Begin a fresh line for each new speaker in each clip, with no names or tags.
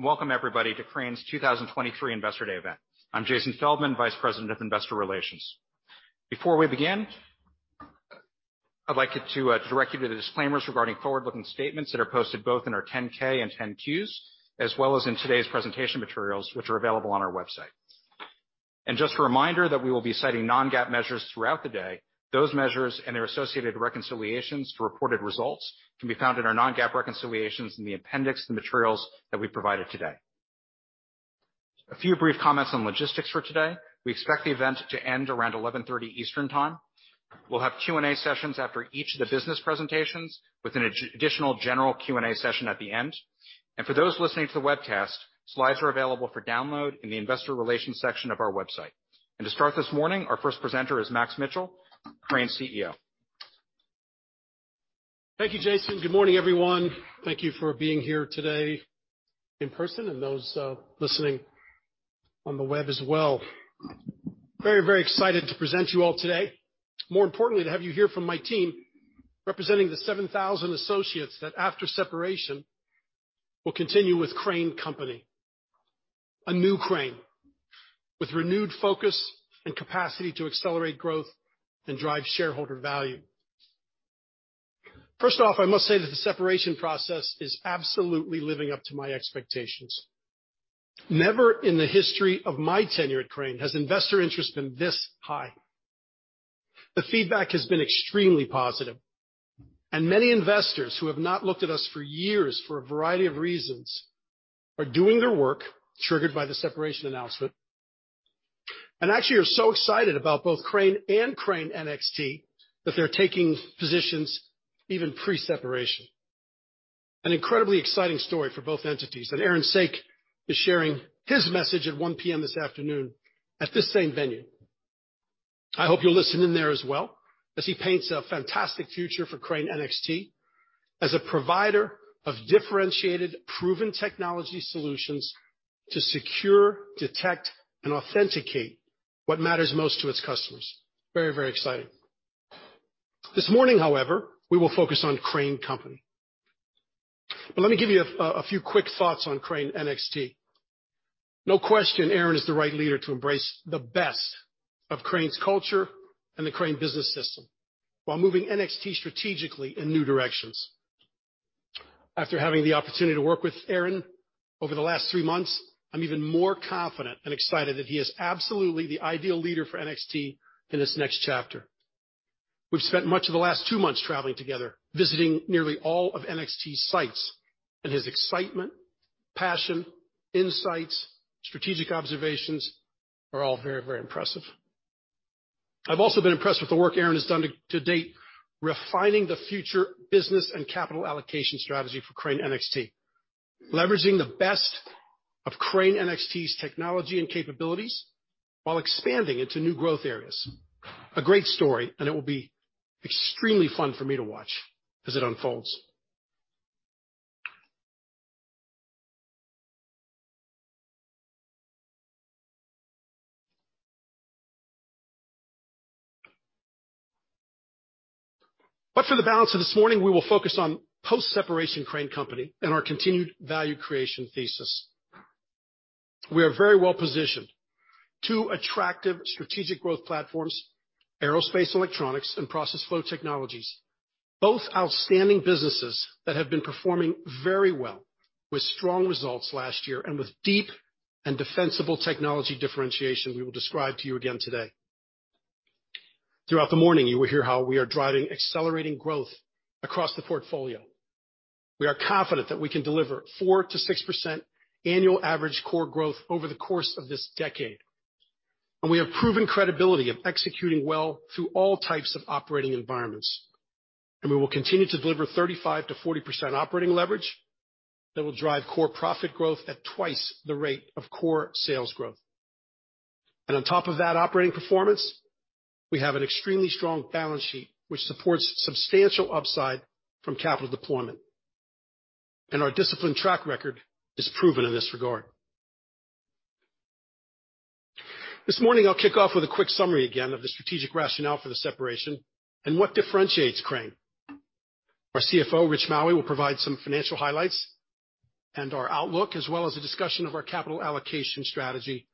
Welcome everybody to Crane's 2023 Investor Day event. I'm Jason Feldman, Vice President of Investor Relations. Before we begin, I'd like you to direct you to the disclaimers regarding forward-looking statements that are posted both in our 10-K and 10-Qs, as well as in today's presentation materials, which are available on our website. Just a reminder that we will be citing non-GAAP measures throughout the day. Those measures and their associated reconciliations to reported results can be found in our non-GAAP reconciliations in the appendix, the materials that we provided today. A few brief comments on logistics for today. We expect the event to end around 11:30 A.M. Eastern time. We'll have Q&A sessions after each of the business presentations, with an additional general Q&A session at the end. For those listening to the webcast, slides are available for download in the investor relations section of our website. To start this morning, our first presenter is Max Mitchell, Crane CEO.
Thank you, Jason. Good morning, everyone. Thank you for being here today in person and those listening on the web as well. Very, very excited to present you all today. More importantly, to have you hear from my team representing the 7,000 associates that after separation, will continue with Crane Company, a new Crane, with renewed focus and capacity to accelerate growth and drive shareholder value. First off, I must say that the separation process is absolutely living up to my expectations. Never in the history of my tenure at Crane has investor interest been this high. The feedback has been extremely positive, and many investors who have not looked at us for years for a variety of reasons are doing their work, triggered by the separation announcement. Actually are so excited about both Crane and Crane NXT that they're taking positions even pre-separation. An incredibly exciting story for both entities. Aaron Saak is sharing his message at 1:00 P.M. this afternoon at this same venue. I hope you'll listen in there as well as he paints a fantastic future for Crane NXT as a provider of differentiated proven technology solutions to secure, detect, and authenticate what matters most to its customers. Very, very exciting. This morning, however, we will focus on Crane Company. Let me give you a few quick thoughts on Crane NXT. No question, Aaron is the right leader to embrace the best of Crane's culture and the Crane Business System while moving NXT strategically in new directions. After having the opportunity to work with Aaron over the last three months, I'm even more confident and excited that he is absolutely the ideal leader for NXT in this next chapter. We've spent much of the last 2 months traveling together, visiting nearly all of NXT sites, and his excitement, passion, insights, strategic observations are all very, very impressive. I've also been impressed with the work Aaron has done to date, refining the future business and capital allocation strategy for Crane NXT, leveraging the best of Crane NXT's technology and capabilities while expanding into new growth areas. A great story, and it will be extremely fun for me to watch as it unfolds. For the balance of this morning, we will focus on post-separation Crane Company and our continued value creation thesis. We are very well-positioned. Two attractive strategic growth platforms, Aerospace & Electronics and Process Flow Technologies, both outstanding businesses that have been performing very well with strong results last year, and with deep and defensible technology differentiation we will describe to you again today. Throughout the morning, you will hear how we are driving accelerating growth across the portfolio. We are confident that we can deliver 4% to 6% annual average core growth over the course of this decade. We have proven credibility of executing well through all types of operating environments. We will continue to deliver 35% to 40% operating leverage that will drive core profit growth at twice the rate of core sales growth. On top of that operating performance, we have an extremely strong balance sheet, which supports substantial upside from capital deployment. Our disciplined track record is proven in this regard. This morning I'll kick off with a quick summary again of the strategic rationale for the separation and what differentiates Crane. Our CFO, Rich Maue, will provide some financial highlights and our outlook, as well as a discussion of our capital allocation strategy,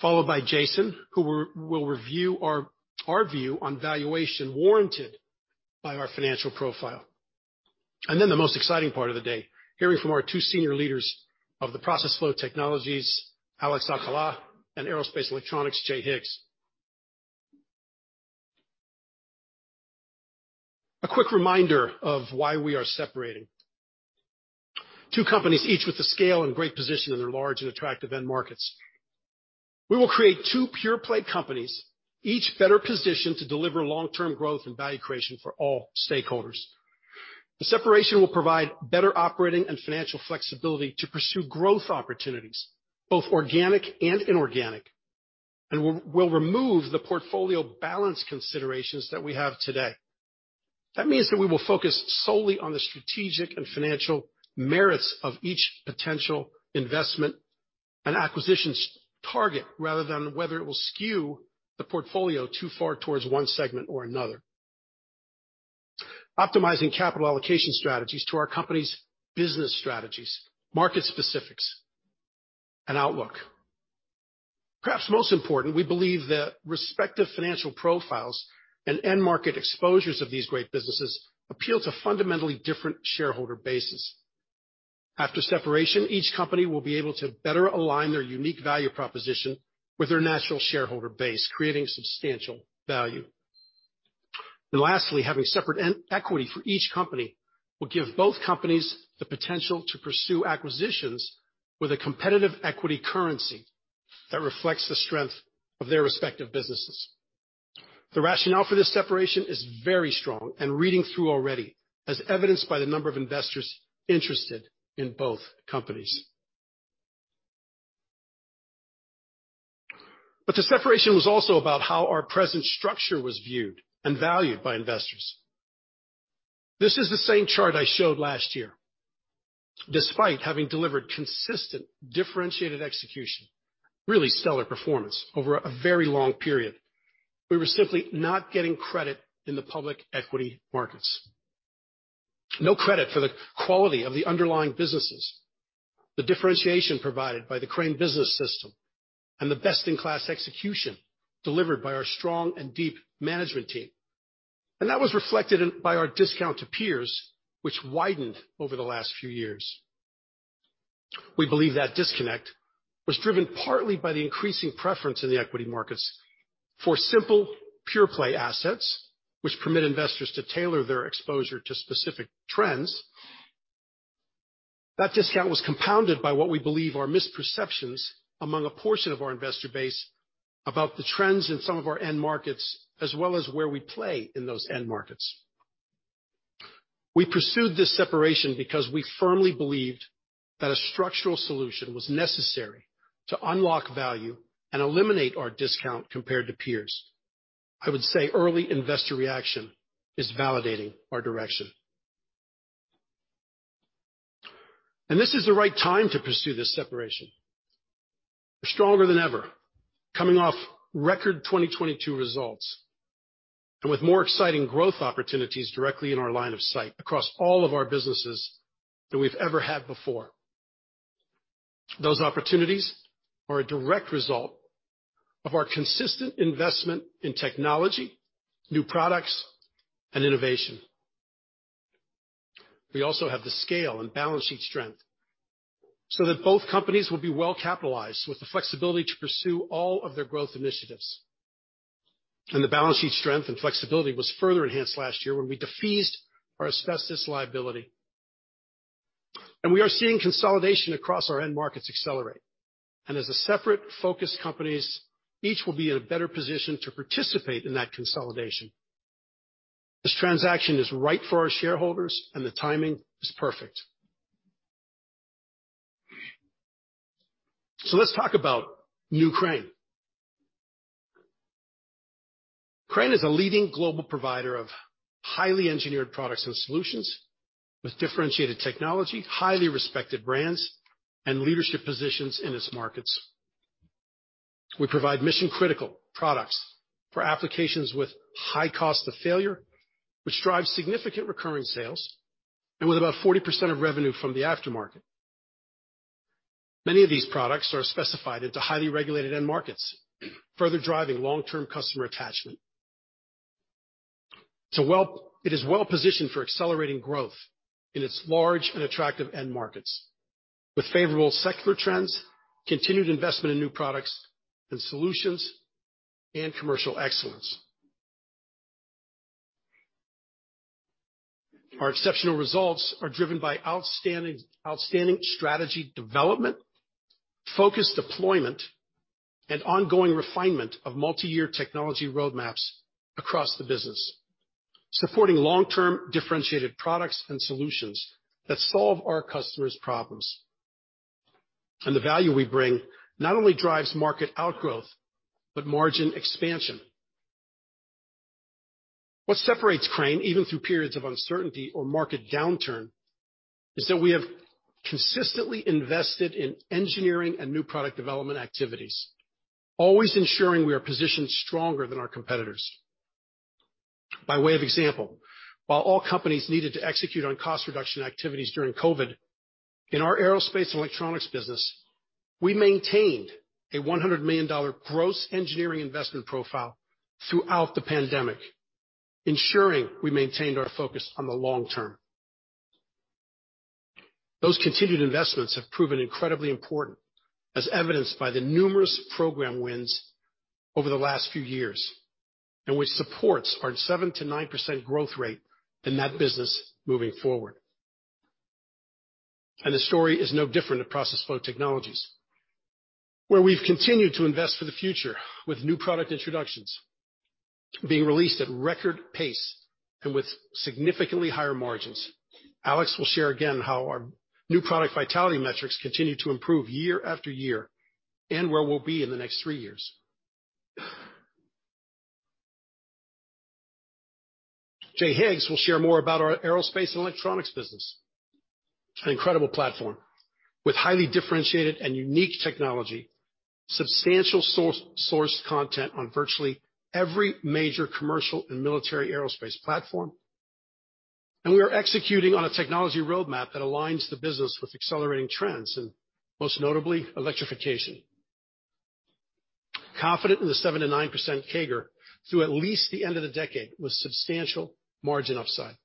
followed by Jason, who will review our view on valuation warranted by our financial profile. The most exciting part of the day, hearing from our two senior leaders of the Process Flow Technologies, Alex Alcala, and Aerospace Electronics, Jay Higgs. A quick reminder of why we are separating. Two companies, each with the scale and great position in their large and attractive end markets. We will create two pure-play companies, each better positioned to deliver long-term growth and value creation for all stakeholders. The separation will provide better operating and financial flexibility to pursue growth opportunities, both organic and inorganic, and will remove the portfolio balance considerations that we have today. That means that we will focus solely on the strategic and financial merits of each potential investment and acquisitions target, rather than whether it will skew the portfolio too far towards one segment or another. Optimizing capital allocation strategies to our company's business strategies, market specifics, and outlook. Perhaps most important, we believe that respective financial profiles and end-market exposures of these great businesses appeal to fundamentally different shareholder bases. After separation, each company will be able to better align their unique value proposition with their natural shareholder base, creating substantial value. Lastly, having separate equity for each company will give both companies the potential to pursue acquisitions with a competitive equity currency that reflects the strength of their respective businesses. The rationale for this separation is very strong and reading through already, as evidenced by the number of investors interested in both companies. The separation was also about how our present structure was viewed and valued by investors. This is the same chart I showed last year. Despite having delivered consistent, differentiated execution, really stellar performance over a very long period, we were simply not getting credit in the public equity markets. No credit for the quality of the underlying businesses, the differentiation provided by the Crane Business System, and the best-in-class execution delivered by our strong and deep management team. That was reflected by our discount to peers, which widened over the last few years. We believe that disconnect was driven partly by the increasing preference in the equity markets for simple, pure-play assets, which permit investors to tailor their exposure to specific trends. That discount was compounded by what we believe are misperceptions among a portion of our investor base about the trends in some of our end markets, as well as where we play in those end markets. We pursued this separation because we firmly believed that a structural solution was necessary to unlock value and eliminate our discount compared to peers. I would say early investor reaction is validating our direction. This is the right time to pursue this separation. We're stronger than ever coming off record 2022 results, and with more exciting growth opportunities directly in our line of sight across all of our businesses than we've ever had before. Those opportunities are a direct result of our consistent investment in technology, new products, and innovation. We also have the scale and balance sheet strength so that both companies will be well-capitalized with the flexibility to pursue all of their growth initiatives. The balance sheet strength and flexibility was further enhanced last year when we defeased our asbestos liability. We are seeing consolidation across our end markets accelerate. As separate focused companies, each will be in a better position to participate in that consolidation. This transaction is right for our shareholders, and the timing is perfect. Let's talk about the new Crane. Crane is a leading global provider of highly engineered products and solutions with differentiated technology, highly respected brands, and leadership positions in its markets. We provide mission-critical products for applications with a high cost of failure, which drives significant recurring sales, and with about 40% of revenue from the aftermarket. Many of these products are specified into highly regulated end markets, further driving long-term customer attachment. It is well-positioned for accelerating growth in its large and attractive end markets with favorable secular trends, continued investment in new products and solutions, and commercial excellence. Our exceptional results are driven by outstanding strategy development, focused deployment, and ongoing refinement of multi-year technology roadmaps across the business, supporting long-term differentiated products and solutions that solve our customers' problems. The value we bring not only drives market outgrowth but also margin expansion. What separates Crane, even through periods of uncertainty or market downturn, is that we have consistently invested in engineering and new product development activities, always ensuring we are positioned stronger than our competitors. By way of example, while all companies needed to execute on cost reduction activities during COVID, in our Aerospace & Electronics business, we maintained a $100 million gross engineering investment profile throughout the pandemic, ensuring we maintained our focus on the long term. Those continued investments have proven incredibly important, as evidenced by the numerous program wins over the last few years, and which supports our 7%-9% growth rate in that business moving forward. The story is no different at Process Flow Technologies, where we've continued to invest for the future with new product introductions being released at a record pace and with significantly higher margins. Alex will share again how our new product vitality metrics continue to improve year after year and where we'll be in the next three years. Jay Higgs will share more about our Aerospace & Electronics business. It's an incredible platform with highly differentiated and unique technology, substantial sourced content on virtually every major commercial and military aerospace platform. We are executing on a technology roadmap that aligns the business with accelerating trends and most notably, electrification. Confident in the 7%-9% CAGR through at least the end of the decade with substantial margin upside.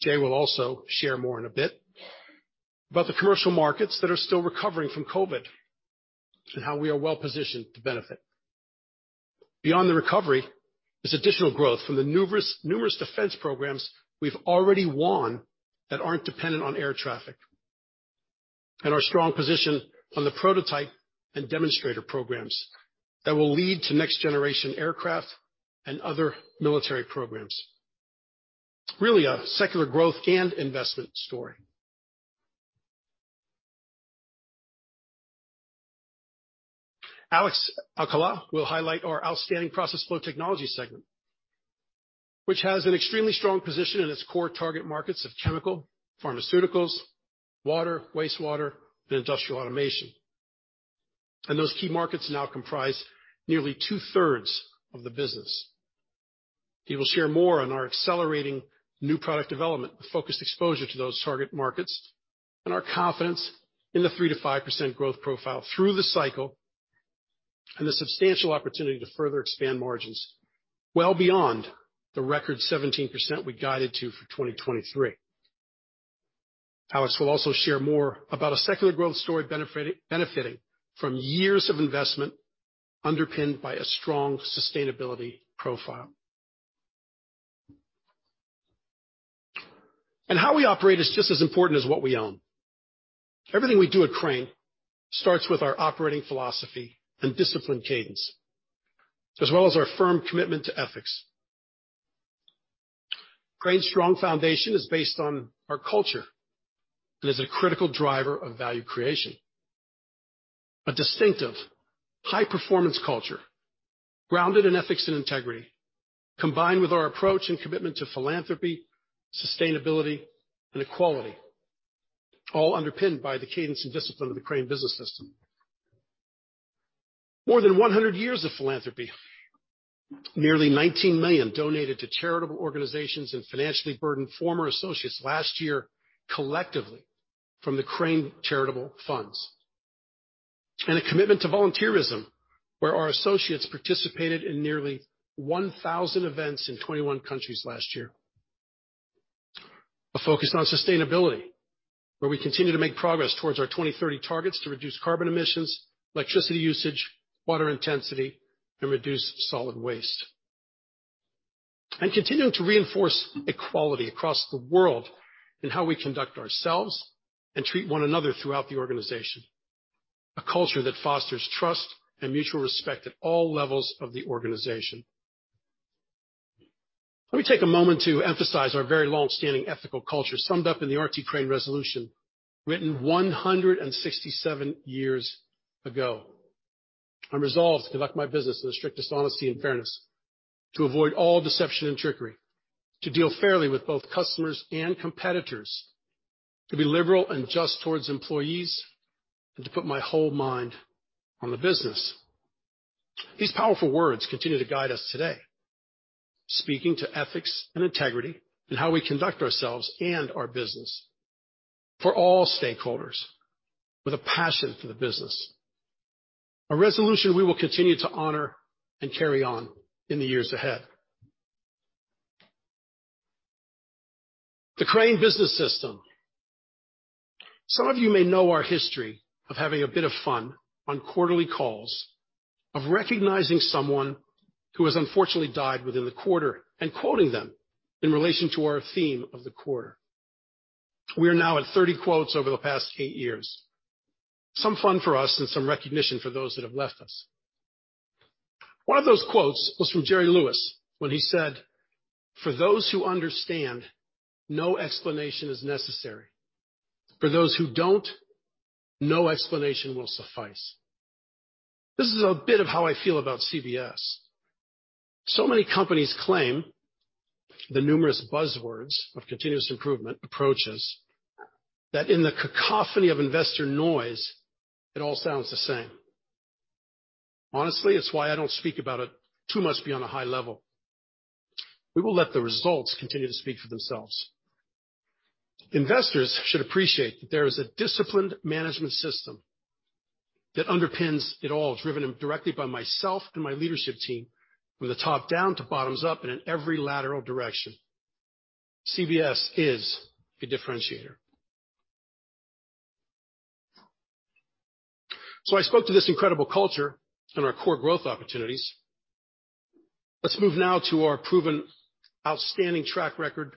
Jay will also share more in a bit about the commercial markets that are still recovering from COVID, and how we are well-positioned to benefit. Beyond the recovery is additional growth from the numerous defense programs we've already won that aren't dependent on air traffic. Our strong position on the prototype and demonstrator programs that will lead to next- generation aircraft and other military programs. Really, a secular growth and investment story. Alex Alcala will highlight our outstanding process flow technology segment, which has an extremely strong position in its core target markets of chemical, pharmaceuticals, water, wastewater, and industrial automation. Those key markets now comprise nearly two-thirds of the business. He will share more on our accelerating new product development with focused exposure to those target markets, and our confidence in the 3%-5% growth profile through the cycle, and the substantial opportunity to further expand margins well beyond the record 17% we guided to for 2023. Alex will also share more about a secular growth story benefiting from years of investment underpinned by a strong sustainability profile. How we operate is just as important as what we own. Everything we do at Crane starts with our operating philosophy and disciplined cadence, as well as our firm commitment to ethics. Crane's strong foundation is based on our culture and is a critical driver of value creation. A distinctive high-performance culture grounded in ethics and integrity, combined with our approach and commitment to philanthropy, sustainability, and equality, all underpinned by the cadence and discipline of the Crane Business System. More than 100 years of philanthropy, nearly $19 million donated to charitable organizations and financially burdened former associates last year, collectively from the Crane charitable funds. A commitment to volunteerism, where our associates participated in nearly 1,000 events in 21 countries last year. A focus on sustainability, where we continue to make progress towards our 2030 targets to reduce carbon emissions, electricity usage, water intensity, and reduce solid waste. Continuing to reinforce equality across the world in how we conduct ourselves and treat one another throughout the organization. A culture that fosters trust and mutual respect at all levels of the organization. Let me take a moment to emphasize our very long-standing ethical culture, summed up in the R.T. Crane Resolution, written 167 years ago. "I'm resolved to conduct my business in the strictest honesty and fairness, to avoid all deception and trickery, to deal fairly with both customers and competitors, to be liberal and just towards employees, and to put my whole mind on the business." These powerful words continue to guide us today, speaking to ethics and integrity in how we conduct ourselves and our business for all stakeholders with a passion for the business. A resolution we will continue to honor and carry on in the years ahead. The Crane Business System. Some of you may know our history of having a bit of fun on quarterly calls of recognizing someone who has unfortunately died within the quarter and quoting them in relation to our theme of the quarter. We are now at 30 quotes over the past 8 years. Some fun for us and some recognition for those who have left us. One of those quotes was from Jerry Lewis when he said, "For those who understand, no explanation is necessary. For those who don't, no explanation will suffice." This is a bit of how I feel about CBS. So many companies claim the numerous buzzwords of continuous improvement approaches that in the cacophony of investor noise, it all sounds the same. Honestly, it's why I don't speak about it too much beyond a high level. We will let the results continue to speak for themselves. Investors should appreciate that there is a disciplined management system that underpins it all, driven directly by myself and my leadership team, from the top down to bottom up and in every lateral direction. CBS is a differentiator. I spoke to this incredible culture and our core growth opportunities. Let's move now to our proven outstanding track record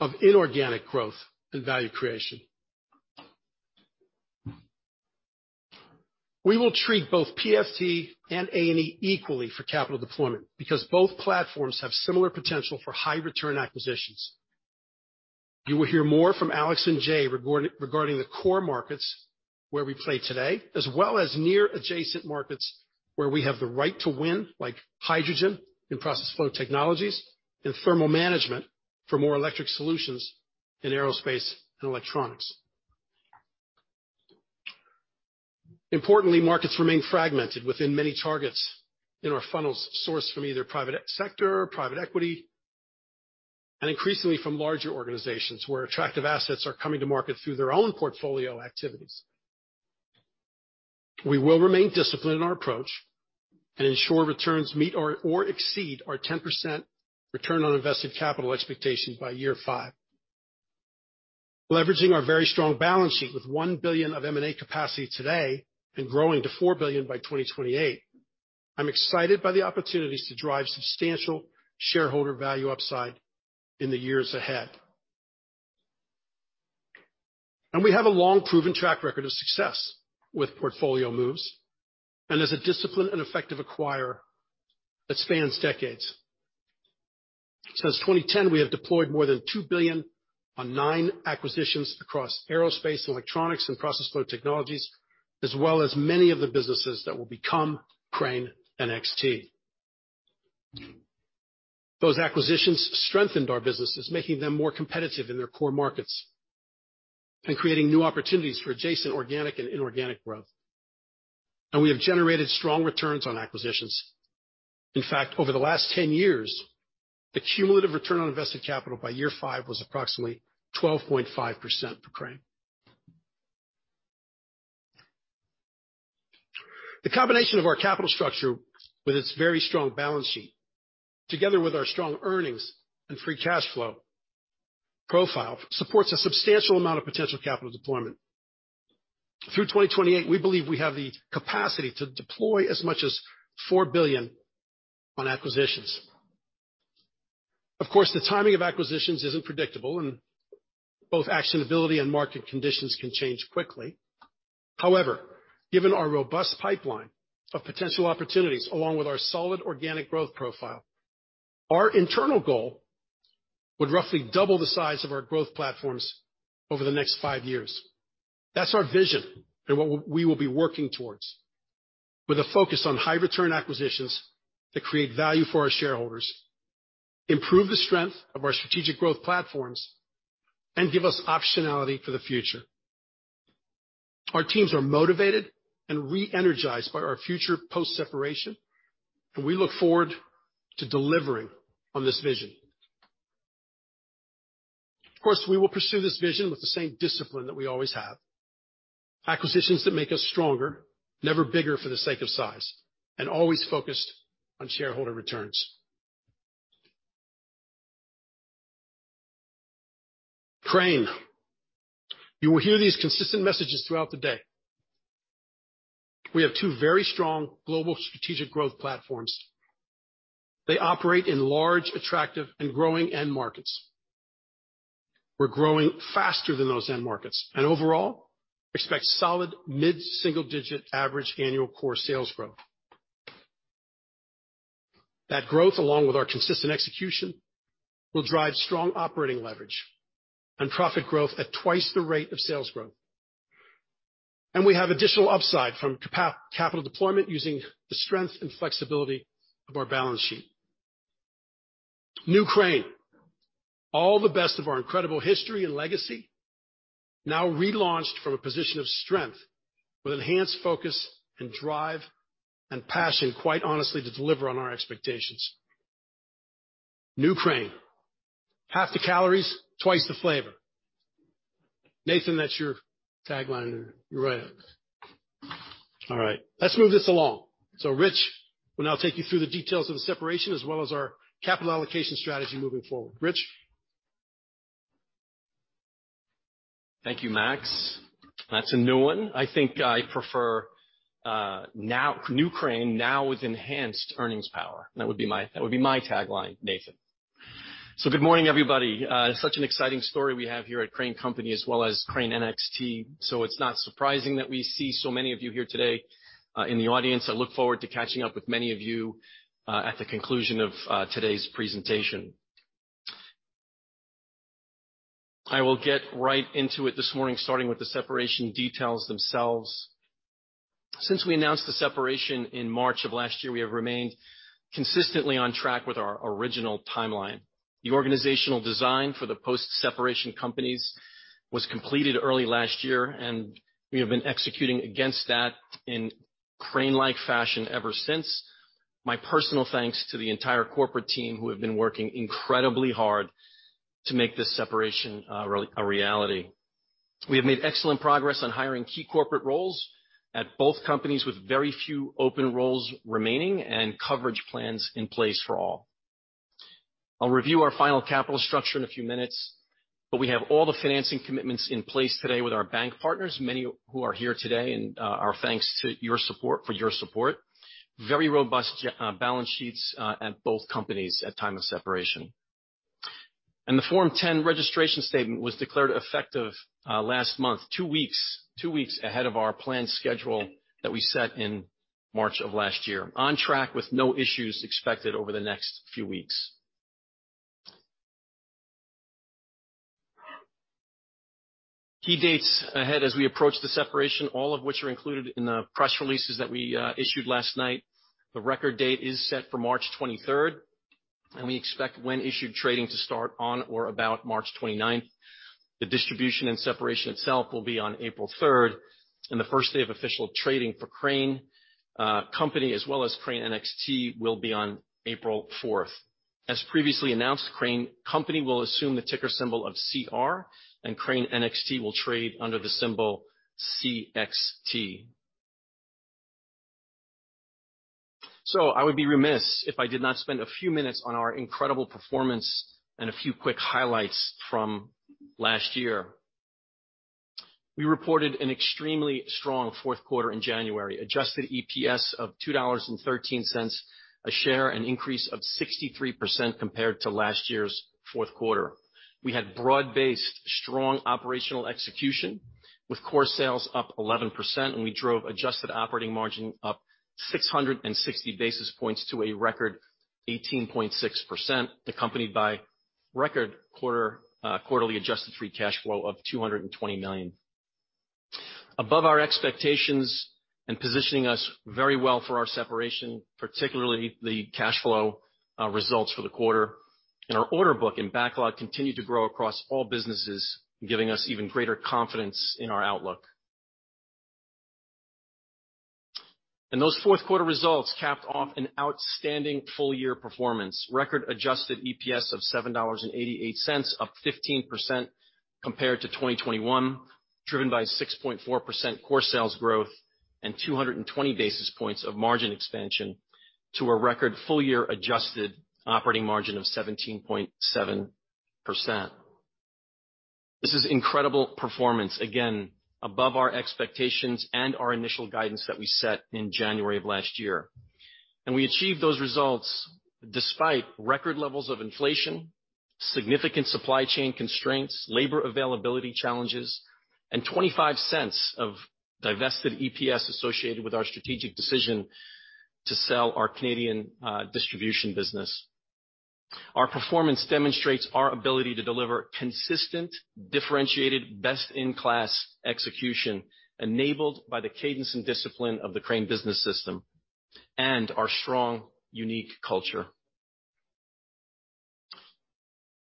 of inorganic growth and value creation. We will treat both PFT and A&E equally for capital deployment because both platforms have similar potential for high-return acquisitions. You will hear more from Alex and Jay regarding the core markets where we play today, as well as near adjacent markets where we have the right to win, like hydrogen and process flow technologies and thermal management for more electric solutions in aerospace and electronics. Importantly, markets remain fragmented within many targets in our funnels sourced from either the private sector or private equity, and increasingly from larger organizations where attractive assets are coming to market through their own portfolio activities. We will remain disciplined in our approach and ensure returns meet or exceed our 10% Return on Invested Capital expectations by year 5. Leveraging our very strong balance sheet with $1 billion of M&A capacity today and growing to $4 billion by 2028, I'm excited by the opportunities to drive substantial shareholder value upside in the years ahead. We have a long-proven track record of success with portfolio moves and as a disciplined and effective acquirer that spans decades. Since 2010, we have deployed more than $2 billion on 9 acquisitions across aerospace, electronics, and process flow technologies, as well as many of the businesses that will become Crane NXT. Those acquisitions strengthened our businesses, making them more competitive in their core markets and creating new opportunities for adjacent, organic and inorganic growth. We have generated strong returns on acquisitions. In fact, over the last 10 years, the cumulative return on invested capital by year five was approximately 12.5% for Crane. The combination of our capital structure with its very strong balance sheet, together with our strong earnings and free cash flow profile, supports a substantial amount of potential capital deployment. Through 2028, we believe we have the capacity to deploy as much as $4 billion on acquisitions. Of course, the timing of acquisitions isn't predictable, and both actionability and market conditions can change quickly. Given our robust pipeline of potential opportunities along with our solid organic growth profile, our internal goal would roughly double the size of our growth platforms over the next 5 years. That's our vision and what we will be working towards with a focus on high-return acquisitions that create value for our shareholders, improve the strength of our strategic growth platforms, and give us optionality for the future. Our teams are motivated and re-energized by our future post-separation, and we look forward to delivering on this vision. Of course, we will pursue this vision with the same discipline that we always have. Acquisitions that make us stronger, never bigger for the sake of size, and always focused on shareholder returns. Crane, you will hear these consistent messages throughout the day. We have two very strong global strategic growth platforms. They operate in large, attractive, and growing end markets. We're growing faster than those end markets. Overall, expect solid mid-single-digit average annual core sales growth. That growth, along with our consistent execution, will drive strong operating leverage and profit growth at 2x the rate of sales growth. We have additional upside from capital deployment using the strength and flexibility of our balance sheet. New Crane, all the best of our incredible history and legacy, now relaunched from a position of strength with enhanced focus, and drive, and passion, quite honestly, to deliver on our expectations. New Crane, half the calories, 2x the flavor. Nathan, that's your tagline. You're right. All right, let's move this along. Rich will now take you through the details of the separation as well as our capital allocation strategy moving forward. Rich?
Thank you, Max. That's a new one. I think I prefer, now, New Crane now with enhanced earnings power. That would be my tagline, Nathan. Good morning, everybody. Such an exciting story we have here at Crane Company as well as Crane NXT. It's not surprising that we see so many of you here today, in the audience. I look forward to catching up with many of you at the conclusion of today's presentation. I will get right into it this morning, starting with the separation details themselves. Since we announced the separation in March of last year, we have remained consistently on track with our original timeline. The organizational design for the post-separation companies was completed early last year, and we have been executing against that in a Crane-like fashion ever since. My personal thanks to the entire corporate team who have been working incredibly hard to make this separation a reality. We have made excellent progress on hiring key corporate roles at both companies with very few open roles remaining and coverage plans in place for all. I'll review our final capital structure in a few minutes, but we have all the financing commitments in place today with our bank partners, many who are here today, and our thanks for your support. Very robust balance sheets at both companies at time of separation. The Form 10 registration statement was declared effective last month, two weeks ahead of our planned schedule that we set in March of last year. On track with no issues expected over the next few weeks. Key dates ahead as we approach the separation, all of which are included in the press releases that we issued last night. The record date is set for March 23rd, and we expect, when issued, trading to start on or about March 29th. The distribution and separation itself will be on April 3rd, and the first day of official trading for Crane Company, as well as Crane NXT, will be on April 4th. As previously announced, Crane Company will assume the ticker symbol of CR, and Crane NXT will trade under the symbol CXT. I would be remiss if I did not spend a few minutes on our incredible performance and a few quick highlights from last year. We reported an extremely strong Q4 in January. Adjusted EPS of $2.13 a share, an increase of 63% compared to last year's Q4. We had broad-based, strong operational execution with core sales up 11%, and we drove adjusted operating margin up 660 basis points to a record 18.6%, accompanied by record quarterly adjusted free cash flow of $220 million. Above our expectations and positioning us very well for our separation, particularly the cash flow results for the quarter. Our order book and backlog continued to grow across all businesses, giving us even greater confidence in our outlook. Those Q4 results capped off an outstanding full-year performance. Record adjusted EPS of $7.88, up 15% compared to 2021, driven by 6.4% core sales growth and 220 basis points of margin expansion to a record full-year adjusted operating margin of 17.7%. This is incredible performance, again, above our expectations and our initial guidance that we set in January of last year. We achieved those results despite record levels of inflation, significant supply chain constraints, labor availability challenges, and $0.25 of divested EPS associated with our strategic decision to sell our Canadian distribution business. Our performance demonstrates our ability to deliver consistent, differentiated, best-in-class execution enabled by the cadence and discipline of the Crane Business System and our strong, unique culture.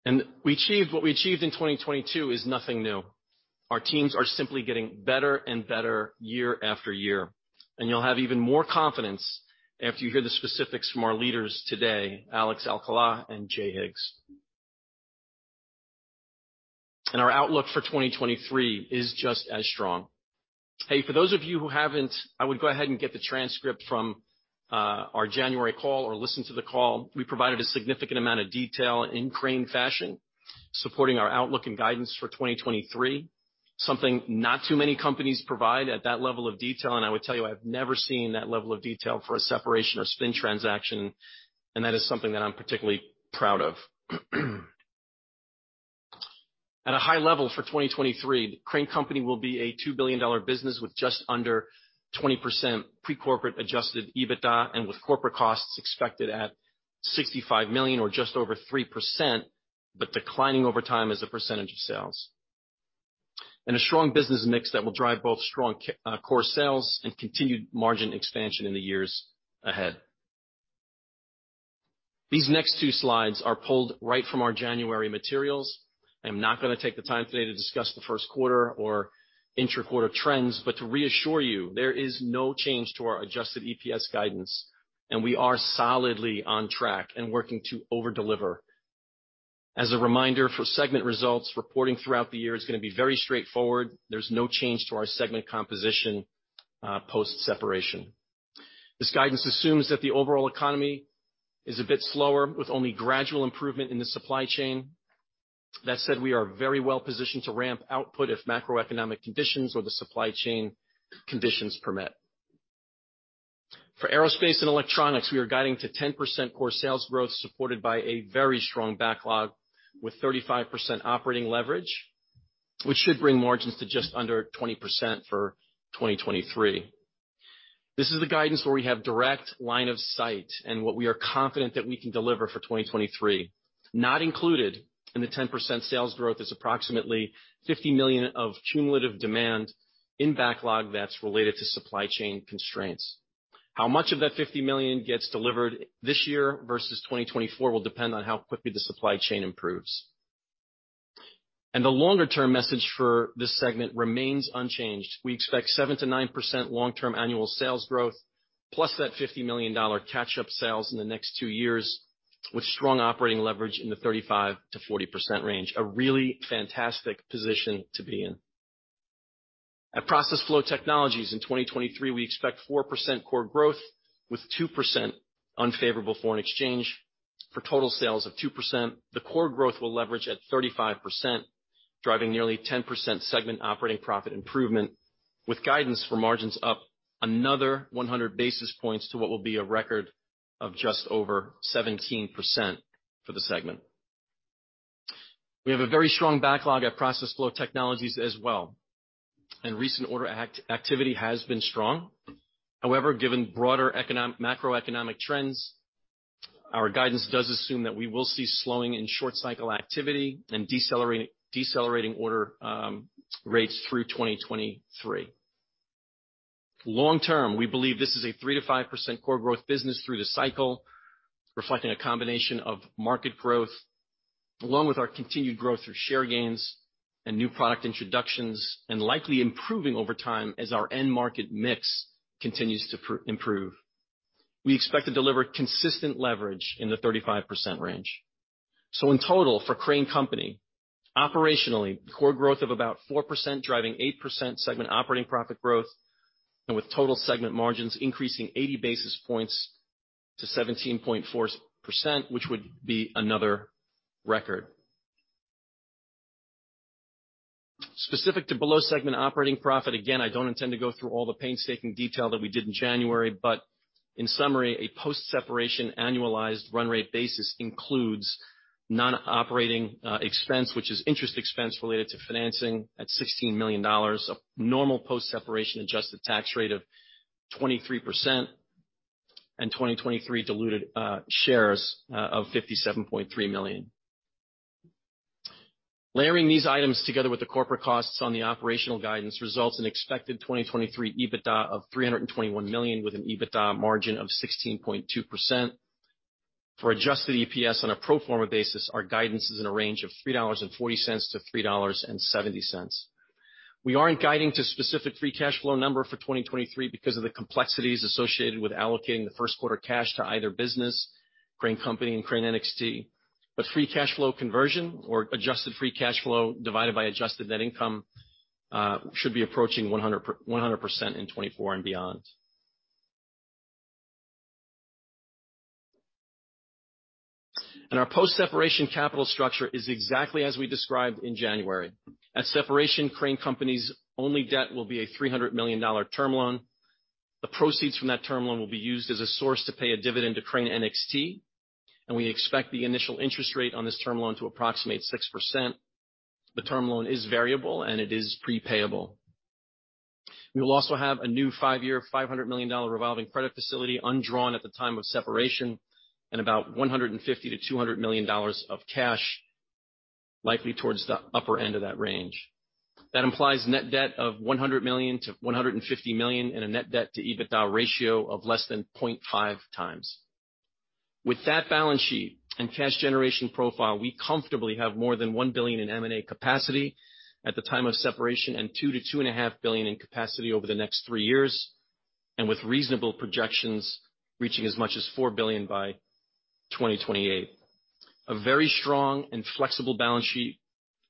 What we achieved in 2022 is nothing new. Our teams are simply getting better and better year after year, and you'll have even more confidence after you hear the specifics from our leaders today, Alex Alcala and Jay Higgs. Our outlook for 2023 is just as strong. Hey, for those of you who haven't, I would go ahead and get the transcript from our January call or listen to the call. We provided a significant amount of detail in Crane fashion, supporting our outlook and guidance for 2023. Something not too many companies provide at that level of detail. I would tell you, I've never seen that level of detail for a separation or spin transaction, and that is something that I'm particularly proud of. At a high level, for 2023, Crane Company will be a $2 billion business with just under 20% pre-corporate adjusted EBITDA, and with corporate costs expected at $65 million or just over 3%, but declining over time as a percentage of sales. A strong business mix that will drive both strong core sales and continued margin expansion in the years ahead. These next two slides are pulled right from our January materials. I'm not gonna take the time today to discuss the Q1 or inter-quarter trends, but to reassure you, there is no change to our adjusted EPS guidance, and we are solidly on track and working to over-deliver. As a reminder, for segment results, reporting throughout the year is gonna be very straightforward. There's no change to our segment composition post-separation. This guidance assumes that the overall economy is a bit slower, with only gradual improvement in the supply chain. We are very well-positioned to ramp output if macroeconomic conditions or the supply chain conditions permit. For Aerospace and Electronics, we are guiding to 10% core sales growth, supported by a very strong backlog with 35% operating leverage, which should bring margins to just under 20% for 2023. This is the guidance where we have direct line of sight and what we are confident that we can deliver for 2023. Not included in the 10% sales growth is approximately $50 million of cumulative demand in backlog that's related to supply chain constraints. How much of that $50 million gets delivered this year versus 2024 will depend on how quickly the supply chain improves. The longer-term message for this segment remains unchanged. We expect 7%-9% long-term annual sales growth, plus $50 million catch-up sales in the next 2 years with strong operating leverage in the 35%-40% range. A really fantastic position to be in. At Process Flow Technologies in 2023, we expect 4% core growth with 2% unfavorable foreign exchange for total sales of 2%. The core growth will leverage at 35%, driving nearly 10% segment operating profit improvement with guidance for margins up another 100 basis points to what will be a record of just over 17% for the segment. We have a very strong backlog at Process Flow Technologies as well. Recent order activity has been strong. However, given broader macroeconomic trends, our guidance does assume that we will see slowing in short-cycle activity and decelerating order rates through 2023. Long-term, we believe this is a 3%-5% core growth business through the cycle, reflecting a combination of market growth along with our continued growth through share gains and new product introductions, and likely improving over time as our end-market mix continues to improve. We expect to deliver consistent leverage in the 35% range. In total for Crane Company, operationally core growth of about 4% driving 8% segment operating profit growth, and with total segment margins increasing 80 basis points to 17.4%, which would be another record. Specific to below segment operating profit, again, I don't intend to go through all the painstaking detail that we did in January. In summary, a post-separation annualized run rate basis includes non-operating expense, which is interest expense related to financing at $16 million. A normal post-separation adjusted tax rate of 23% and 2023 diluted shares of 57.3 million. Layering these items together with the corporate costs on the operational guidance results in expected 2023 EBITDA of $321 million with an EBITDA margin of 16.2%. For adjusted EPS on a pro forma basis, our guidance is in a range of $3.40-$3.70. We aren't guiding to specific free cash flow number for 2023 because of the complexities associated with allocating the Q1 cash to either business, Crane Company and Crane NXT. Free cash flow conversion or adjusted free cash flow divided by adjusted net income should be approaching 100% in 2024 and beyond. Our post-separation capital structure is exactly as we described in January. At separation, Crane Company's only debt will be a $300 million term loan. The proceeds from that term loan will be used as a source to pay a dividend to Crane NXT, and we expect the initial interest rate on this term loan to approximate 6%. The term loan is variable and it is pre-payable. We will also have a new five-year, $500 million revolving credit facility undrawn at the time of separation, and about $150 million-$200 million of cash, likely towards the upper end of that range. That implies net debt of $100 million-$150 million, and a net debt to EBITDA ratio of less than 0.5 times. With that balance sheet and cash generation profile, we comfortably have more than $1 billion in M&A capacity at the time of separation and $2 billion-$2.5 billion in capacity over the next three years, with reasonable projections reaching as much as $4 billion by 2028. A very strong and flexible balance sheet,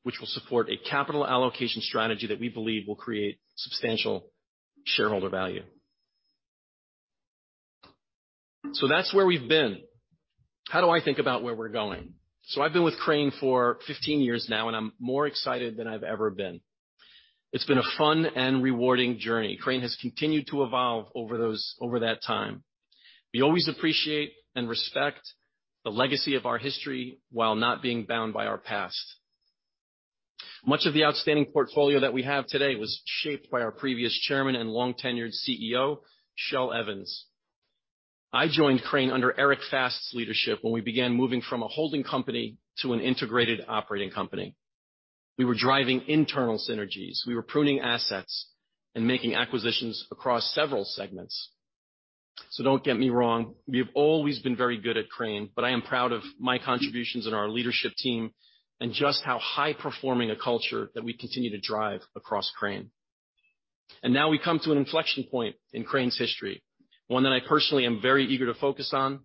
which will support a capital allocation strategy that we believe will create substantial shareholder value. That's where we've been. How do I think about where we're going? I've been with Crane for 15 years now, and I'm more excited than I've ever been. It's been a fun and rewarding journey. Crane has continued to evolve over that time. We always appreciate and respect the legacy of our history while not being bound by our past. Much of the outstanding portfolio that we have today was shaped by our previous Chairman and long-tenured CEO, Shell Evans. I joined Crane under Eric Fast's leadership when we began moving from a holding company to an integrated operating company. We were driving internal synergies. We were pruning assets and making acquisitions across several segments. Don't get me wrong, we have always been very good at Crane, but I am proud of my contributions and our leadership team and just how high-performing a culture that we continue to drive across Crane. Now we come to an inflection point in Crane's history, one that I personally am very eager to focus on,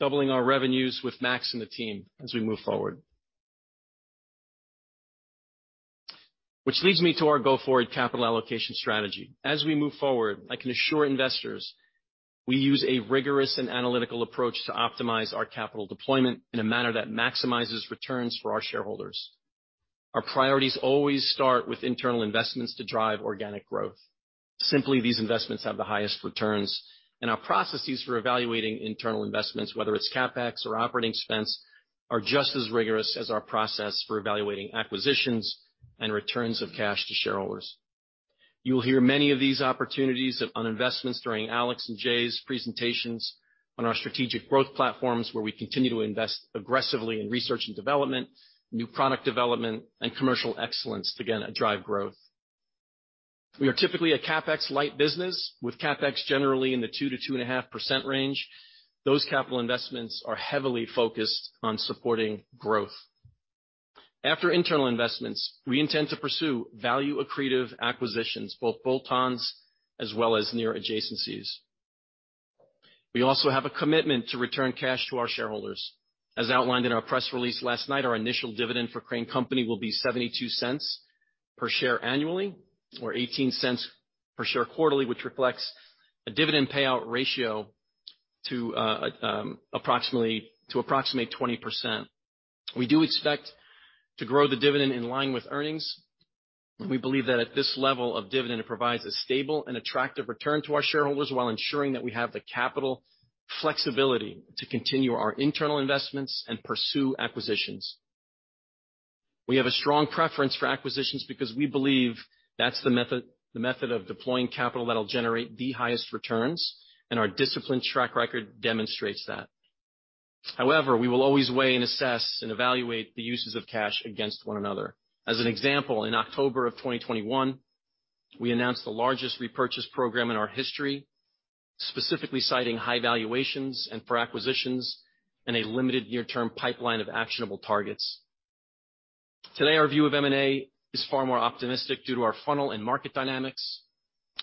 doubling our revenues with Max and the team as we move forward. Which leads me to our go-forward capital allocation strategy. As we move forward, I can assure investors we use a rigorous and analytical approach to optimize our capital deployment in a manner that maximizes returns for our shareholders. Our priorities always start with internal investments to drive organic growth. These investments have the highest returns, and our processes for evaluating internal investments, whether it's CapEx or operating expense, are just as rigorous as our process for evaluating acquisitions and returns of cash to shareholders. You'll hear many of these opportunities of on investments during Alex and Jay's presentations on our strategic growth platforms, where we continue to invest aggressively in research and development, new product development, and commercial excellence to again drive growth. We are typically a CapEx-light business with CapEx generally in the 2%-2.5% range. Those capital investments are heavily focused on supporting growth. After internal investments, we intend to pursue value accretive acquisitions, both bolt-ons as well as near adjacencies. We also have a commitment to return cash to our shareholders. As outlined in our press release last night, our initial dividend for Crane Company will be $0.72 per share annually or $0.18 per share quarterly, which reflects a dividend payout ratio approximately 20%. We do expect to grow the dividend in line with earnings. We believe that at this level of dividend, it provides a stable and attractive return to our shareholders while ensuring that we have the capital flexibility to continue our internal investments and pursue acquisitions. We have a strong preference for acquisitions because we believe that's the method of deploying capital that'll generate the highest returns, and our disciplined track record demonstrates that. We will always weigh, and assess, and evaluate the uses of cash against one another. As an example, in October of 2021, we announced the largest repurchase program in our history, specifically citing high valuations and for acquisitions and a limited near-term pipeline of actionable targets.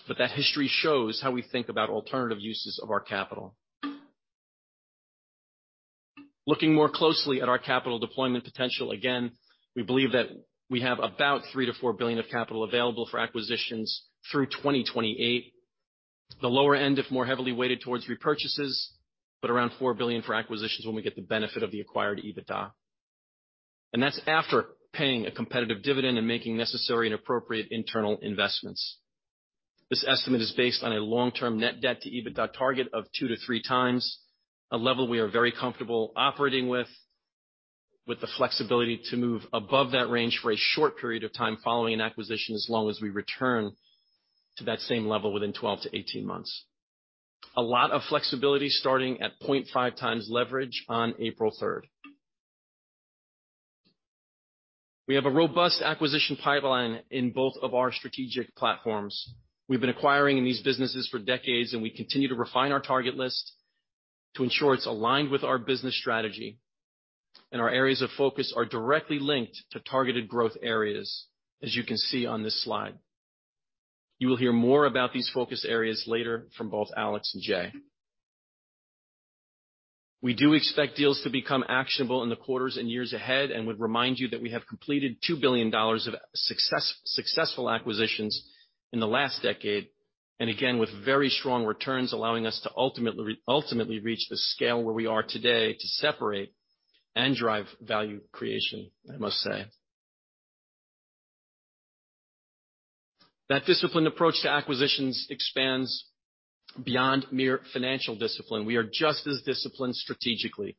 That history shows how we think about alternative uses of our capital. Looking more closely at our capital deployment potential, again, we believe that we have about $3-$4 billion of capital available for acquisitions through 2028. The lower end, if more heavily weighted towards repurchases, around $4 billion for acquisitions when we get the benefit of the acquired EBITDA. That's after paying a competitive dividend and making necessary and appropriate internal investments. This estimate is based on a long-term net debt to EBITDA target of 2-3 times, a level we are very comfortable operating with the flexibility to move above that range for a short period of time following an acquisition, as long as we return to that same level within 12-18 months. A lot of flexibility starting at 0.5 times leverage on April third. We have a robust acquisition pipeline in both of our strategic platforms. We've been acquiring in these businesses for decades, and we continue to refine our target list to ensure it's aligned with our business strategy. Our areas of focus are directly linked to targeted growth areas, as you can see on this slide. You will hear more about these focus areas later from both Alex and Jay. We do expect deals to become actionable in the quarters and years ahead, and would remind you that we have completed $2 billion of successful acquisitions in the last decade, and again, with very strong returns, allowing us to ultimately reach the scale where we are today to separate and drive value creation, I must say. That disciplined approach to acquisitions expands beyond mere financial discipline. We are just as disciplined strategically.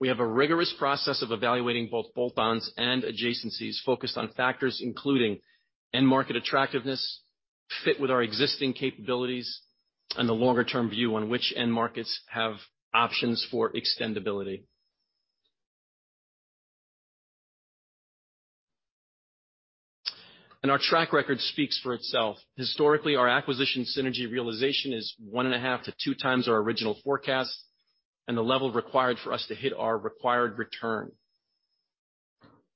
We have a rigorous process of evaluating both bolt-ons and adjacencies focused on factors including end-market attractiveness, fit with our existing capabilities, and the longer-term view on which end markets have options for extendability. Our track record speaks for itself. Historically, our acquisition synergy realization is one and a half to two times our original forecast and the level required for us to hit our required return.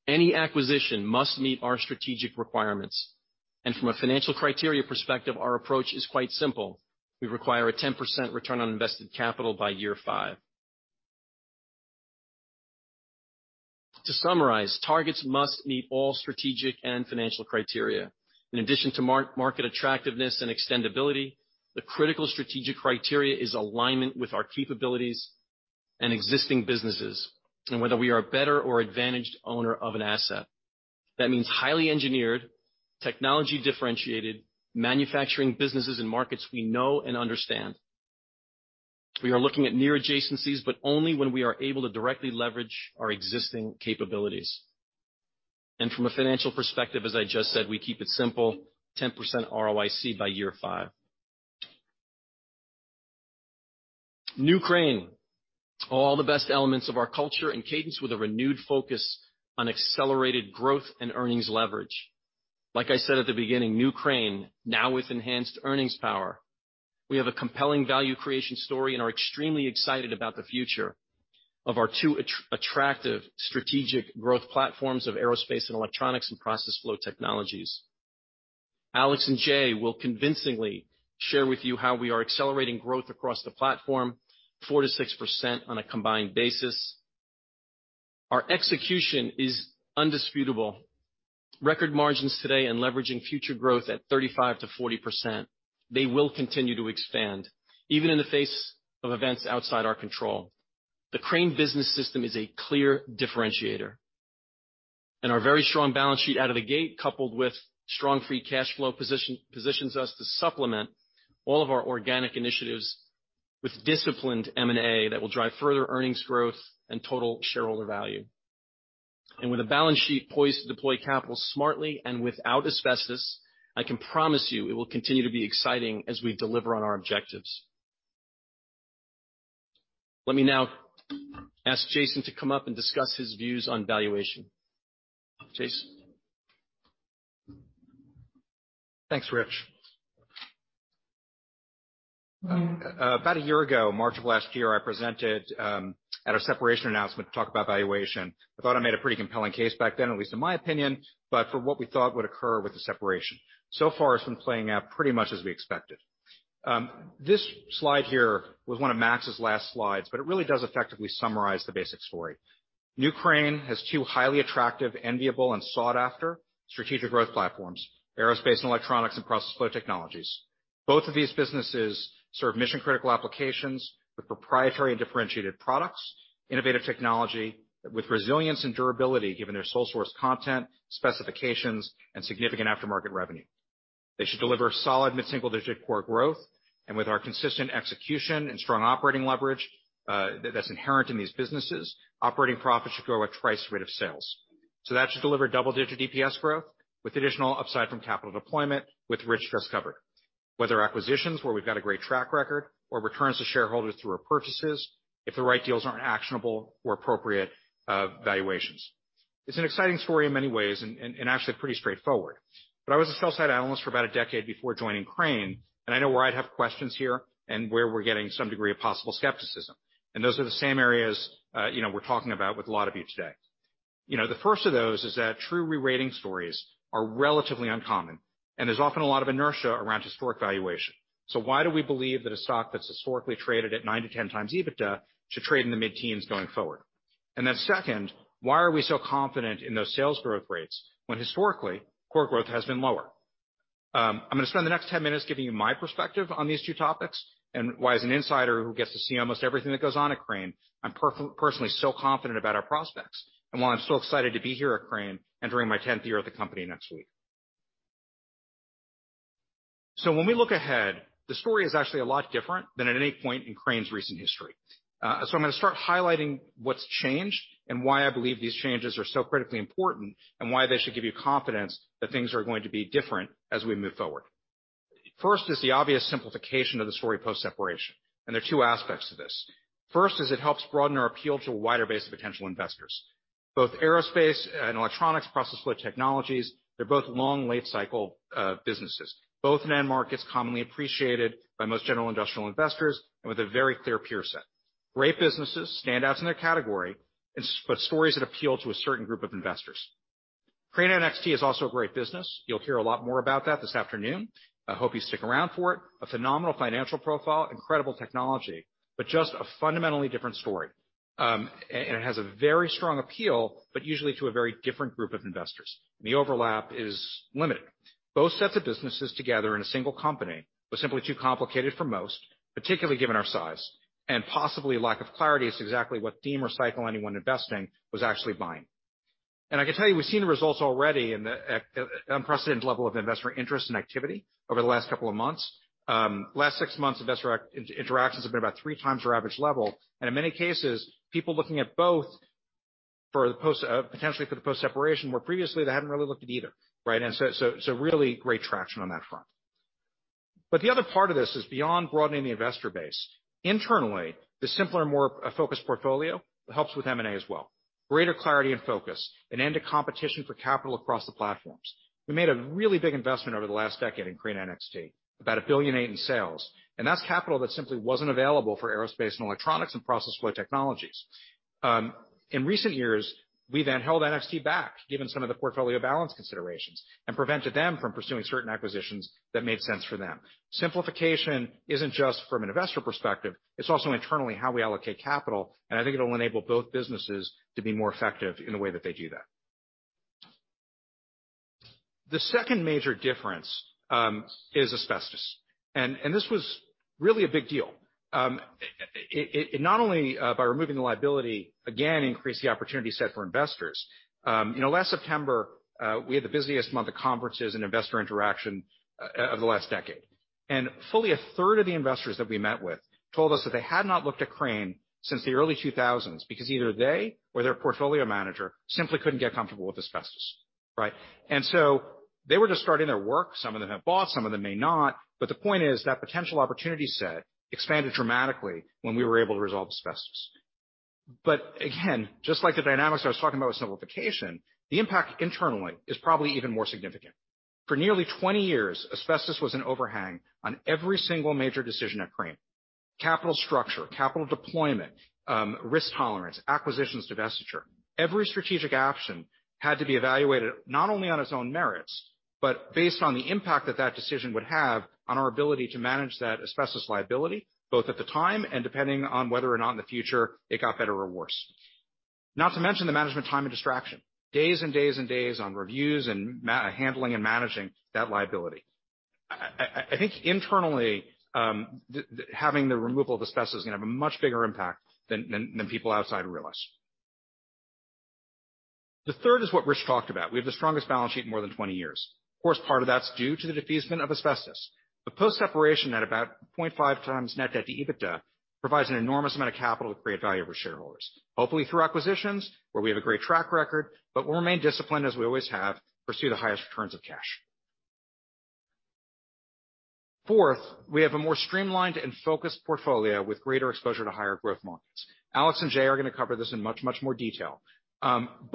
Any acquisition must meet our strategic requirements. From a financial criteria perspective, our approach is quite simple. We require a 10% return on invested capital by year five. To summarize, targets must meet all strategic and financial criteria. In addition to market attractiveness and extendability, the critical strategic criteria is alignment with our capabilities and existing businesses, and whether we are a better or advantaged owner of an asset. That means highly engineered, technology differentiated, manufacturing businesses and markets we know and understand. We are looking at near adjacencies, but only when we are able to directly leverage our existing capabilities. From a financial perspective, as I just said, we keep it simple, 10% ROIC by year five. New Crane. All the best elements of our culture and cadence with a renewed focus on accelerated growth and earnings leverage. Like I said at the beginning, New Crane, now with enhanced earnings power. We have a compelling value creation story and are extremely excited about the future of our two at-attractive strategic growth platforms of Crane Aerospace & Electronics and process flow technologies. Alex Alcala and Jay Higgs will convincingly share with you how we are accelerating growth across the platform, 4%-6% on a combined basis. Our execution is undisputable. Record margins today and leveraging future growth at 35%-40%. They will continue to expand, even in the face of events outside our control. The Crane Business System is a clear differentiator. Our very strong balance sheet out of the gate, coupled with strong free cash flow position, positions us to supplement all of our organic initiatives with disciplined M&A that will drive further earnings growth and total shareholder value. With a balance sheet poised to deploy capital smartly and without asbestos, I can promise you it will continue to be exciting as we deliver on our objectives. Let me now ask Jason to come up and discuss his views on valuation. Jason?
Thanks, Rich. About a year ago, March of last year, I presented at our separation announcement to talk about valuation. I thought I made a pretty compelling case back then, at least in my opinion, for what we thought would occur with the separation. It's been playing out pretty much as we expected. This slide here was one of Max's last slides, it really does effectively summarize the basic story. New Crane has two highly attractive, enviable, and sought after strategic growth platforms, Aerospace and Electronics and Process Flow Technologies. Both of these businesses serve mission-critical applications with proprietary and differentiated products, innovative technology with resilience and durability given their sole source content, specifications, and significant aftermarket revenue. They should deliver solid mid-single-digit core growth. With our consistent execution and strong operating leverage, that's inherent in these businesses, operating profits should grow at 2x the rate of sales. That should deliver double-digit EPS growth with additional upside from capital deployment with rich cash cover. Whether acquisitions, where we've got a great track record or returns to shareholders through our purchases, if the right deals aren't actionable or appropriate, valuations. It's an exciting story in many ways and, and actually pretty straightforward. I was a sell-side analyst for about a decade before joining Crane, and I know where I'd have questions here and where we're getting some degree of possible skepticism. Those are the same areas, you know, we're talking about with a lot of you today. You know, the first of those is that true re-rating stories are relatively uncommon, and there's often a lot of inertia around historic valuation. Why do we believe that a stock that's historically traded at 9 to 10 times EBITDA should trade in the mid-teens going forward? Second, why are we so confident in those sales growth rates when historically core growth has been lower? I'm gonna spend the next 10 minutes giving you my perspective on these two topics and why, as an insider who gets to see almost everything that goes on at Crane, I'm personally so confident about our prospects and why I'm so excited to be here at Crane, entering my 10th year at the company next week. When we look ahead, the story is actually a lot different than at any point in Crane's recent history. I'm gonna start highlighting what's changed and why I believe these changes are so critically important and why they should give you confidence that things are going to be different as we move forward. First is the obvious simplification of the story post-separation, and there are two aspects to this. First is it helps broaden our appeal to a wider base of potential investors. Both aerospace and electronics process flow technologies, they're both long, late-cycle businesses. Both end markets commonly appreciated by most general industrial investors and with a very clear peer set. Great businesses, standouts in their category, but stories that appeal to a certain group of investors. Crane NXT is also a great business. You'll hear a lot more about that this afternoon. I hope you stick around for it. A phenomenal financial profile, incredible technology, but just a fundamentally different story. It has a very strong appeal, but usually to a very different group of investors. The overlap is limited. Both sets of businesses together in a single company were simply too complicated for most, particularly given our size, and possibly lack of clarity as to exactly what theme or cycle anyone investing was actually buying. I can tell you, we've seen the results already in the unprecedented level of investor interest and activity over the last couple of months. Last six months, investor interactions have been about three times our average level, and in many cases, people looking at both for the post, potentially for the post-separation, where previously they hadn't really looked at either, right. Really great traction on that front. The other part of this is beyond broadening the investor base. Internally, the simpler and more focused portfolio helps with M&A as well. Greater clarity and focus, an end to competition for capital across the platforms. We made a really big investment over the last decade in Crane NXT, about $1.8 billion in sales. That's capital that simply wasn't available for Aerospace & Electronics and Process Flow Technologies. In recent years, we've then held NXT back, given some of the portfolio balance considerations, prevented them from pursuing certain acquisitions that made sense for them. Simplification isn't just from an investor perspective, it's also internally how we allocate capital, and I think it'll enable both businesses to be more effective in the way that they do that. The second major difference is asbestos. This was really a big deal. It not only by removing the liability, again increased the opportunity set for investors. You know, last September, we had the busiest month of conferences and investor interaction of the last decade. Fully a third of the investors that we met with told us that they had not looked at Crane since the early 2000s because either they or their portfolio manager simply couldn't get comfortable with asbestos, right? They were just starting their work. Some of them have bought, some of them may not. The point is that potential opportunity set expanded dramatically when we were able to resolve asbestos. Again, just like the dynamics I was talking about with simplification, the impact internally is probably even more significant. For nearly 20 years, asbestos was an overhang on every single major decision at Crane. Capital structure, capital deployment, risk tolerance, acquisitions, divestiture. Every strategic action had to be evaluated not only on its own merits, but based on the impact that that decision would have on our ability to manage that asbestos liability, both at the time and depending on whether or not in the future it got better or worse. Not to mention the management time and distraction. Days and days and days on reviews and handling and managing that liability. I, I think internally, the having the removal of asbestos is gonna have a much bigger impact than people outside realize. The third is what Rich talked about. We have the strongest balance sheet in more than 20 years. Of course, part of that's due to the defeasance of asbestos. Post-separation at about 0.5 times net debt to EBITDA provides an enormous amount of capital to create value for shareholders, hopefully through acquisitions where we have a great track record, but we'll remain disciplined as we always have, pursue the highest returns of cash. Fourth, we have a more streamlined and focused portfolio with greater exposure to higher-growth markets. Alex and Jay are gonna cover this in much more detail. Part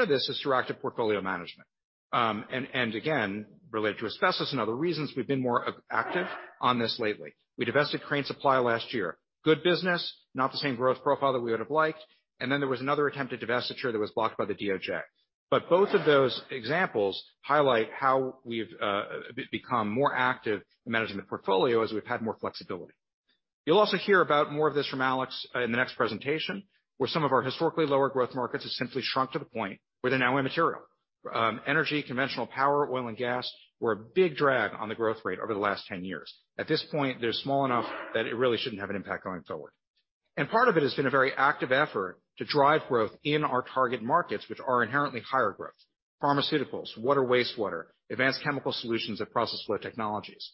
of this is through active portfolio management. Again, related to asbestos and other reasons, we've been more active on this lately. We divested Crane Supply last year. Good business, not the same growth profile that we would have liked. Then there was another attempted divestiture that was blocked by the DOJ. Both of those examples highlight how we've become more active in managing the portfolio as we've had more flexibility. You'll also hear about more of this from Alex in the next presentation, where some of our historically lower growth markets have simply shrunk to the point where they're now immaterial. Energy, conventional power, oil and gas were a big drag on the growth rate over the last 10 years. At this point, they're small enough that it really shouldn't have an impact going forward. Part of it has been a very active effort to drive growth in our target markets, which are inherently higher growth. Pharmaceuticals, water wastewater, advanced chemical solutions, and process flow technologies.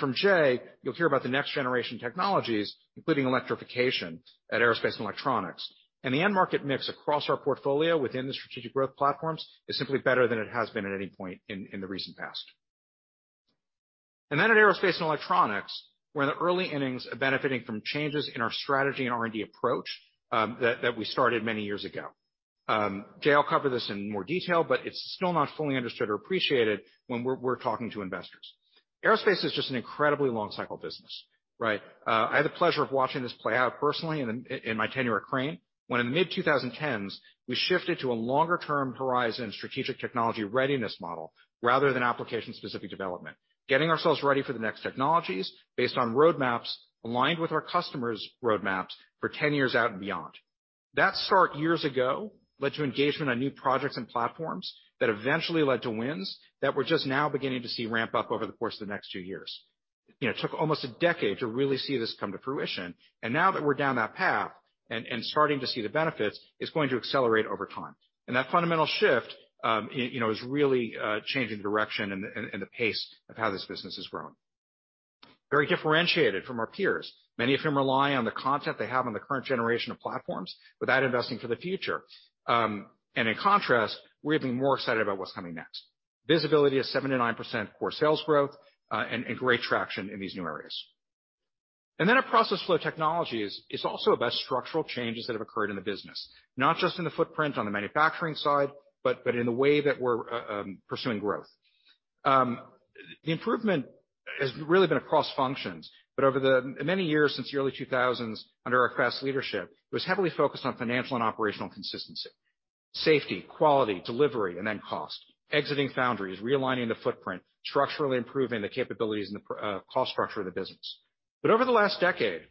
From Jay, you'll hear about the next generation technologies, including electrification at Aerospace and Electronics. The end-market mix across our portfolio within the strategic growth platforms is simply better than it has been at any point in the recent past. At Aerospace & Electronics, we're in the early innings of benefiting from changes in our strategy and R&D approach that we started many years ago. Jay will cover this in more detail, but it's still not fully understood or appreciated when we're talking to investors. Aerospace is just an incredibly long-cycle business, right? I had the pleasure of watching this play out personally in my tenure at Crane when in the mid-2010s, we shifted to a longer-term horizon strategic technology readiness model rather than application-specific development, getting ourselves ready for the next technologies based on roadmaps aligned with our customers' roadmaps for 10 years out and beyond. That start years ago led to engagement on new projects and platforms that eventually led to wins that we're just now beginning to see ramp up over the course of the next two years. You know, it took almost a decade to really see this come to fruition. Now that we're down that path and starting to see the benefits, it's going to accelerate over time. That fundamental shift, you know, is really changing the direction and the pace of how this business is growing. Very differentiated from our peers, many of whom rely on the content they have on the current generation of platforms without investing for the future. In contrast, we're getting more excited about what's coming next. Visibility of 79% core sales growth and great traction in these new areas. Then at process flow technologies, it's also about structural changes that have occurred in the business, not just in the footprint on the manufacturing side, but in the way that we're pursuing growth. Improvement has really been across functions. Over the many years since the early 2000s under our craft leadership, it was heavily focused on financial and operational consistency, safety, quality, delivery, and then cost. Exiting foundries, realigning the footprint, structurally improving the capabilities and the cost structure of the business. Over the last decade,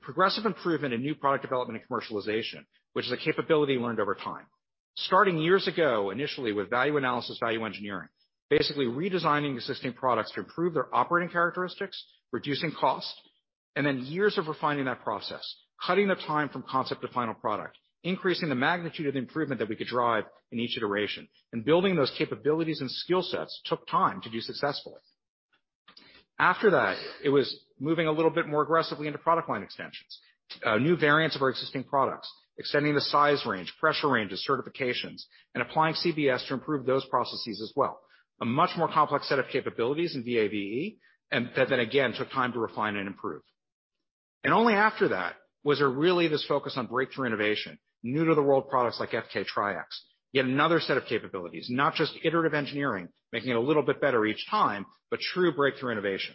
progressive improvement in new product development and commercialization, which is a capability learned over time. Starting years ago, initially with value analysis, value engineering, basically redesigning existing products to improve their operating characteristics, reducing cost, years of refining that process, cutting the time from concept to final product, increasing the magnitude of the improvement that we could drive in each iteration building those capabilities and skill sets took time to do successfully. After that, it was moving a little bit more aggressively into product line extensions, new variants of our existing products, extending the size range, pressure ranges, certifications, applying CBS to improve those processes as well. A much more complex set of capabilities in VAVE, that then again, took time to refine and improve. Only after that was there really this focus on breakthrough innovation, new to the world products like FK Triax. Yet another set of capabilities, not just iterative engineering, making it a little bit better each time, but true breakthrough innovation.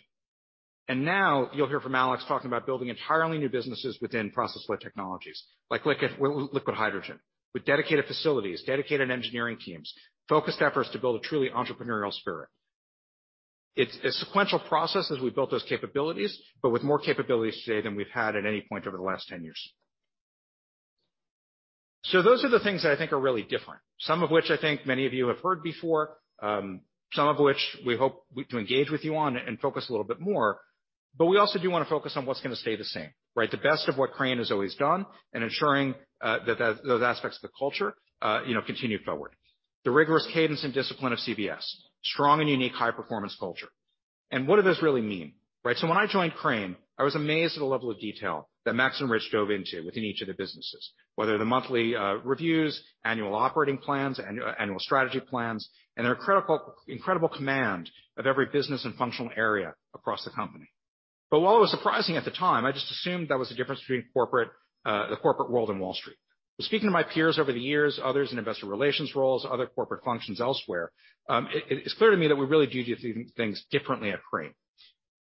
Now you'll hear from Alex talking about building entirely new businesses within process flow technologies like liquid hydrogen, with dedicated facilities, dedicated engineering teams, focused efforts to build a truly entrepreneurial spirit. It's a sequential process as we built those capabilities, but with more capabilities today than we've had at any point over the last 10 years. Those are the things that I think are really different, some of which I think many of you have heard before, some of which we hope to engage with you on and focus a little bit more. We also do want to focus on what's gonna stay the same, right? The best of what Crane has always done and ensuring that those aspects of the culture, you know, continue forward. The rigorous cadence and discipline of CBS, strong and unique high-performance culture. What does this really mean? Right? When I joined Crane, I was amazed at the level of detail that Max and Rich dove into within each of the businesses, whether the monthly reviews, annual operating plans, annual strategy plans, and their critical, incredible command of every business and functional area across the company. While it was surprising at the time, I just assumed that was the difference between corporate, the corporate world and Wall Street. Speaking to my peers over the years, others in investor relations roles, other corporate functions elsewhere, it's clear to me that we really do things differently at Crane.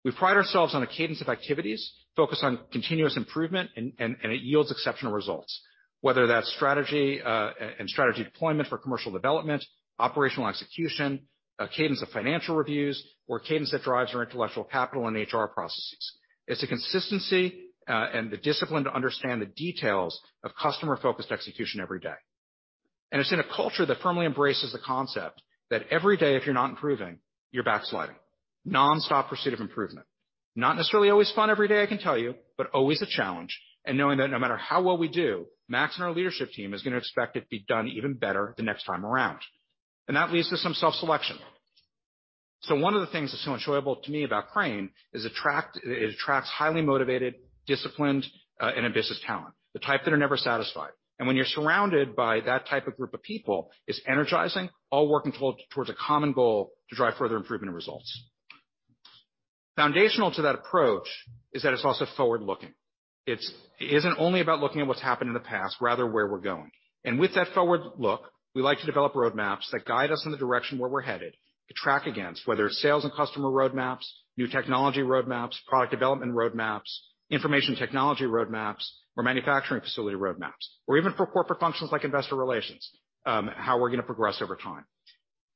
We pride ourselves on a cadence of activities focused on continuous improvement and it yields exceptional results, whether that's strategy, and strategy deployment for commercial development, operational execution, a cadence of financial reviews, or cadence that drives our intellectual capital and HR processes. It's a consistency and the discipline to understand the details of customer-focused execution every day. It's in a culture that firmly embraces the concept that every day, if you're not improving, you're backsliding. Non-stop pursuit of improvement. Not necessarily always fun every day, I can tell you, but always a challenge, and knowing that no matter how well we do, Max Mitchell and our leadership team is going to expect it to be done even better the next time around. That leads to some self-selection. One of the things that's so enjoyable to me about Crane Company is. It attracts highly motivated, disciplined, and ambitious talent, the type that are never satisfied. When you're surrounded by that type of group of people, it's energizing, all working towards a common goal to drive further improvement and results. Foundational to that approach is that it's also forward-looking. It isn't only about looking at what's happened in the past, rather where we're going. With that forward look, we like to develop roadmaps that guide us in the direction where we're headed to track against, whether it's sales and customer roadmaps, new technology roadmaps, product development roadmaps, information technology roadmaps, or manufacturing facility roadmaps, or even for corporate functions like Investor Relations, how we're gonna progress over time.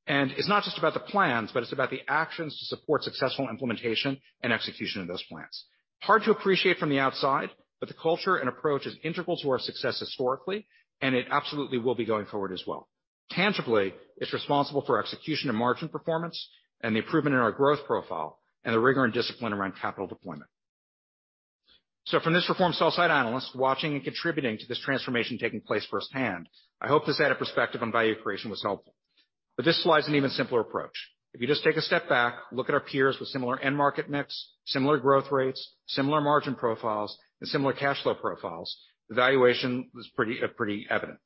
It's not just about the plans, but it's about the actions to support successful implementation and execution of those plans. Hard to appreciate from the outside, but the culture and approach is integral to our success historically, and it absolutely will be going forward as well. Tangibly, it's responsible for our execution and margin performance and the improvement in our growth profile, and the rigor and discipline around capital deployment. From this reformed sell-side analyst watching and contributing to this transformation taking place firsthand, I hope this added perspective on value creation was helpful. This slide is an even simpler approach. If you just take a step back, look at our peers with similar end-market mix, similar growth rates, similar margin profiles, and similar cash flow profiles, the valuation is pretty evident.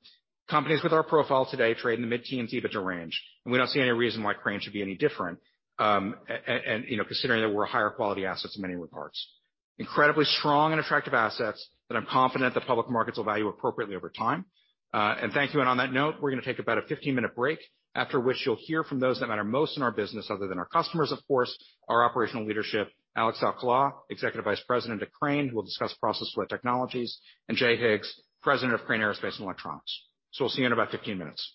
Companies with our profile today trade in the mid-teen EBITDA range. We don't see any reason why Crane should be any different, and, you know, considering that we're higher quality assets in many regards. Incredibly strong and attractive assets that I'm confident the public markets will value appropriately over time. Thank you. On that note, we're gonna take about a 15-minute break, after which you'll hear from those that matter most in our business other than our customers, of course, our operational leadership, Alex Alcala, Executive Vice President of Crane, who will discuss process flow technologies, and Jay Higgs, President of Crane Aerospace & Electronics. We'll see you in about 15 minutes.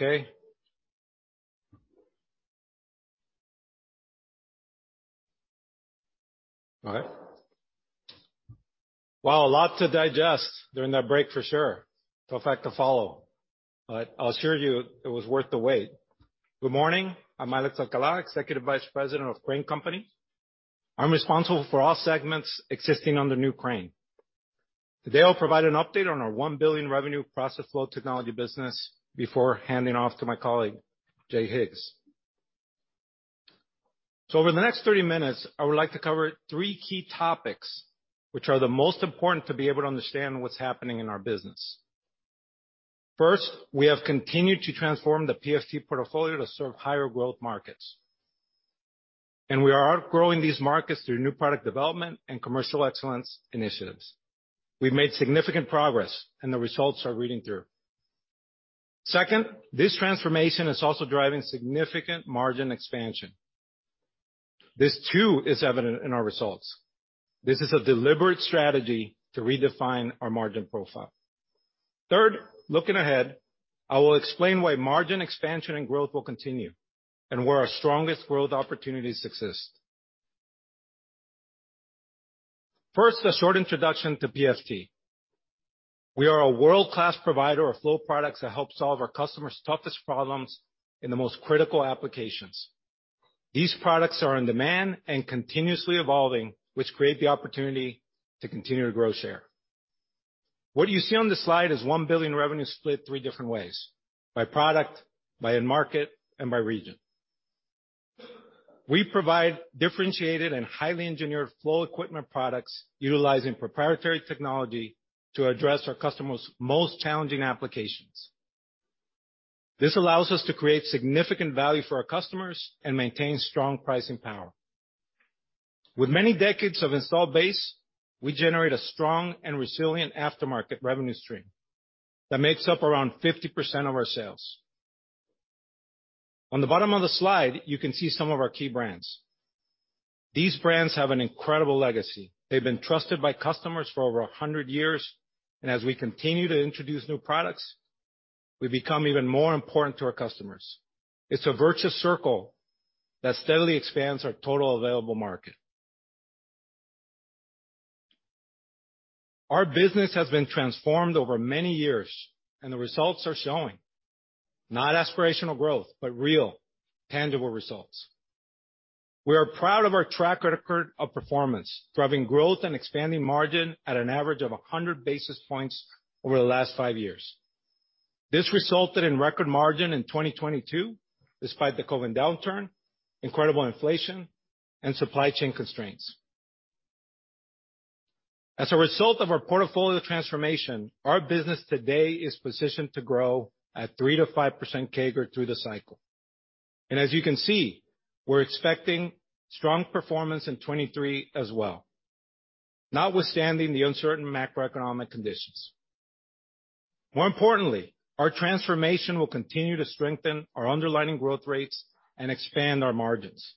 Okay. All right. Wow, a lot to digest during that break for sure. Tough act to follow. I'll assure you it was worth the wait. Good morning. I'm Alex Alcala, Executive Vice President of Crane Company. I'm responsible for all segments existing under New Crane. Today, I'll provide an update on our $1 billion revenue process flow technology business before handing off to my colleague, Jay Higgs. Over the next 30 minutes, I would like to cover three key topics which are the most important to be able to understand what's happening in our business. First, we have continued to transform the PFT portfolio to serve higher-growth markets, and we are outgrowing these markets through new product development and commercial excellence initiatives. We've made significant progress and the results are reading through. Second, this transformation is also driving significant margin expansion. This too is evident in our results. This is a deliberate strategy to redefine our margin profile. Looking ahead, I will explain why margin expansion and growth will continue and where our strongest world opportunities exist. A short introduction to PFT. We are a world-class provider of flow products that help solve our customers' toughest problems in the most critical applications. These products are in demand and continuously evolving, which create the opportunity to continue to grow share. What you see on this slide is $1 billion revenue split three different ways: by product, by end-market, and by region. We provide differentiated and highly engineered flow equipment products utilizing proprietary technology to address our customers' most challenging applications. This allows us to create significant value for our customers and maintain strong pricing power. With many decades of installed base, we generate a strong and resilient aftermarket revenue stream that makes up around 50% of our sales. On the bottom of the slide, you can see some of our key brands. These brands have an incredible legacy. They've been trusted by customers for over 100 years, and as we continue to introduce new products, we become even more important to our customers. It's a virtuous circle that steadily expands our total available market. Our business has been transformed over many years and the results are showing. Not aspirational growth, but real tangible results. We are proud of our track record of performance, driving growth and expanding margin at an average of 100 basis points over the last five years. This resulted in a record margin in 2022 despite the COVID downturn, incredible inflation and supply chain constraints. As a result of our portfolio transformation, our business today is positioned to grow at 3% to 5% CAGR through the cycle. As you can see, we're expecting strong performance in 2023 as well, notwithstanding the uncertain macroeconomic conditions. More importantly, our transformation will continue to strengthen our underlying growth rates and expand our margins.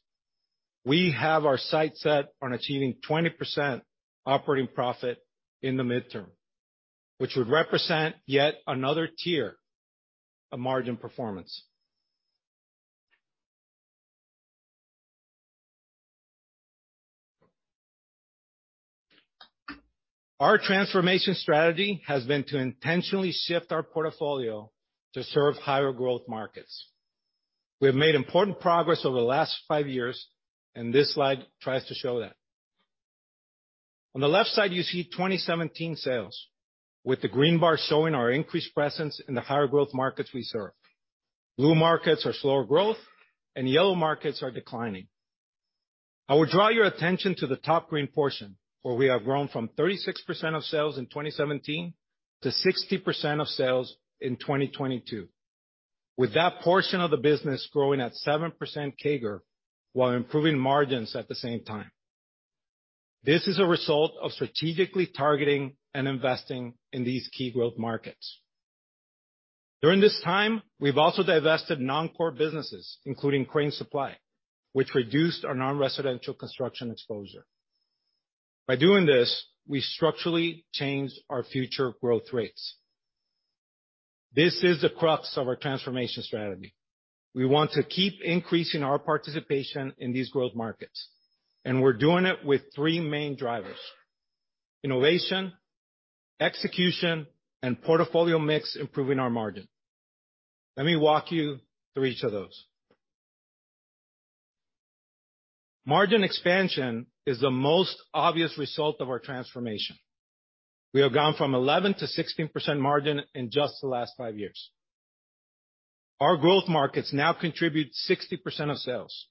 We have our sights set on achieving 20% operating profit in the midterm, which would represent yet another tier of margin performance. Our transformation strategy has been to intentionally shift our portfolio to serve higher-growth markets. We have made important progress over the last five years, and this slide tries to show that. On the left side, you see 2017 sales, with the green bar showing our increased presence in the higher-growth markets we serve. Blue markets are slower growth, and yellow markets are declining. I will draw your attention to the top green portion, where we have grown from 36% of sales in 2017 to 60% of sales in 2022. With that portion of the business growing at 7% CAGR while improving margins at the same time. This is a result of strategically targeting and investing in these key growth markets. During this time, we've also divested non-core businesses, including Crane Supply, which reduced our non-residential construction exposure. By doing this, we structurally change our future growth rates. This is the crux of our transformation strategy. We want to keep increasing our participation in these growth markets, we're doing it with three main drivers: innovation, execution, and portfolio mix improving our margin. Let me walk you through each of those. Margin expansion is the most obvious result of our transformation. We have gone from 11 to 16% margin in just the last five years. Our growth markets now contribute 60% of sales.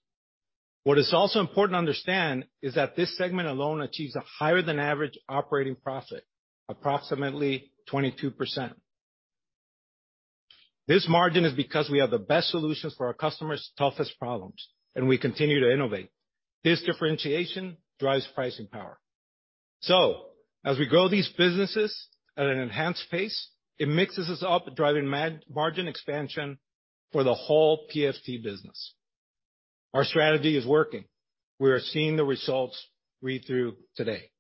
What is also important to understand is that this segment alone achieves a higher than average operating profit, approximately 22%. This margin is because we have the best solutions for our customers' toughest problems, and we continue to innovate. This differentiation drives pricing power. As we grow these businesses at an enhanced pace, it mixes us up driving margin expansion for the whole PFT business. Our strategy is working. We are seeing the results read through today.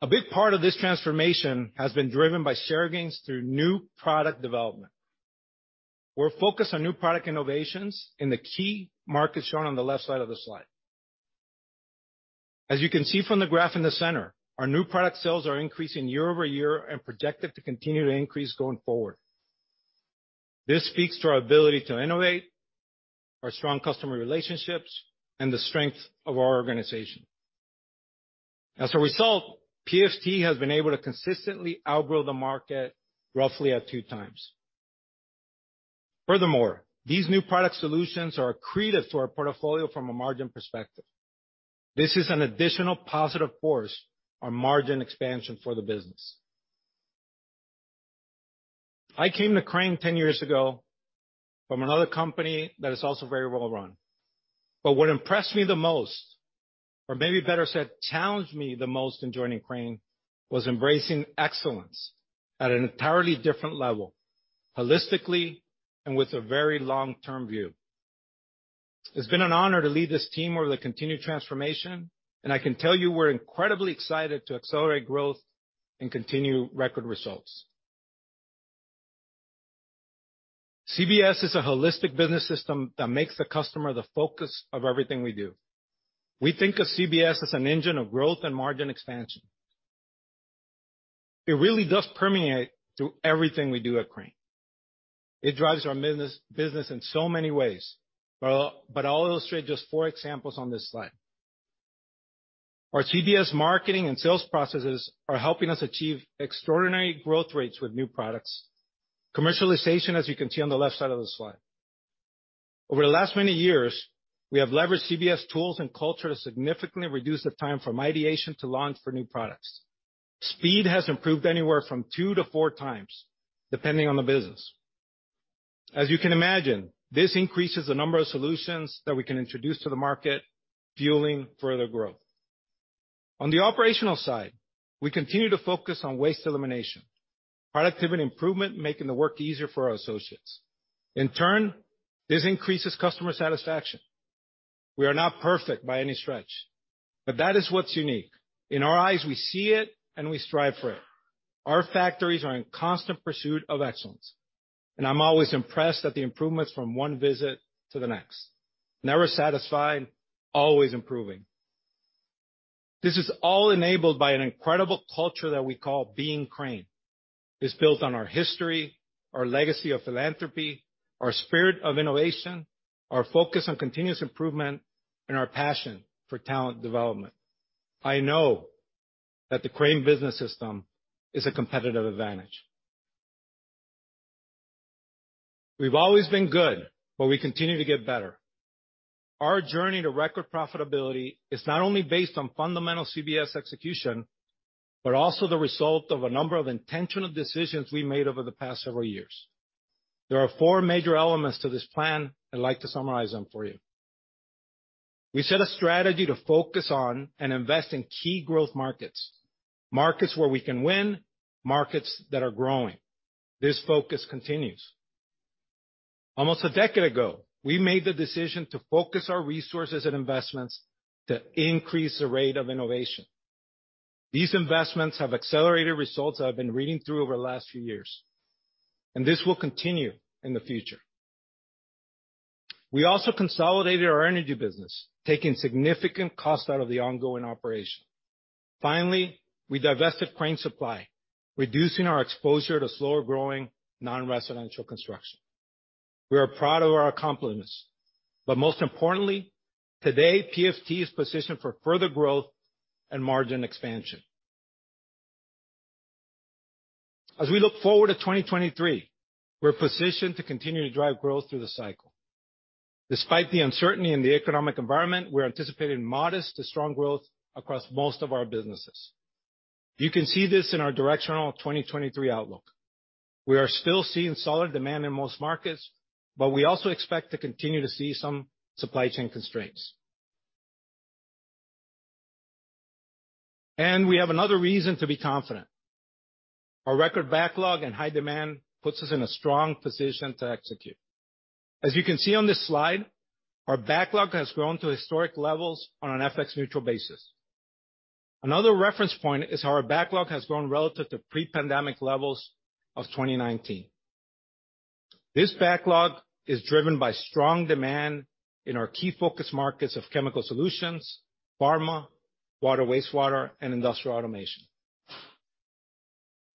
A big part of this transformation has been driven by share gains through new product development. We're focused on new product innovations in the key markets shown on the left side of the slide. As you can see from the graph in the center, our new product sales are increasing year-over-year and projected to continue to increase going forward. This speaks to our ability to innovate, our strong customer relationships, and the strength of our organization. Result, PFT has been able to consistently outgrow the market roughly at 2x. These new product solutions are accretive to our portfolio from a margin perspective. This is an additional positive force on margin expansion for the business. I came to Crane 10 years ago from another company that is also very well-run. What impressed me the most, or maybe better said, challenged me the most in joining Crane, was embracing excellence at an entirely different level, holistically and with a very long-term view. It's been an honor to lead this team over the continued transformation. I can tell you we're incredibly excited to accelerate growth and continue record results. CBS is a holistic business system that makes the customer the focus of everything we do. We think of CBS as an engine of growth and margin expansion. It really does permeate through everything we do at Crane. It drives our business in so many ways. I'll illustrate just four examples on this slide. Our CBS marketing and sales processes are helping us achieve extraordinary growth rates with new products. Commercialization, as you can see on the left side of the slide. Over the last many years, we have leveraged CBS tools and culture to significantly reduce the time from ideation to launch for new products. Speed has improved anywhere from two to four times, depending on the business. As you can imagine, this increases the number of solutions that we can introduce to the market, fueling further growth. On the operational side, we continue to focus on waste elimination, productivity improvement, making the work easier for our associates. In turn, this increases customer satisfaction. We are not perfect by any stretch, but that is what's unique. In our eyes, we see it and we strive for it. Our factories are in constant pursuit of excellence, and I'm always impressed at the improvements from one visit to the next. Never satisfied, always improving. This is all enabled by an incredible culture that we call Being Crane. It's built on our history, our legacy of philanthropy, our spirit of innovation, our focus on continuous improvement, and our passion for talent development. I know that the Crane Business System is a competitive advantage. We've always been good, but we continue to get better. Our journey to record profitability is not only based on fundamental CBS execution, but also the result of a number of intentional decisions we made over the past several years. There are four major elements to this plan. I'd like to summarize them for you. We set a strategy to focus on and invest in key growth markets where we can win, markets that are growing. This focus continues. Almost a decade ago, we made the decision to focus our resources and investments to increase the rate of innovation. These investments have accelerated results I've been reading through over the last few years, and this will continue in the future. We also consolidated our energy business, taking significant costs out of the ongoing operation. Finally, we divested Crane Supply, reducing our exposure to slower-growing non-residential construction. We are proud of our accomplishments, but most importantly, today, PFT is positioned for further growth and margin expansion. We look forward to 2023, we're positioned to continue to drive growth through the cycle. Despite the uncertainty in the economic environment, we're anticipating modest to strong growth across most of our businesses. You can see this in our directional 2023 outlook. We are still seeing solid demand in most markets, we also expect to continue to see some supply chain constraints. We have another reason to be confident. Our record backlog and high demand puts us in a strong position to execute. You can see on this slide, our backlog has grown to historic levels on an FX-neutral basis. Another reference point is how our backlog has grown relative to pre-pandemic levels of 2019. This backlog is driven by strong demand in our key focus markets of chemical solutions, pharma, water and wastewater, and industrial automation.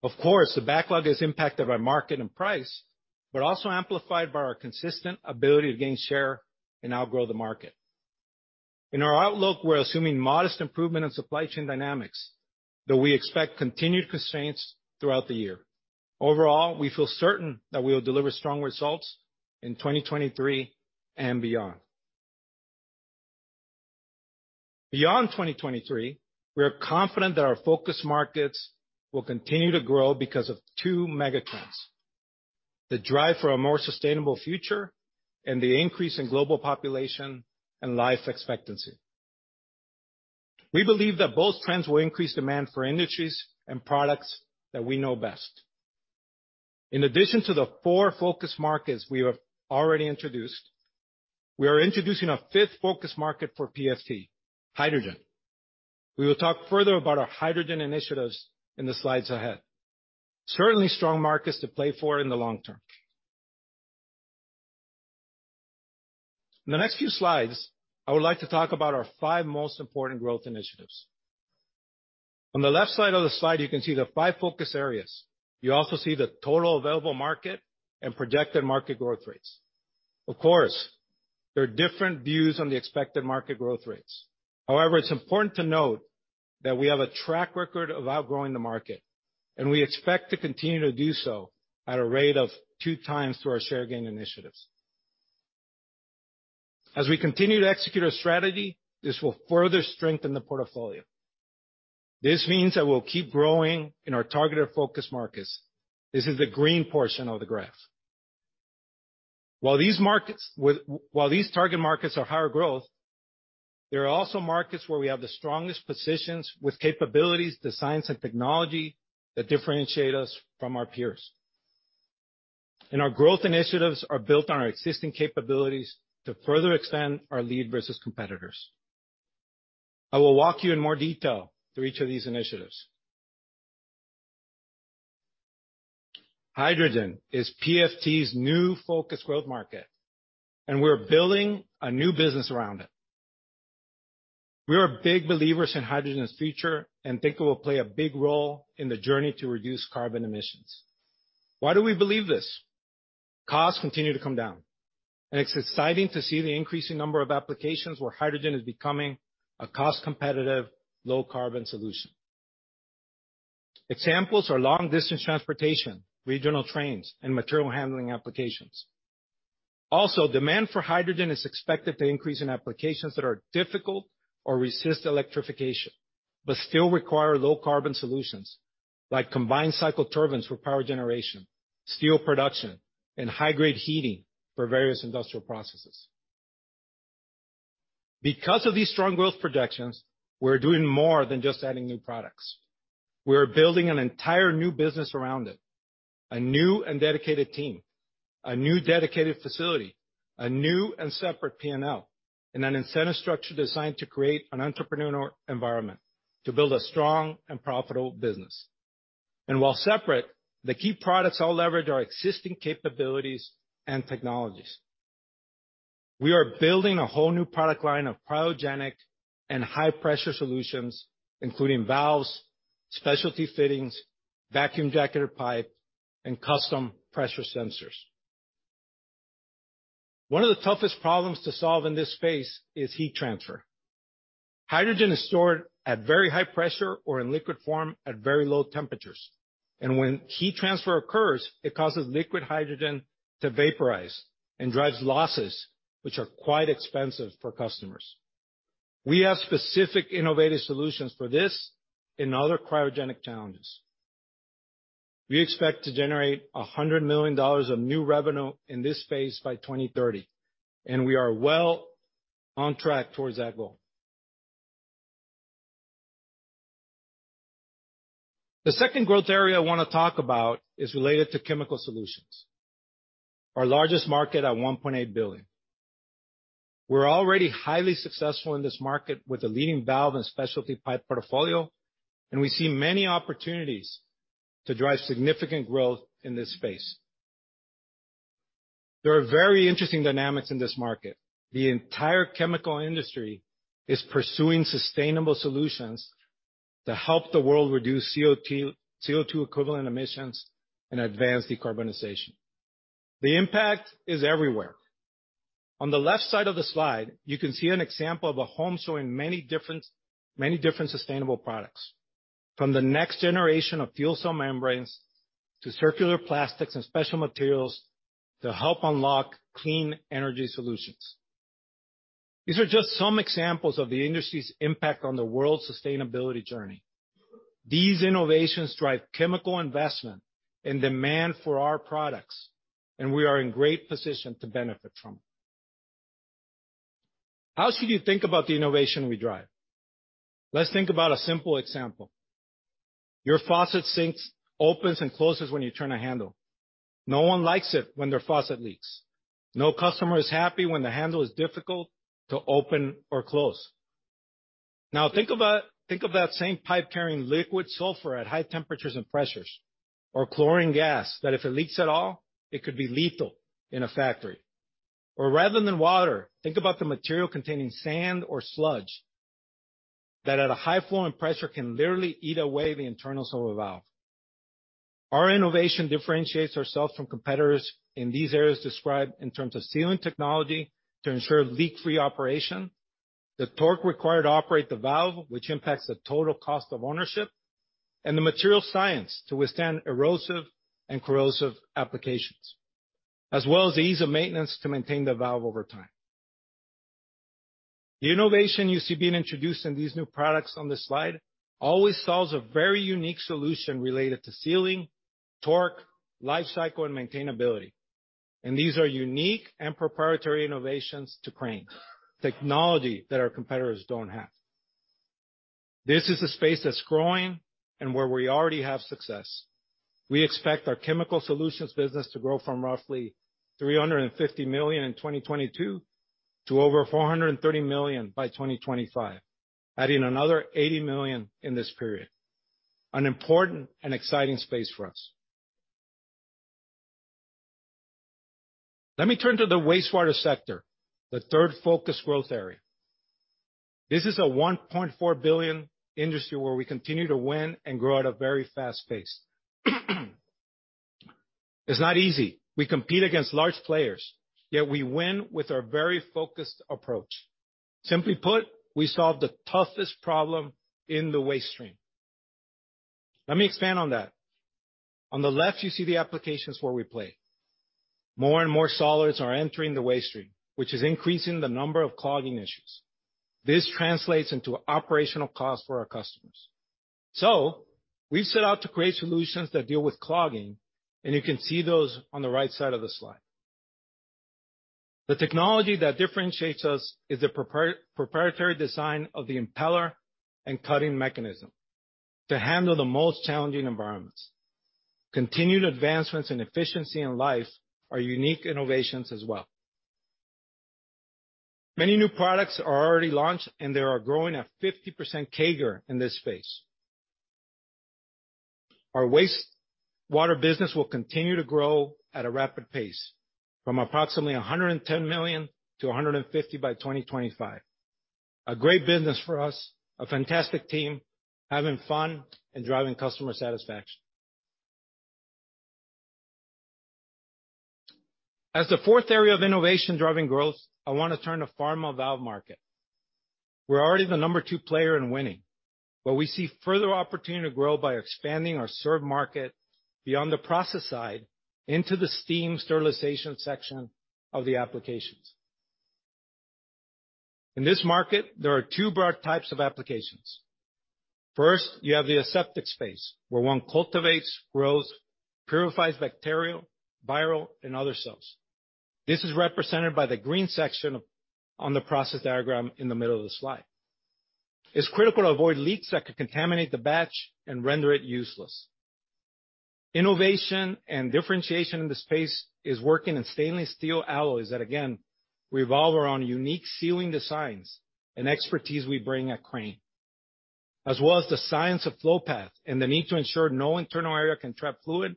The backlog is impacted by market and price, but also amplified by our consistent ability to gain share and outgrow the market. In our outlook, we're assuming modest improvement in supply chain dynamics, though we expect continued constraints throughout the year. We feel certain that we will deliver strong results in 2023 and beyond. Beyond 2023, we are confident that our focus markets will continue to grow because of two megatrends: the drive for a more sustainable future and the increase in global population and life expectancy. We believe that both trends will increase demand for industries and products that we know best. In addition to the 4 focus markets we have already introduced, we are introducing a 5th focus market for PFT, hydrogen. We will talk further about our hydrogen initiatives in the slides ahead. Certainly strong markets to play for in the long term. In the next few slides, I would like to talk about our five most important growth initiatives. On the left side of the slide, you can see the five focus areas. You also see the total available market and projected market growth rates. Of course, there are different views on the expected market growth rates. However, it's important to note that we have a track record of outgrowing the market, and we expect to continue to do so at a rate of two times through our share gain initiatives. As we continue to execute our strategy, this will further strengthen the portfolio. This means that we'll keep growing in our targeted focus markets. This is the green portion of the graph. While these target markets are higher growth, there are also markets where we have the strongest positions with capabilities to science and technology that differentiate us from our peers. Our growth initiatives are built on our existing capabilities to further extend our lead versus competitors. I will walk you in more detail through each of these initiatives. Hydrogen is PFT's new focus growth market, and we're building a new business around it. We are big believers in hydrogen's future and think it will play a big role in the journey to reduce carbon emissions. Why do we believe this? Costs continue to come down, and it's exciting to see the increasing number of applications where hydrogen is becoming a cost-competitive, low-carbon solution. Examples are long-distance transportation, regional trains, and material handling applications. Also, demand for hydrogen is expected to increase in applications that are difficult or resist electrification, but still require low-carbon solutions like combined cycle turbines for power generation, steel production, and high-grade heating for various industrial processes. Because of these strong growth projections, we're doing more than just adding new products. We are building an entire new business around it, a new and dedicated team, a new dedicated facility, a new and separate P&L, and an incentive structure designed to create an entrepreneurial environment to build a strong and profitable business. While separate, the key products all leverage our existing capabilities and technologies. We are building a whole new product line of cryogenic and high-pressure solutions, including valves, specialty fittings, vacuum-jacketed pipe, and custom pressure sensors. One of the toughest problems to solve in this space is heat transfer. Hydrogen is stored at very high pressure or in liquid form at very low temperatures. When heat transfer occurs, it causes liquid hydrogen to vaporize and drives losses, which are quite expensive for customers. We have specific innovative solutions for this and other cryogenic challenges. We expect to generate $100 million of new revenue in this space by 2030, and we are well on track towards that goal. The second growth area I wanna talk about is related to chemical solutions, our largest market at $1.8 billion. We're already highly successful in this market with a leading valve and specialty pipe portfolio, and we see many opportunities to drive significant growth in this space. There are very interesting dynamics in this market. The entire chemical industry is pursuing sustainable solutions to help the world reduce CO2 equivalent emissions and advance decarbonization. The impact is everywhere. On the left side of the slide, you can see an example of a home showing many different sustainable products, from the next generation of fuel cell membranes to circular plastics and special materials to help unlock clean energy solutions. These are just some examples of the industry's impact on the world sustainability journey. These innovations drive chemical investment and demand for our products. We are in great position to benefit from. How should you think about the innovation we drive? Let's think about a simple example. Your faucet sinks, opens and closes when you turn a handle. No one likes it when their faucet leaks. No customer is happy when the handle is difficult to open or close. Think of that same pipe carrying liquid sulfur at high temperatures and pressures, or chlorine gas, that if it leaks at all, it could be lethal in a factory. Rather than water, think about the material containing sand or sludge that at a high flow and pressure can literally eat away the internals of a valve. Our innovation differentiates ourselves from competitors in these areas described in terms of sealing technology to ensure leak-free operation, the torque required to operate the valve, which impacts the total cost of ownership, and the material science to withstand erosive and corrosive applications, as well as the ease of maintenance to maintain the valve over time. The innovation you see being introduced in these new products on this slide always solves a very unique solution related to sealing, torque, life cycle, and maintainability. These are unique and proprietary innovations to Crane, technology that our competitors don't have. This is a space that's growing and where we already have success. We expect our chemical solutions business to grow from roughly $350 million in 2022 to over $430 million by 2025, adding another $80 million in this period. An important and exciting space for us. Let me turn to the wastewater sector, the third focus growth area. This is a $1.4 billion industry where we continue to win and grow at a very fast pace. It's not easy. We compete against large players. We win with our very focused approach. Simply put, we solve the toughest problem in the waste stream. Let me expand on that. On the left you see the applications where we play. More and more solids are entering the waste stream, which is increasing the number of clogging issues. This translates into operational costs for our customers. We've set out to create solutions that deal with clogging, and you can see those on the right side of the slide. The technology that differentiates us is the proprietary design of the impeller and cutting mechanism to handle the most challenging environments. Continued advancements in efficiency and life are unique innovations as well. Many new products are already launched, and they are growing at 50% CAGR in this space. Our wastewater business will continue to grow at a rapid pace from approximately $110 million to $150 million by 2025. A great business for us, a fantastic team, having fun and driving customer satisfaction. As the fourth area of innovation driving growth, I wanna turn to the pharma valve market. We're already the number two player in winning, but we see further opportunity to grow by expanding our served market beyond the process side into the steam sterilization section of the applications. In this market, there are two broad types of applications. First, you have the aseptic space, where one cultivates, grows, purifies bacterial, viral, and other cells. This is represented by the green section on the process diagram in the middle of the slide. It's critical to avoid leaks that could contaminate the batch and render it useless. Innovation and differentiation in the space is working in stainless steel alloys that again revolve around unique sealing designs and expertise we bring at Crane, as well as the science of flow path and the need to ensure no internal area can trap fluid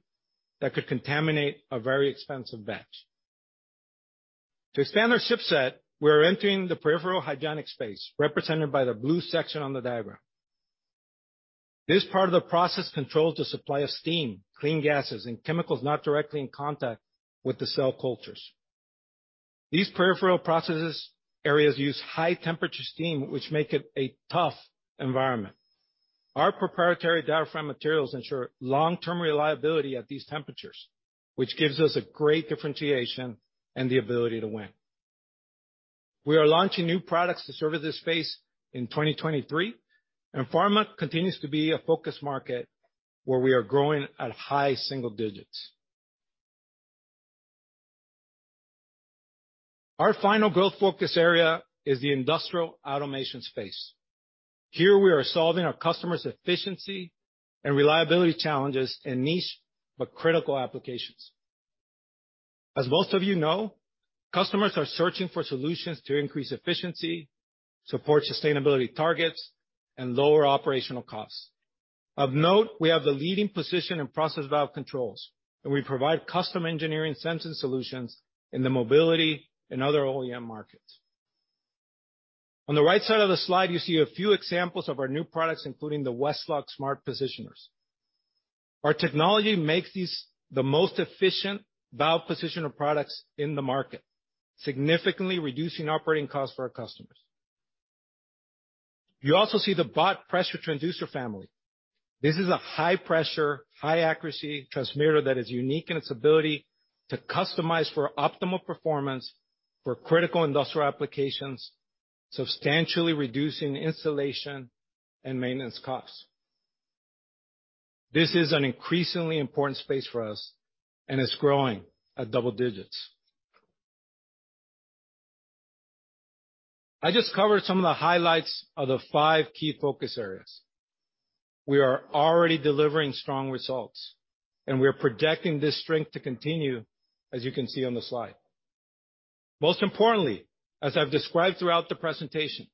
that could contaminate a very expensive batch. To expand our ship set, we are entering the peripheral hydronic space represented by the blue section on the diagram. This part of the process controls the supply of steam, clean gases, and chemicals not directly in contact with the cell cultures. These peripheral processes areas use high-temperature steam which make it a tough environment. Our proprietary diaphragm materials ensure long-term reliability at these temperatures, which gives us a great differentiation and the ability to win. We are launching new products to service this space in 2023. Pharma continues to be a focus market where we are growing at high single digits. Our final growth focus area is the industrial automation space. Here we are solving our customers' efficiency and reliability challenges in niche but critical applications. As most of you know, customers are searching for solutions to increase efficiency, support sustainability targets, and lower operational costs. Of note, we have the leading position in process valve controls. We provide custom engineering sensor solutions in the mobility and other OEM markets. On the right side of the slide, you see a few examples of our new products, including the Westlock smart positioners. Our technology makes these the most efficient valve positioner products in the market, significantly reducing operating costs for our customers. You also see the BOT pressure transducer family. This is a high-pressure, high-accuracy transmitter that is unique in its ability to customize for optimal performance for critical industrial applications, substantially reducing installation and maintenance costs. This is an increasingly important space for us and is growing at double digits. I just covered some of the highlights of the five key focus areas. We are already delivering strong results, and we are projecting this strength to continue, as you can see on the slide. Most importantly, as I've described throughout the presentation,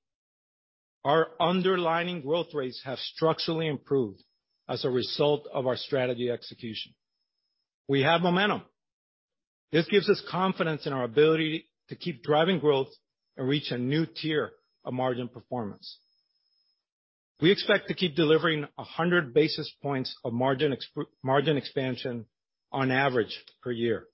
our underlying growth rates have structurally improved as a result of our strategy execution. We have momentum. This gives us confidence in our ability to keep driving growth and reach a new tier of margin performance. We expect to keep delivering 100 basis points of margin expansion on average per year.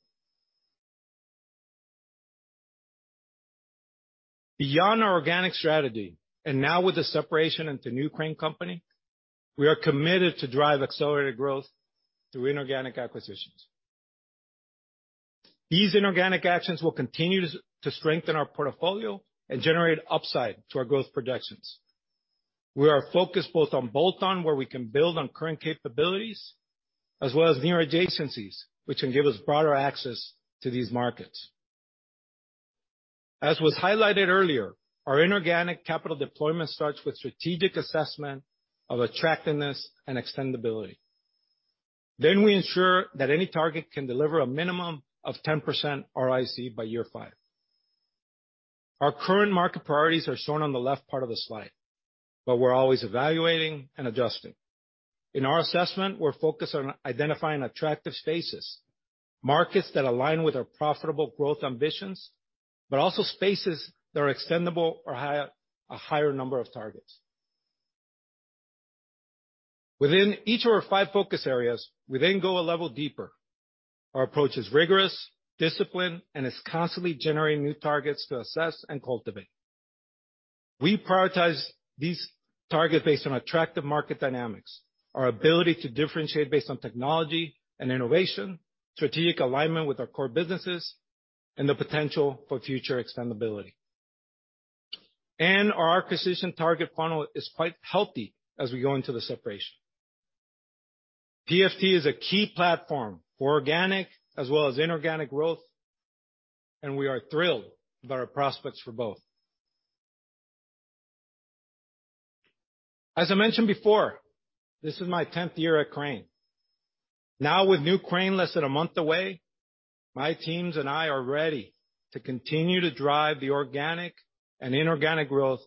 Beyond our organic strategy, and now with the separation into new Crane Company, we are committed to drive accelerated growth through inorganic acquisitions. These inorganic actions will continue to strengthen our portfolio and generate upside to our growth projections. We are focused both on bolt-on, where we can build on current capabilities, as well as near adjacencies, which can give us broader access to these markets. As was highlighted earlier, our inorganic capital deployment starts with strategic assessment of attractiveness and extendability. We ensure that any target can deliver a minimum of 10% ROIC by year 5. Our current market priorities are shown on the left part of the slide, we're always evaluating and adjusting. In our assessment, we're focused on identifying attractive spaces, markets that align with our profitable growth ambitions, also spaces that are extendable or a higher number of targets. Within each of our 5 focus areas, we go a level deeper. Our approach is rigorous, disciplined, and is constantly generating new targets to assess and cultivate. We prioritize these targets based on attractive market dynamics, our ability to differentiate based on technology and innovation, strategic alignment with our core businesses, and the potential for future extendability. Our acquisition target funnel is quite healthy as we go into the separation. PFT is a key platform for organic as well as inorganic growth, and we are thrilled with our prospects for both. As I mentioned before, this is my 10th year at Crane Company. Now, with Crane Company less than a month away, my teams and I are ready to continue to drive the organic and inorganic growth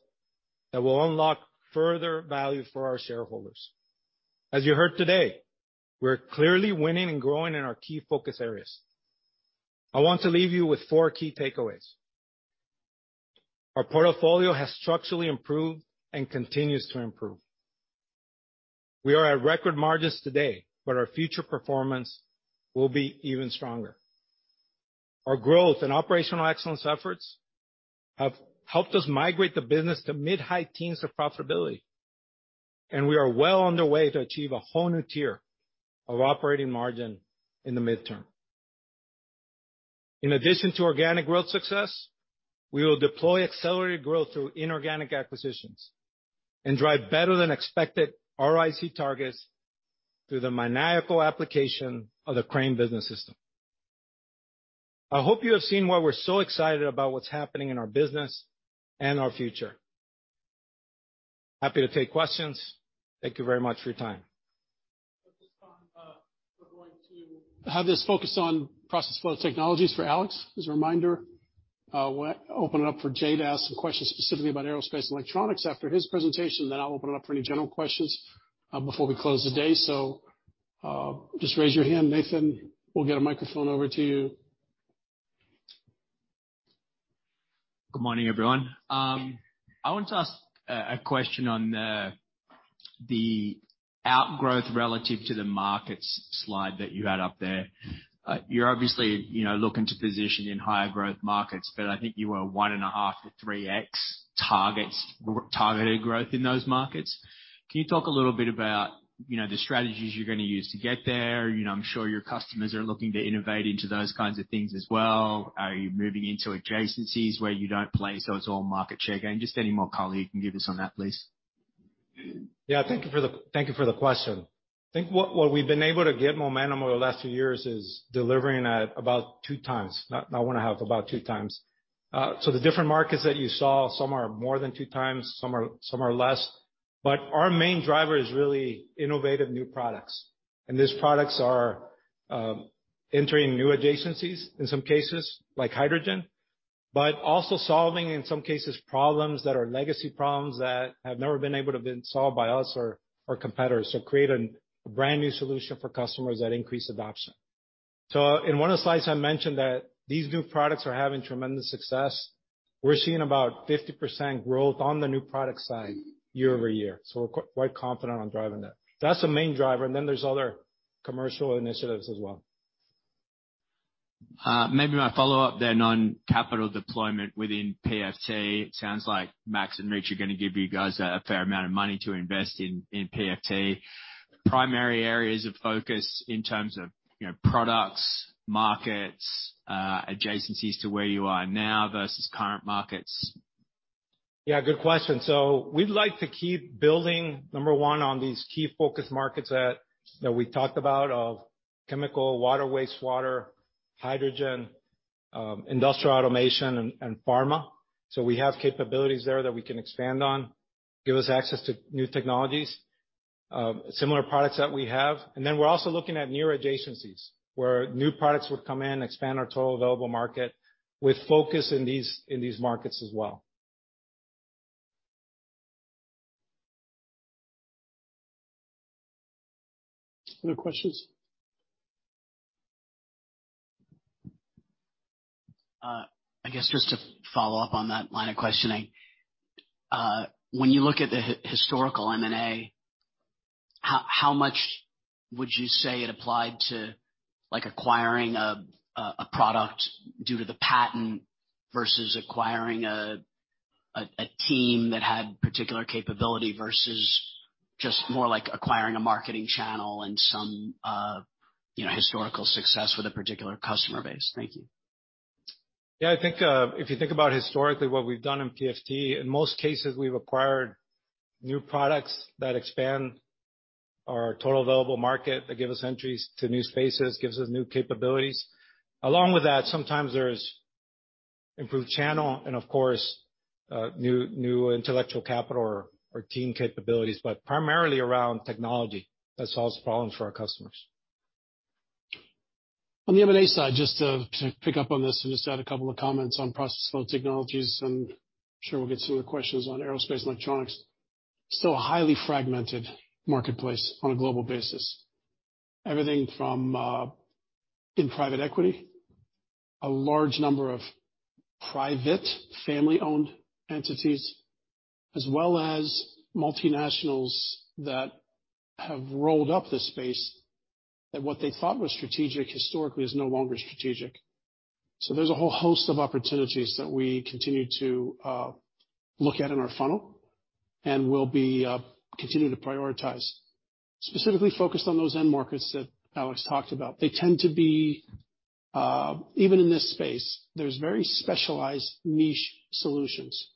that will unlock further value for our shareholders. As you heard today, we're clearly winning and growing in our key focus areas. I want to leave you with four key takeaways. Our portfolio has structurally improved and continues to improve. We are at record margins today, but our future performance will be even stronger. Our growth and operational excellence efforts have helped us migrate the business to mid-high teens of profitability, and we are well underway to achieve a whole new tier of operating margin in the midterm. In addition to organic growth success, we will deploy accelerated growth through inorganic acquisitions and drive better than expected ROIC targets through the maniacal application of the Crane Business System. I hope you have seen why we're so excited about what's happening in our business and our future. Happy to take questions. Thank you very much for your time.
At this time, we're going to have this focused on process flow technologies for Alex. As a reminder, we'll open it up for Jay to ask some questions specifically about aerospace and electronics after his presentation, then I'll open it up for any general questions before we close the day. Just raise your hand. Nathan will get a microphone over to you.
Good morning, everyone. I want to ask a question on the outgrowth relative to the markets slide that you had up there. You're obviously, you know, looking to position in higher-growth markets, but I think you were 1.5x-3x targeted growth in those markets. Can you talk a little bit about, you know, the strategies you're gonna use to get there? You know, I'm sure your customers are looking to innovate into those kinds of things as well. Are you moving into adjacencies where you don't play so it's all market share gain? Just any more color you can give us on that, please.
Yeah, thank you for the question. I think what we've been able to get momentum over the last few years is delivering at about 2 times, not 1.5, about 2 times. The different markets that you saw, some are more than 2 times, some are less. Our main driver is really innovative new products. These products are entering new adjacencies in some cases, like hydrogen, but also solving, in some cases, problems that are legacy problems that have never been able to have been solved by us or competitors. Create a brand new solution for customers that increase adoption. In 1 of the slides, I mentioned that these new products are having tremendous success. We're seeing about 50% growth on the new product side year-over-year, so we're quite confident on driving that. That's the main driver, and then there's other commercial initiatives as well.
Maybe my follow-up on capital deployment within PFT. Sounds like Max and Rich are gonna give you guys a fair amount of money to invest in PFT. Primary areas of focus in terms of, you know, products, markets, adjacencies to where you are now versus current markets.
Yeah, good question. We'd like to keep building, number one, on these key focus markets that we talked about of chemical, water, wastewater, hydrogen, industrial automation and pharma. We have capabilities there that we can expand on, give us access to new technologies, similar products that we have. We're also looking at new adjacencies, where new products would come in, expand our total available market with focus in these markets as well.
Other questions?
I guess just to follow up on that line of questioning. When you look at the historical M&A, how much would you say it applied to, like, acquiring a product due to the patent versus acquiring a team that had particular capability versus just more like acquiring a marketing channel and some, you know, historical success with a particular customer base? Thank you.
Yeah, I think, if you think about historically what we've done in PFT, in most cases, we've acquired new products that expand our total available market, that give us entries to new spaces, gives us new capabilities. Along with that, sometimes there's improved channel and of course, new intellectual capital or team capabilities, but primarily around technology that solves problems for our customers.
On the M&A side, just to pick up on this and just add a couple of comments on process flow technologies, and I'm sure we'll get some of the questions on aerospace and electronics. Still a highly fragmented marketplace on a global basis. Everything from in private equity, a large number of private family-owned entities, as well as multinationals that have rolled up the space that what they thought was strategic historically is no longer strategic. There's a whole host of opportunities that we continue to look at in our funnel and will be continue to prioritize. Specifically focused on those end markets that Alex talked about. They tend to be even in this space, there's very specialized niche solutions.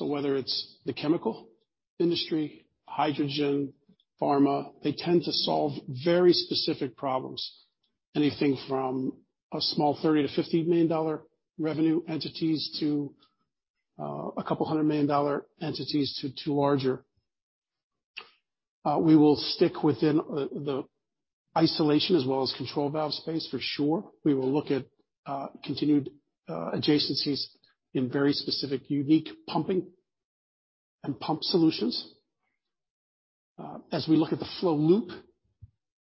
Whether it's the chemical industry, hydrogen, pharma, they tend to solve very specific problems. Anything from a small $30 million-$50 million revenue entities to a $couple hundred million entities to larger. We will stick within the isolation as well as control valve space for sure. We will look at continued adjacencies in very specific, unique pumping and pump solutions. As we look at the flow loop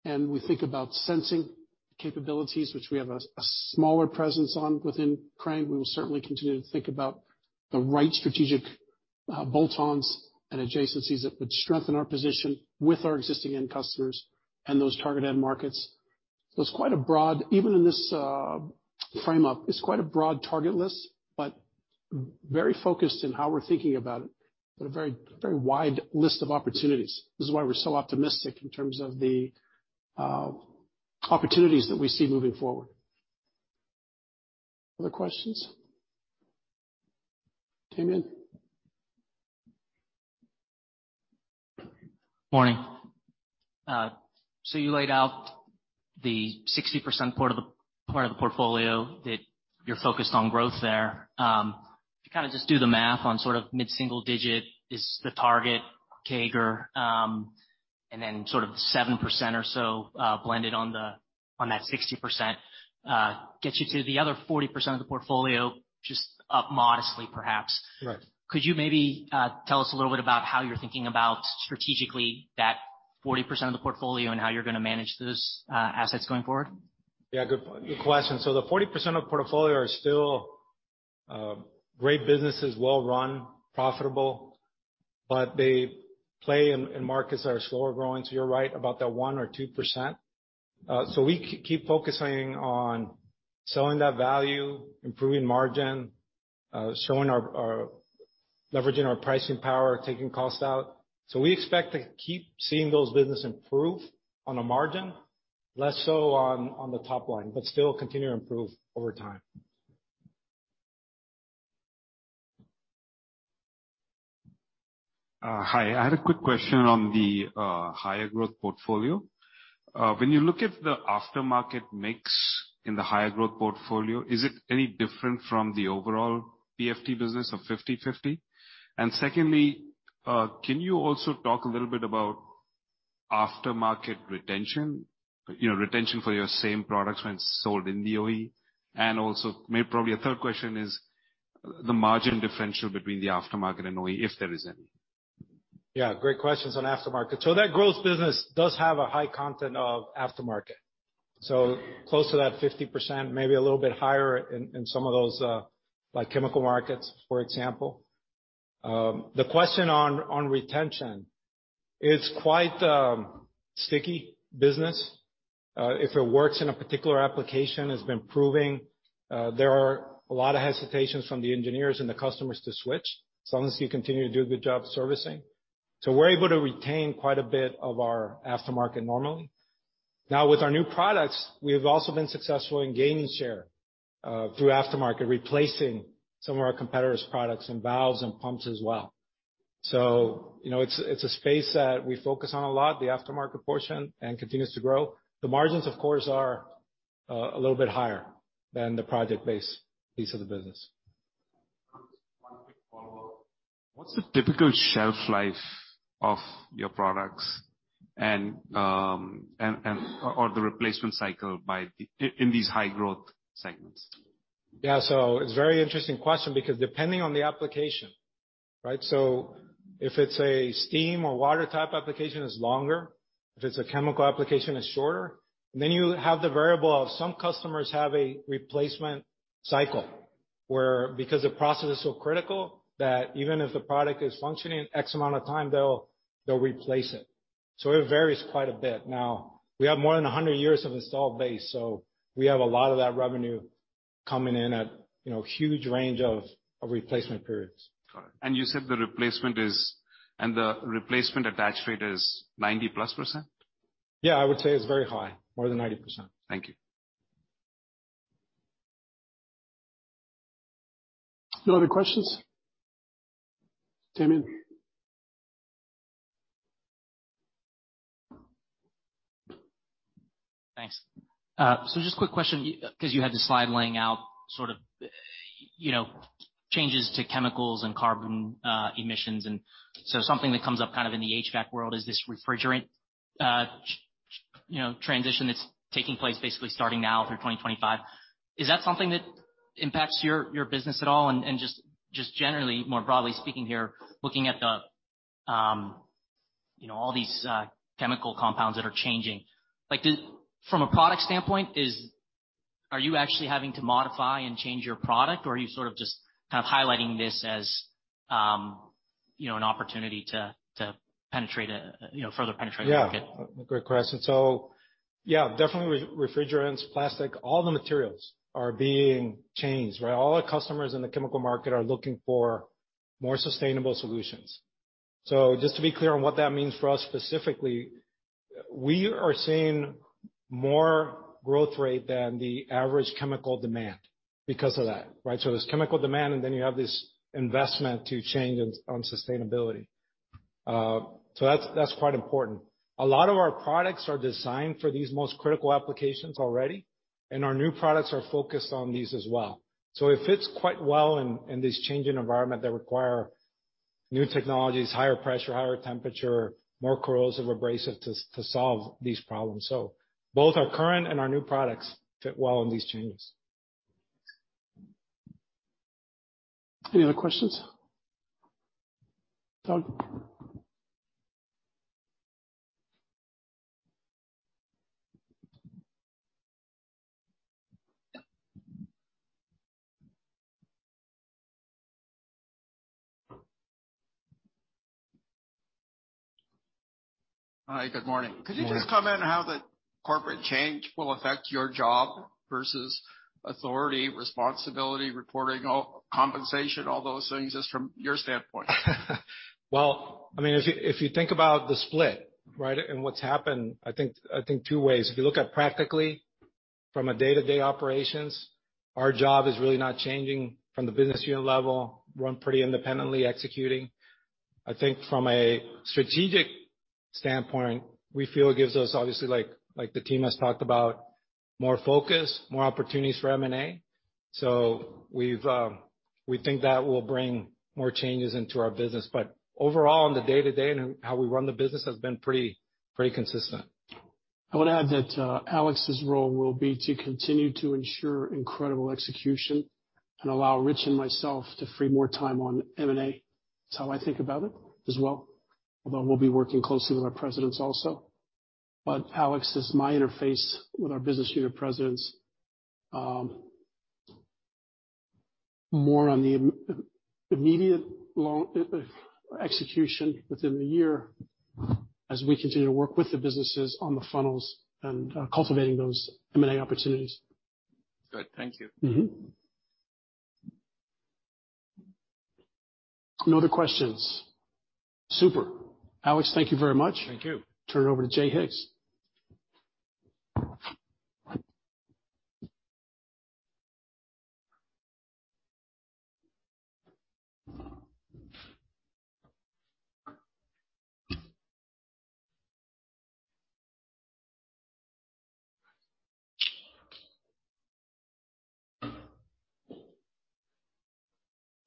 and we think about sensing capabilities, which we have a smaller presence on within Crane, we will certainly continue to think about the right strategic bolt-ons and adjacencies that would strengthen our position with our existing end customers and those target end markets. It's quite a broad, even in this frame-up, it's quite a broad target list, but very focused in how we're thinking about it, but a very, very wide list of opportunities. This is why we're so optimistic in terms of the opportunities that we see moving forward. Other questions? Damian?
Morning. You laid out the 60% part of the, part of the portfolio that you're focused on growth there. If you kinda just do the math on sort of mid-single-digit is the target CAGR, and then sort of 7% or so, blended on the, on that 60%, gets you to the other 40% of the portfolio, just up modestly, perhaps.
Right.
Could you maybe tell us a little bit about how you're thinking about strategically that 40% of the portfolio and how you're gonna manage those assets going forward?
Yeah, good question. The 40% of portfolio are still great businesses, well run, profitable, but they play in markets that are slower growing. You're right, about that 1% or 2%. We keep focusing on selling that value, improving margin, showing our leveraging our pricing power, taking costs out. We expect to keep seeing those business improve on a margin, less so on the top line, but still continue to improve over time.
Hi. I had a quick question on the higher-growth portfolio. When you look at the aftermarket mix in the higher-growth portfolio, is it any different from the overall PFT business of 50/50? Secondly, can you also talk a little bit about aftermarket retention? You know, retention for your same products when it's sold in the OE. Also, probably a third question is the margin differential between the aftermarket and OE, if there is any.
Yeah, great questions on aftermarket. That growth business does have a high content of aftermarket. Close to that 50%, maybe a little bit higher in some of those, like chemical markets, for example. The question on retention, it's quite sticky business. If it works in a particular application, it's been proving, there are a lot of hesitations from the engineers and the customers to switch, as long as you continue to do a good job servicing. We're able to retain quite a bit of our aftermarket normally. Now, with our new products, we've also been successful in gaining share through aftermarket, replacing some of our competitors products and valves and pumps as well. You know, it's a space that we focus on a lot, the aftermarket portion, and continues to grow. The margins, of course, are a little bit higher than the project-based piece of the business.
One quick follow-up. What's the typical shelf life of your products and or the replacement cycle in these high growth segments?
It's a very interesting question because depending on the application, right? If it's a steam or water type application, it's longer. If it's a chemical application, it's shorter. You have the variable of some customers have a replacement cycle where because the process is so critical that even if the product is functioning X amount of time, they'll replace it. It varies quite a bit. Now, we have more than 100 years of installed base, we have a lot of that revenue coming in at, you know, huge range of replacement periods.
Got it. You said the replacement attach rate is 90-plus %?
Yeah, I would say it's very high, more than 90%.
Thank you.
No other questions? Damian.
Thanks. Just a quick question, you, 'cause you had the slide laying out sort of, you know, changes to chemicals and carbon emissions. Something that comes up kind of in the HVAC world is this refrigerant, you know, transition that's taking place basically starting now through 2025. Is that something that impacts your business at all? Just generally, more broadly speaking here, looking at the, you know, all these, chemical compounds that are changing. Like, From a product standpoint, are you actually having to modify and change your product, or are you sort of just kind of highlighting this as, you know, an opportunity to penetrate a, you know, further penetrate the market?
Great question. Yeah, definitely refrigerants, plastic, all the materials are being changed, right? All our customers in the chemical market are looking for more sustainable solutions. Just to be clear on what that means for us specifically, we are seeing more growth rate than the average chemical demand because of that, right? There's chemical demand, and then you have this investment to change on sustainability. That's quite important. A lot of our products are designed for these most critical applications already, and our new products are focused on these as well. It fits quite well in this changing environment that require new technologies, higher pressure, higher temperature, more corrosive, abrasive to solve these problems. Both our current and our new products fit well in these changes.
Any other questions? Doug. Hi, good morning. Good morning. Could you just comment on how the corporate change will affect your job versus authority, responsibility, reporting, compensation, all those things, just from your standpoint?
Well, I mean, if you think about the split, right, and what's happened, I think two ways. If you look at practically from a day-to-day operations, our job is really not changing from the business unit level. We're pretty independently executing. I think from a strategic standpoint, we feel it gives us obviously like the team has talked about, more focus, more opportunities for M&A. We think that will bring more changes into our business. Overall, on the day-to-day and how we run the business has been pretty consistent.
I wanna add that Alex's role will be to continue to ensure incredible execution and allow Rich and myself to free more time on M&A. That's how I think about it as well, although we'll be working closely with our presidents also. Alex is my interface with our business unit presidents, more on the immediate long execution within the year as we continue to work with the businesses on the funnels and cultivating those M&A opportunities. Good. Thank you. Mm-hmm. No other questions. Super. Alex, thank you very much.
Thank you.
Turn it over to Jay Higgs.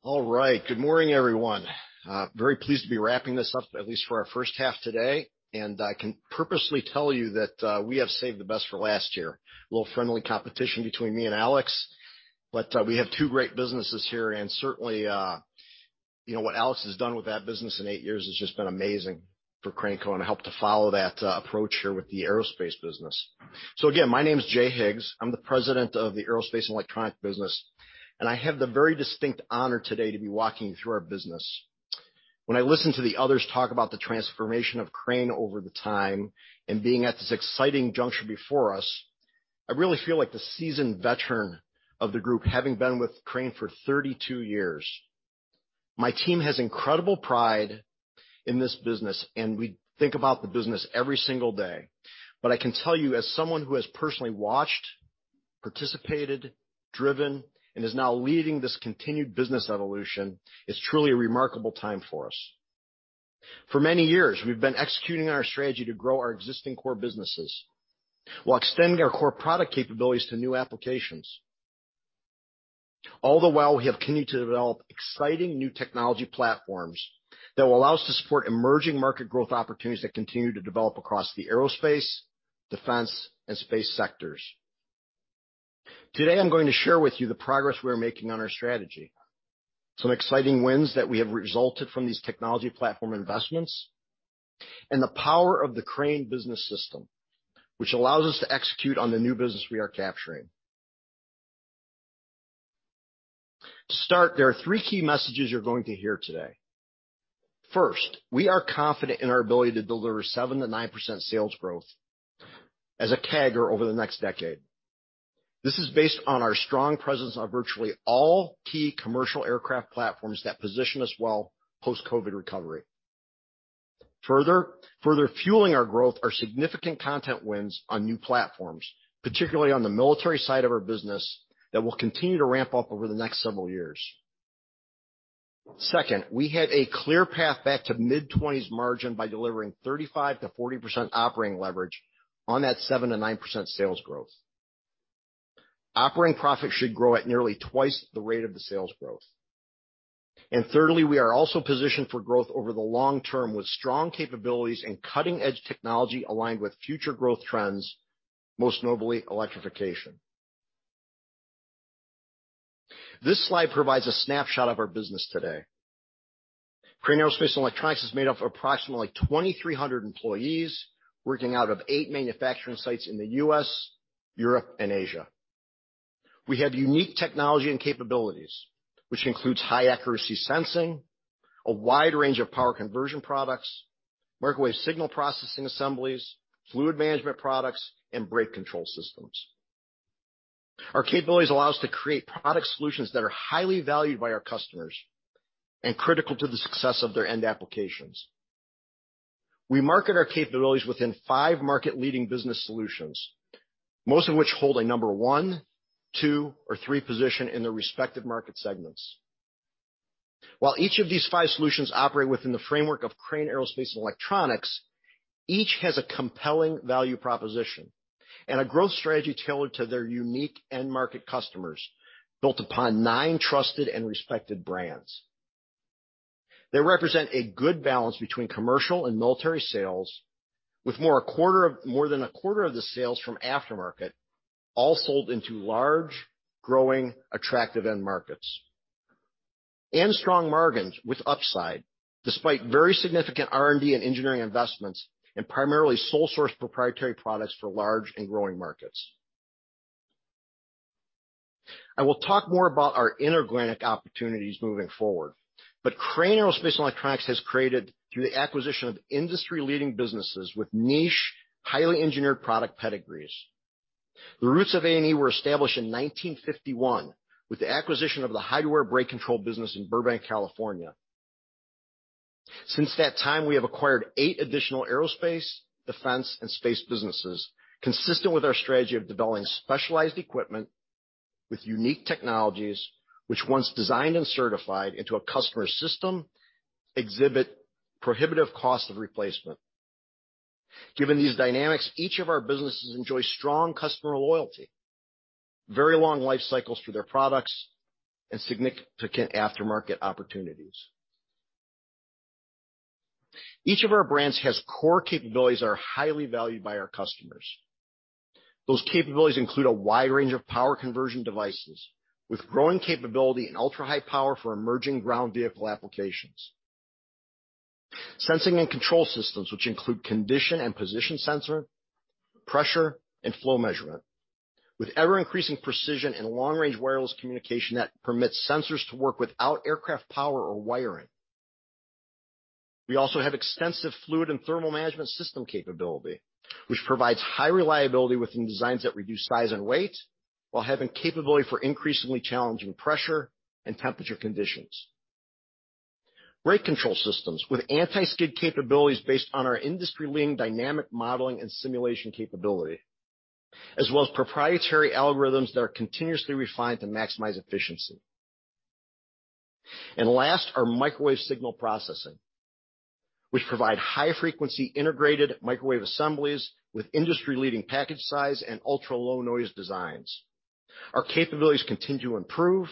All right. Good morning, everyone. Very pleased to be wrapping this up, at least for our first half today. I can purposely tell you that we have saved the best for last year. A little friendly competition between me and Alex, but we have two great businesses here. Certainly, you know, what Alex has done with that business in 8 years has just been amazing for Crane Co. I hope to follow that approach here with the aerospace business. Again, my name is Jay Higgs. I'm the president of the Aerospace and Electronic business, and I have the very distinct honor today to be walking you through our business. When I listen to the others talk about the transformation of Crane over the time and being at this exciting juncture before us, I really feel like the seasoned veteran of the group, having been with Crane for 32 years. My team has incredible pride in this business, and we think about the business every single day. But I can tell you, as someone who has personally watched, participated, driven, and is now leading this continued business evolution, it's truly a remarkable time for us. For many years, we've been executing our strategy to grow our existing core businesses while extending our core product capabilities to new applications. All the while, we have continued to develop exciting new technology platforms that will allow us to support emerging market growth opportunities that continue to develop across the aerospace, defense, and space sectors. Today, I'm going to share with you the progress we are making on our strategy, some exciting wins that we have resulted from these technology platform investments, and the power of the Crane Business System, which allows us to execute on the new business we are capturing. To start, there are three key messages you're going to hear today. First, we are confident in our ability to deliver 7% to 9% sales growth as a CAGR over the next decade. This is based on our strong presence on virtually all key commercial aircraft platforms that position us well post-COVID recovery. Further fueling our growth are significant content wins on new platforms, particularly on the military side of our business, that will continue to ramp up over the next several years. Second, we had a clear path back to mid-20s margin by delivering 35%-40% operating leverage on that 7%-9% sales growth. Operating profit should grow at nearly twice the rate of the sales growth. Thirdly, we are also positioned for growth over the long term with strong capabilities and cutting-edge technology aligned with future growth trends, most notably electrification. This slide provides a snapshot of our business today. Crane Aerospace & Electronics is made up of approximately 2,300 employees working out of eight manufacturing sites in the U.S., Europe, and Asia. We have unique technology and capabilities, which includes high-accuracy sensing, a wide range of power conversion products, microwave signal processing assemblies, fluid management products, and brake control systems. Our capabilities allow us to create product solutions that are highly valued by our customers and critical to the success of their end applications. We market our capabilities within five market-leading business solutions, most of which hold a number one, two, or three position in their respective market segments. While each of these five solutions operate within the framework of Crane Aerospace & Electronics, each has a compelling value proposition and a growth strategy tailored to their unique end-market customers, built upon nine trusted and respected brands. They represent a good balance between commercial and military sales, with more than a quarter of the sales from aftermarket, all sold into large, growing, attractive end markets. Strong margins with upside, despite very significant R&D and engineering investments in primarily sole-source proprietary products for large and growing markets. I will talk more about our inorganic opportunities moving forward. Crane Aerospace & Electronics has created, through the acquisition of industry-leading businesses with niche, highly engineered product pedigrees. The roots of A&E were established in 1951 with the acquisition of the Hydro-Aire Brake Control business in Burbank, California. Since that time, we have acquired eight additional aerospace, defense, and space businesses consistent with our strategy of developing specialized equipment with unique technologies, which once designed and certified into a customer's system, exhibit the prohibitive cost of replacement. Given these dynamics, each of our businesses enjoy strong customer loyalty, very long life cycles through their products, and significant aftermarket opportunities. Each of our brands has core capabilities that are highly valued by our customers. Those capabilities include a wide range of power conversion devices with growing capability in ultra-high power for emerging ground vehicle applications. Sensing and control systems, which include condition and position sensors, pressure, and flow measurement with ever-increasing precision and long-range wireless communication that permits sensors to work without aircraft power or wiring. We also have extensive fluid and thermal management system capability, which provides high reliability within designs that reduce size and weight while having the capability for increasingly challenging pressure and temperature conditions. Brake control systems with anti-skid capabilities based on our industry-leading dynamic modeling and simulation capability, as well as proprietary algorithms that are continuously refined to maximize efficiency. Last, our microwave signal processing, which provide high frequency integrated microwave assemblies with industry-leading package size and ultra-low noise designs. Our capabilities continue to improve,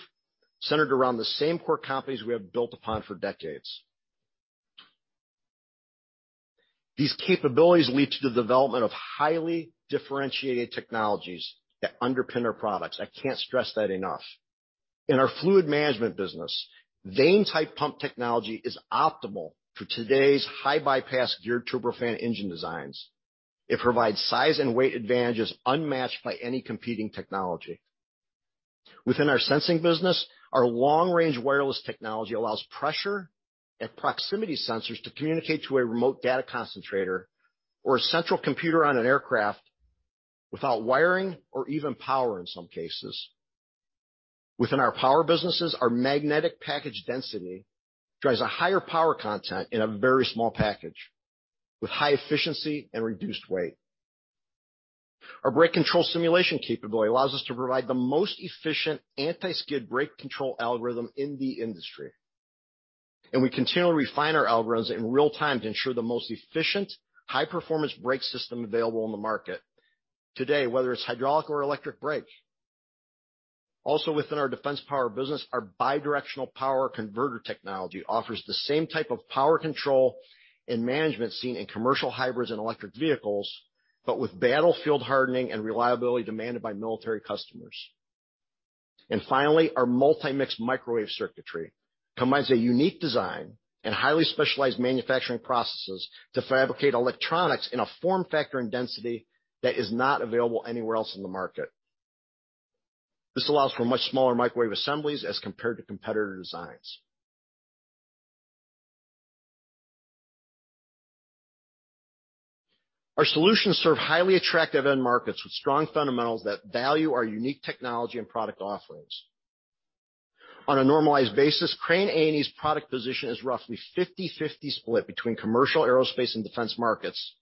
centered around the same core companies we have built upon for decades. These capabilities lead to the development of highly differentiated technologies that underpin our products. I can't stress that enough. In our fluid management business, vane-type pump technology is optimal for today's high bypass geared turbofan engine designs. It provides size and weight advantages unmatched by any competing technology. Within our sensing business, our long-range wireless technology allows pressure and proximity sensors to communicate to a remote data concentrator or a central computer on an aircraft without wiring or even power in some cases. Within our power businesses, our magnetic package density drives a higher power content in a very small package with high efficiency and reduced weight. Our brake control simulation capability allows us to provide the most efficient anti-skid brake control algorithm in the industry, and we continually refine our algorithms in real time to ensure the most efficient, high-performance brake system available on the market today, whether it's hydraulic or electric brakes. Within our defense power business, our bi-directional power converter technology offers the same type of power control and management seen in commercial hybrids and electric vehicles, but with battlefield hardening and reliability demanded by military customers. Finally, our multi-mix microwave circuitry combines a unique design and highly specialized manufacturing processes to fabricate electronics in a form factor and density that is not available anywhere else in the market. This allows for much smaller microwave assemblies as compared to competitor designs. Our solutions serve highly attractive end markets with strong fundamentals that value our unique technology and product offerings. On a normalized basis, Crane A&E's product position is roughly a 50/50 split between commercial aerospace and defense markets,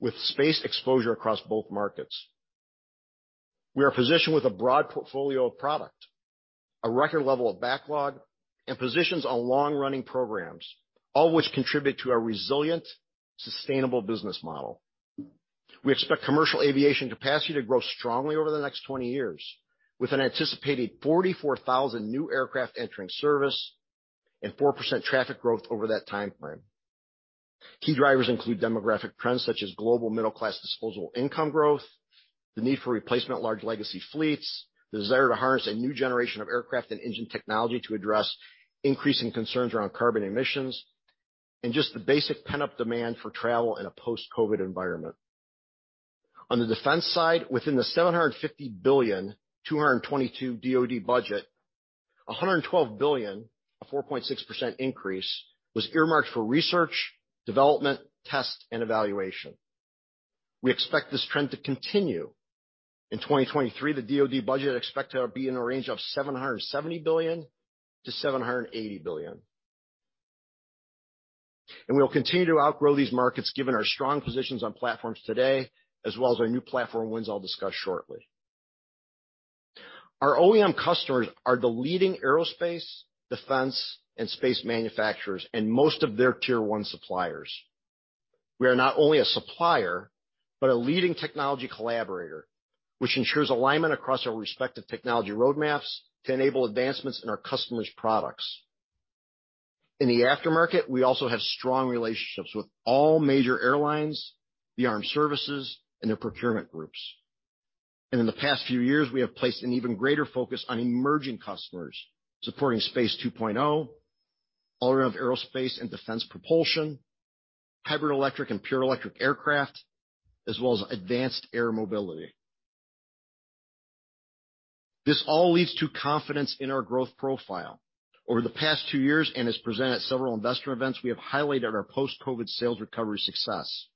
with space exposure across both markets. We are positioned with a broad portfolio of product, a record level of backlog, and positions on long-running programs, all which contribute to our resilient, sustainable business model. We expect commercial aviation capacity to grow strongly over the next 20 years, with an anticipated 44,000 new aircraft entering service and 4% traffic growth over that time frame. Key drivers include demographic trends such as global middle-class disposable income growth, the need for replacement large legacy fleets, the desire to harness a new generation of aircraft and engine technology to address increasing concerns around carbon emissions, and just the basic pent-up demand for travel in a post-COVID environment. On the defense side, within the $750 billion 222 DoD budget, $112 billion, a 4.6% increase, was earmarked for research, development, test, and evaluation. We expect this trend to continue. In 2023, the DoD budget is expected to be in a range of $770 billion-$780 billion. We will continue to outgrow these markets given our strong positions on platforms today, as well as our new platform wins I'll discuss shortly. Our OEM customers are the leading aerospace, defense, and space manufacturers, and most of their Tier One suppliers. We are not only a supplier, but a leading technology collaborator, which ensures alignment across our respective technology roadmaps to enable advancements in our customers' products. In the aftermarket, we also have strong relationships with all major airlines, the armed services, and their procurement groups. In the past few years, we have placed an even greater focus on emerging customers supporting Space 2.0, all around aerospace and defense propulsion, hybrid electric and pure electric aircraft, as well as advanced air mobility. This all leads to confidence in our growth profile. Over the past 2 years, and as presented at several investor events, we have highlighted our post-COVID sales recovery success.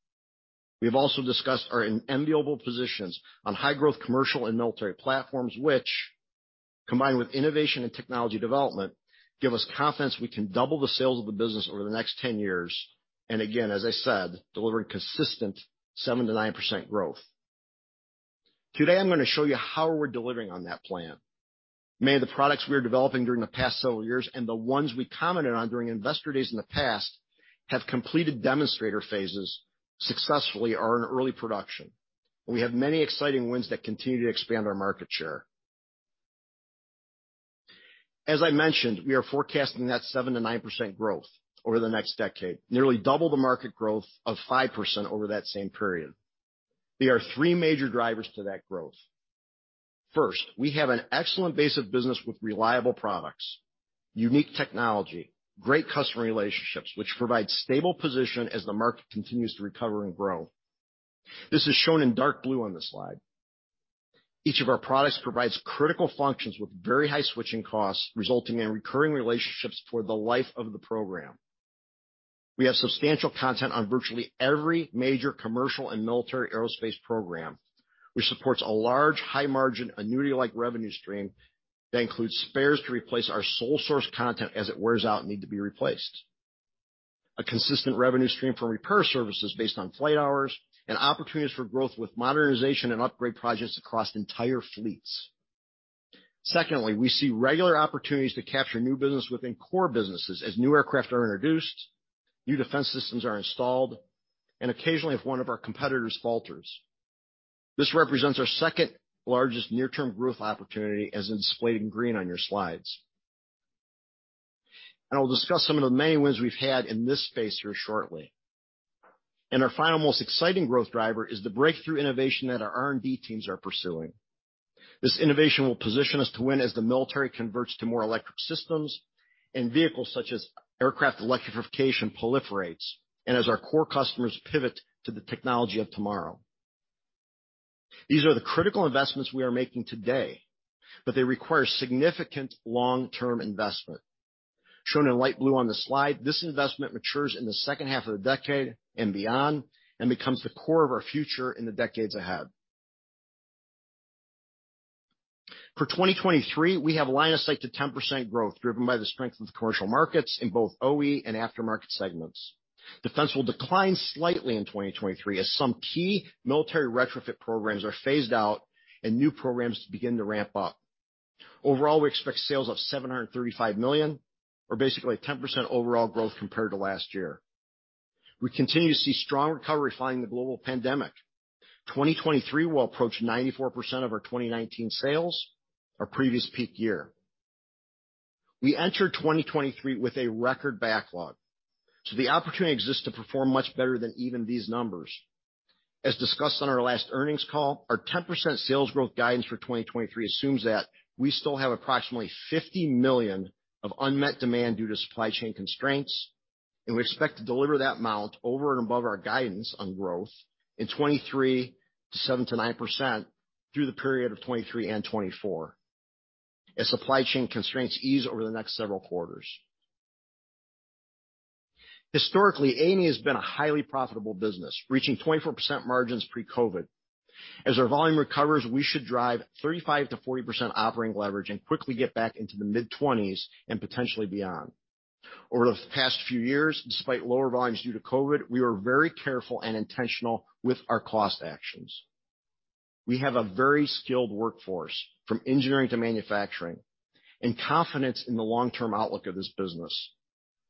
We have also discussed our enviable positions on high-growth commercial and military platforms, which, combined with innovation and technology development, give us confidence we can double the sales of the business over the next 10 years, and again, as I said, delivering consistent 7%-9% growth. Today, I'm going to show you how we're delivering on that plan. Many of the products we are developing during the past several years and the ones we commented on during Investor Days in the past have completed demonstrator phases successfully or are in early production. We have many exciting wins that continue to expand our market share. As I mentioned, we are forecasting that 7% to 9% growth over the next decade, nearly double the market growth of 5% over that same period. There are three major drivers to that growth. First, we have an excellent base of business with reliable products, unique technology, great customer relationships, which provide stable position as the market continues to recover and grow. This is shown in dark blue on this slide. Each of our products provides critical functions with very high switching costs, resulting in recurring relationships for the life of the program. We have substantial content on virtually every major commercial and military aerospace program, which supports a large, high-margin annuity-like revenue stream that includes spares to replace our sole source content as it wears out and need to be replaced. A consistent revenue stream for repair services based on flight hours and opportunities for growth with modernization and upgrade projects across entire fleets. Secondly, we see regular opportunities to capture new business within core businesses as new aircraft are introduced, new defense systems are installed, and occasionally, if one of our competitors falters. This represents our second-largest near-term growth opportunity, as indicated in green on your slides. I'll discuss some of the many wins we've had in this space here shortly. Our final, most exciting growth driver is the breakthrough innovation that our R&D teams are pursuing. This innovation will position us to win as the military converts to more electric systems and vehicles such as aircraft electrification proliferates, and as our core customers pivot to the technology of tomorrow. These are the critical investments we are making today, but they require significant long-term investment. Shown in light blue on the slide, this investment matures in the second half of the decade and beyond and becomes the core of our future in the decades ahead. For 2023, we have line of sight to 10% growth, driven by the strength of the commercial markets in both OE and aftermarket segments. Defense will decline slightly in 2023 as some key military retrofit programs are phased out and new programs begin to ramp up. Overall, we expect sales of $735 million or basically a 10% overall growth compared to last year. We continue to see strong recovery following the global pandemic. 2023 will approach 94% of our 2019 sales, our previous peak year. We enter 2023 with a record backlog, the opportunity exists to perform much better than even these numbers. As discussed on our last earnings call, our 10% sales growth guidance for 2023 assumes that we still have approximately $50 million of unmet demand due to supply chain constraints. We expect to deliver that amount over and above our guidance on growth in 2023 to 7%-9% through the period of 2023 and 2024, as supply chain constraints ease over the next several quarters. Historically, A&E has been a highly profitable business, reaching 24% margins pre-COVID. As our volume recovers, we should drive 35% to 40% operating leverage and quickly get back into the mid-20s and potentially beyond. Over the past few years, despite lower volumes due to COVID, we were very careful and intentional with our cost actions. We have a very skilled workforce, from engineering to manufacturing, and confidence in the long-term outlook of this business.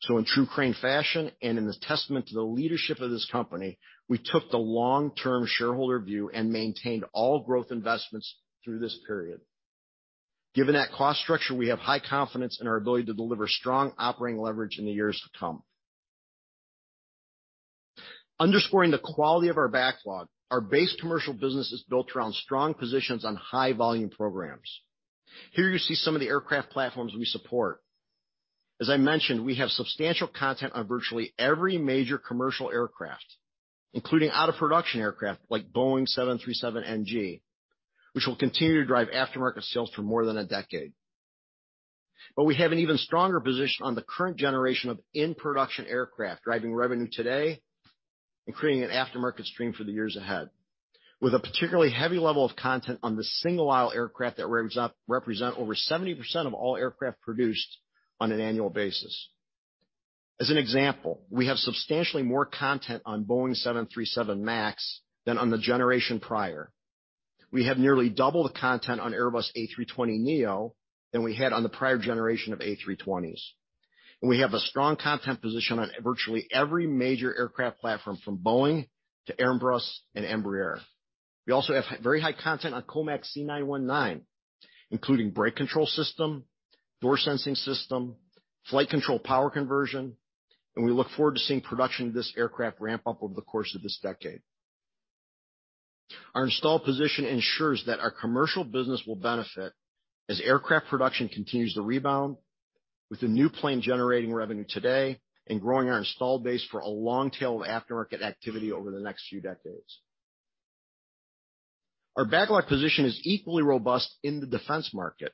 In true Crane fashion and in the testament to the leadership of this company, we took the long-term shareholder view and maintained all growth investments through this period. Given that cost structure, we have high confidence in our ability to deliver strong operating leverage in the years to come. Underscoring the quality of our backlog, our base commercial business is built around strong positions on high-volume programs. Here you see some of the aircraft platforms we support. As I mentioned, we have substantial content on virtually every major commercial aircraft, including out-of-production aircraft like Boeing 737 NG, which will continue to drive aftermarket sales for more than a decade. We have an even stronger position on the current generation of in-production aircraft, driving revenue today and creating an aftermarket stream for the years ahead. With a particularly heavy level of content on the single-aisle aircraft that represent over 70% of all aircraft produced on an annual basis. As an example, we have substantially more content on Boeing's 737 MAX than on the generation prior. We have nearly double the content on Airbus A320neo than we had on the prior generation of A320s. We have a strong content position on virtually every major aircraft platform, from Boeing to Airbus and Embraer. We also have very high content on COMAC C919, including brake control system, door sensing system, flight control power conversion, and we look forward to seeing production of this aircraft ramp up over the course of this decade. Our installed position ensures that our commercial business will benefit as aircraft production continues to rebound, with the new plane generating revenue today and growing our installed base for a long tail of aftermarket activity over the next few decades. Our backlog position is equally robust in the defense market.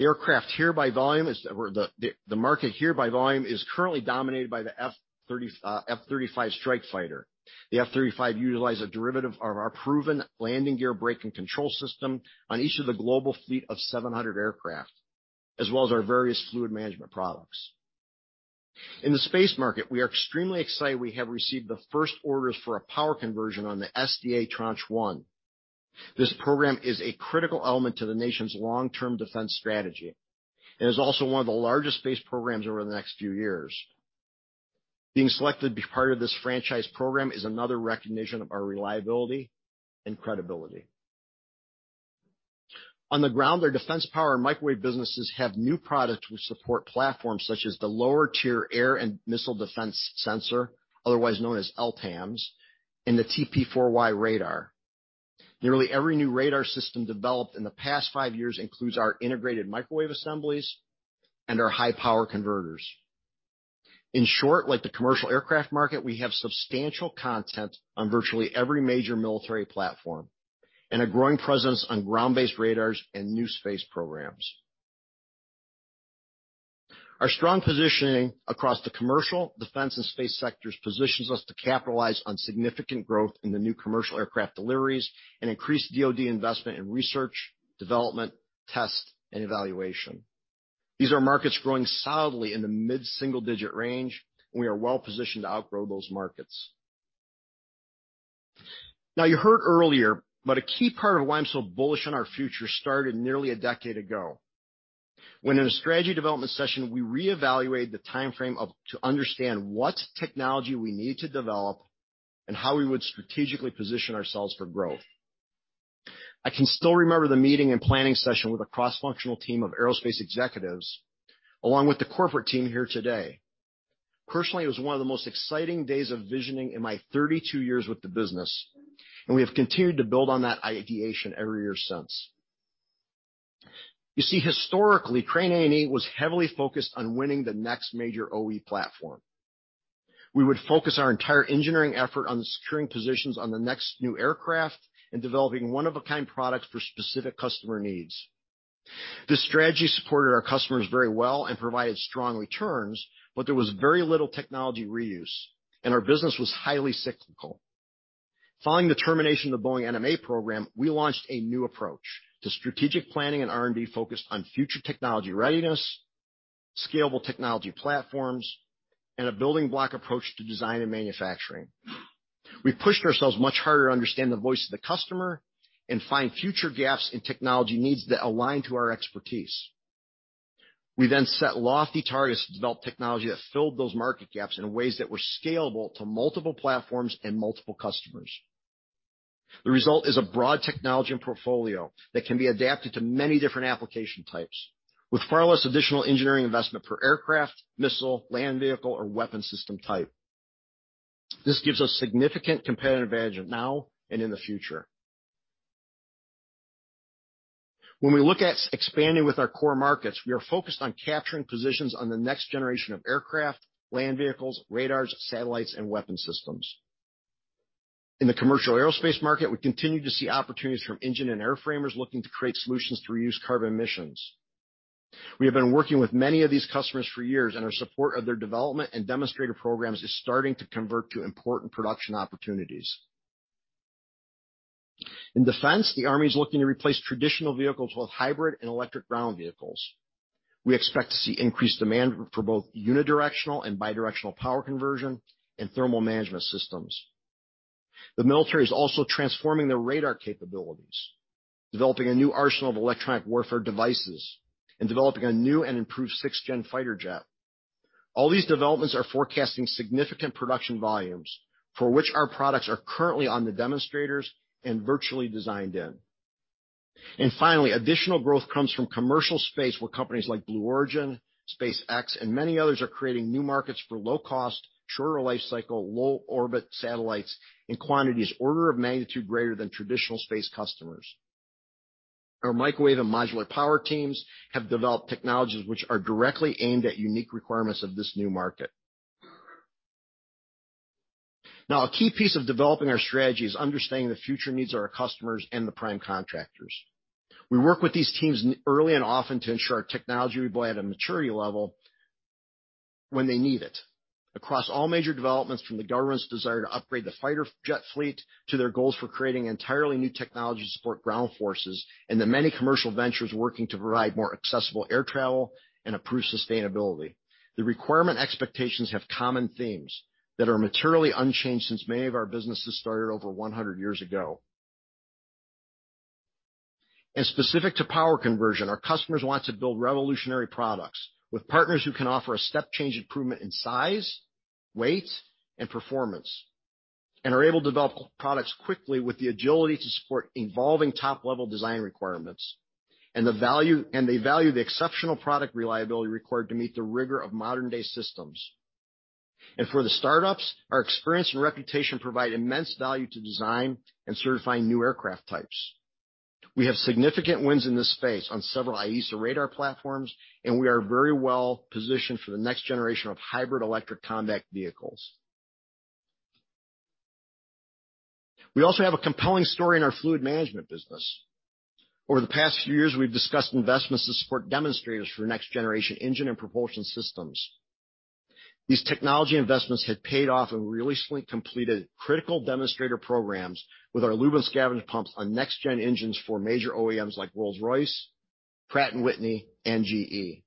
Aircraft here by volume Or the market here by volume is currently dominated by the F-35 F-35 Strike Fighter. The F-35 utilize a derivative of our proven landing gear braking control system on each of the global fleet of 700 aircraft, as well as our various fluid management products. In the space market, we are extremely excited we have received the first orders for a power conversion on the SDA Tranche 1. This program is a critical element to the nation's long-term defense strategy and is also one of the largest space programs over the next few years. Being selected to be part of this franchise program is another recognition of our reliability and credibility. On the ground, our defense power and microwave businesses have new products which support platforms such as the Lower Tier Air and Missile Defense Sensor, otherwise known as LTAMDS, and the TPY-4 radar. Nearly every new radar system developed in the past five years includes our integrated microwave assemblies and our high-power converters. In short, like the commercial aircraft market, we have substantial content on virtually every major military platform. A growing presence on ground-based radars and new space programs. Our strong positioning across the commercial, defense, and space sectors positions us to capitalize on significant growth in the new commercial aircraft deliveries and increased DoD investment in research, development, test, and evaluation. These are markets growing solidly in the mid-single digit range, we are well-positioned to outgrow those markets. You heard earlier that a key part of why I'm so bullish on our future started nearly a decade ago when in a strategy development session, we reevaluated the timeframe of to understand what technology we need to develop and how we would strategically position ourselves for growth. I can still remember the meeting and planning session with a cross-functional team of aerospace executives, along with the corporate team here today. Personally, it was one of the most exciting days of visioning in my 32 years with the business. We have continued to build on that ideation every year since. You see, historically, Crane A&E was heavily focused on winning the next major OE platform. We would focus our entire engineering effort on securing positions on the next new aircraft and developing one-of-a-kind products for specific customer needs. This strategy supported our customers very well and provided strong returns. There was very little technology reuse. Our business was highly cyclical. Following the termination of the Boeing NMA program, we launched a new approach to strategic planning and R&D focused on future technology readiness, scalable technology platforms, and a building block approach to design and manufacturing. We pushed ourselves much harder to understand the voice of the customer and find future gaps in technology needs that align to our expertise. We then set lofty targets to develop technology that filled those market gaps in ways that were scalable to multiple platforms and multiple customers. The result is a broad technology and portfolio that can be adapted to many different application types with far less additional engineering investment per aircraft, missile, land vehicle, or weapon system type. This gives us significant competitive advantage now and in the future. When we look at expanding with our core markets, we are focused on capturing positions on the next generation of aircraft, land vehicles, radars, satellites, and weapon systems. In the commercial aerospace market, we continue to see opportunities from engine and airframers looking to create solutions to reduce carbon emissions. We have been working with many of these customers for years, and our support of their development and demonstrator programs is starting to convert to important production opportunities. In defense, the Army is looking to replace traditional vehicles with hybrid and electric ground vehicles. We expect to see increased demand for both unidirectional and bidirectional power conversion and thermal management systems. The military is also transforming their radar capabilities, developing a new arsenal of electronic warfare devices, and developing a new and improved 6th-gen fighter jet. All these developments are forecasting significant production volumes for which our products are currently on the demonstrators and virtually designed in. Finally, additional growth comes from commercial space, where companies like Blue Origin, SpaceX, and many others are creating new markets for low cost, shorter lifecycle, low orbit satellites in quantities order of magnitude greater than traditional space customers. Our microwave and modular power teams have developed technologies which are directly aimed at unique requirements of this new market. A key piece of developing our strategy is understanding the future needs of our customers and the prime contractors. We work with these teams early and often to ensure our technology will be at a maturity level when they need it. Across all major developments, from the government's desire to upgrade the fighter jet fleet to their goals for creating entirely new technology to support ground forces and the many commercial ventures working to provide more accessible air travel and improve sustainability. The requirement expectations have common themes that are materially unchanged since many of our businesses started over 100 years ago. Specific to power conversion, our customers want to build revolutionary products with partners who can offer a step change improvement in size, weight, and performance, and are able to develop products quickly with the agility to support evolving top-level design requirements. They value the exceptional product reliability required to meet the rigor of modern-day systems. For the start-ups, our experience and reputation provide immense value to design and certifying new aircraft types. We have significant wins in this space on several AESA radar platforms, and we are very well-positioned for the next generation of hybrid electric combat vehicles. We also have a compelling story in our fluid management business. Over the past few years, we've discussed investments to support demonstrators for next generation engine and propulsion systems. These technology investments have paid off. We recently completed critical demonstrator programs with our lube and scavenge pumps on next-gen engines for major OEMs like Rolls-Royce, Pratt & Whitney, and GE.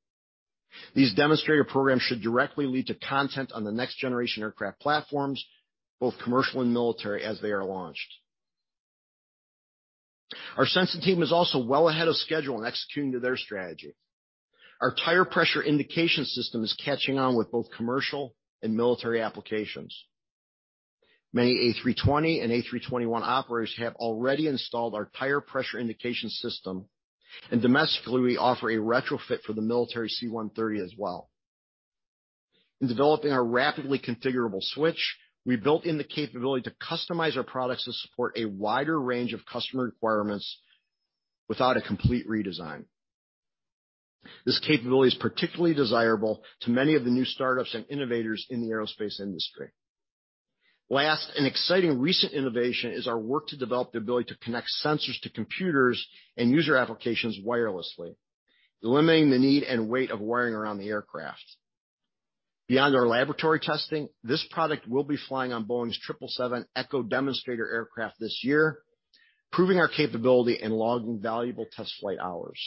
These demonstrator programs should directly lead to content on the next-generation aircraft platforms, both commercial and military, as they are launched. Our sensing team is also well ahead of schedule in executing to their strategy. Our tire pressure indication system is catching on with both commercial and military applications. Many A320 and A321 operators have already installed our tire pressure indication system. Domestically, we offer a retrofit for the military C-130 as well. In developing our rapidly configurable switch, we built in the capability to customize our products to support a wider range of customer requirements without a complete redesign. This capability is particularly desirable to many of the new start-ups and innovators in the aerospace industry. Last, an exciting recent innovation is our work to develop the ability to connect sensors to computers and user applications wirelessly, eliminating the need and weight of wiring around the aircraft. Beyond our laboratory testing, this product will be flying on Boeing's triple-seven Echo demonstrator aircraft this year, proving our capability in logging valuable test flight hours.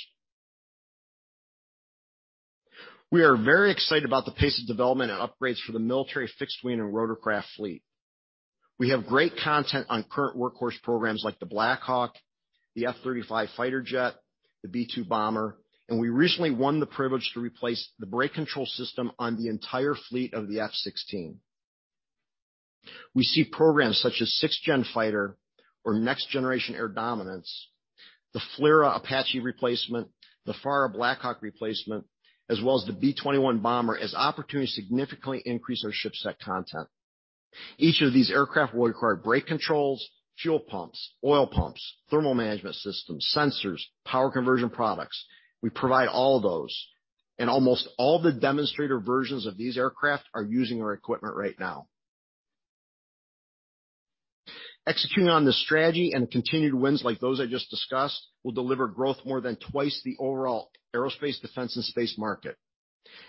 We are very excited about the pace of development and upgrades for the military fixed-wing and rotorcraft fleet. We have great content on current workhorse programs like the Black Hawk, the F-35 fighter jet, the B-2 bomber. We recently won the privilege to replace the brake control system on the entire fleet of the F-16. We see programs such as sixth-Gen-Fighter or Next Generation Air Dominance, the FLRAA Apache replacement, the FARA Black Hawk replacement, as well as the B-21 bomber, as opportunities to significantly increase our ship set content. Each of these aircraft will require brake controls, fuel pumps, oil pumps, thermal management systems, sensors, and power conversion products. We provide all of those. Almost all the demonstrator versions of these aircraft are using our equipment right now. Executing on this strategy and continued wins like those I just discussed, and will deliver growth more than twice the overall aerospace, defense, and space market.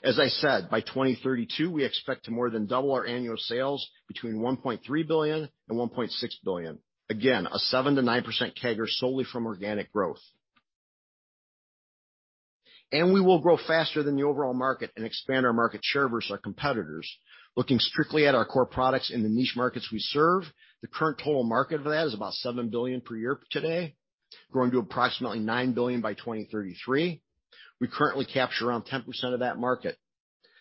As I said, by 2032, we expect to more than double our annual sales between $1.3 billion and $1.6 billion. Again, a 7%-9% CAGR solely from organic growth. We will grow faster than the overall market and expand our market share versus our competitors. Looking strictly at our core products in the niche markets we serve, the current total market for that is about $7 billion per year today, growing to approximately $9 billion by 2033. We currently capture around 10% of that market.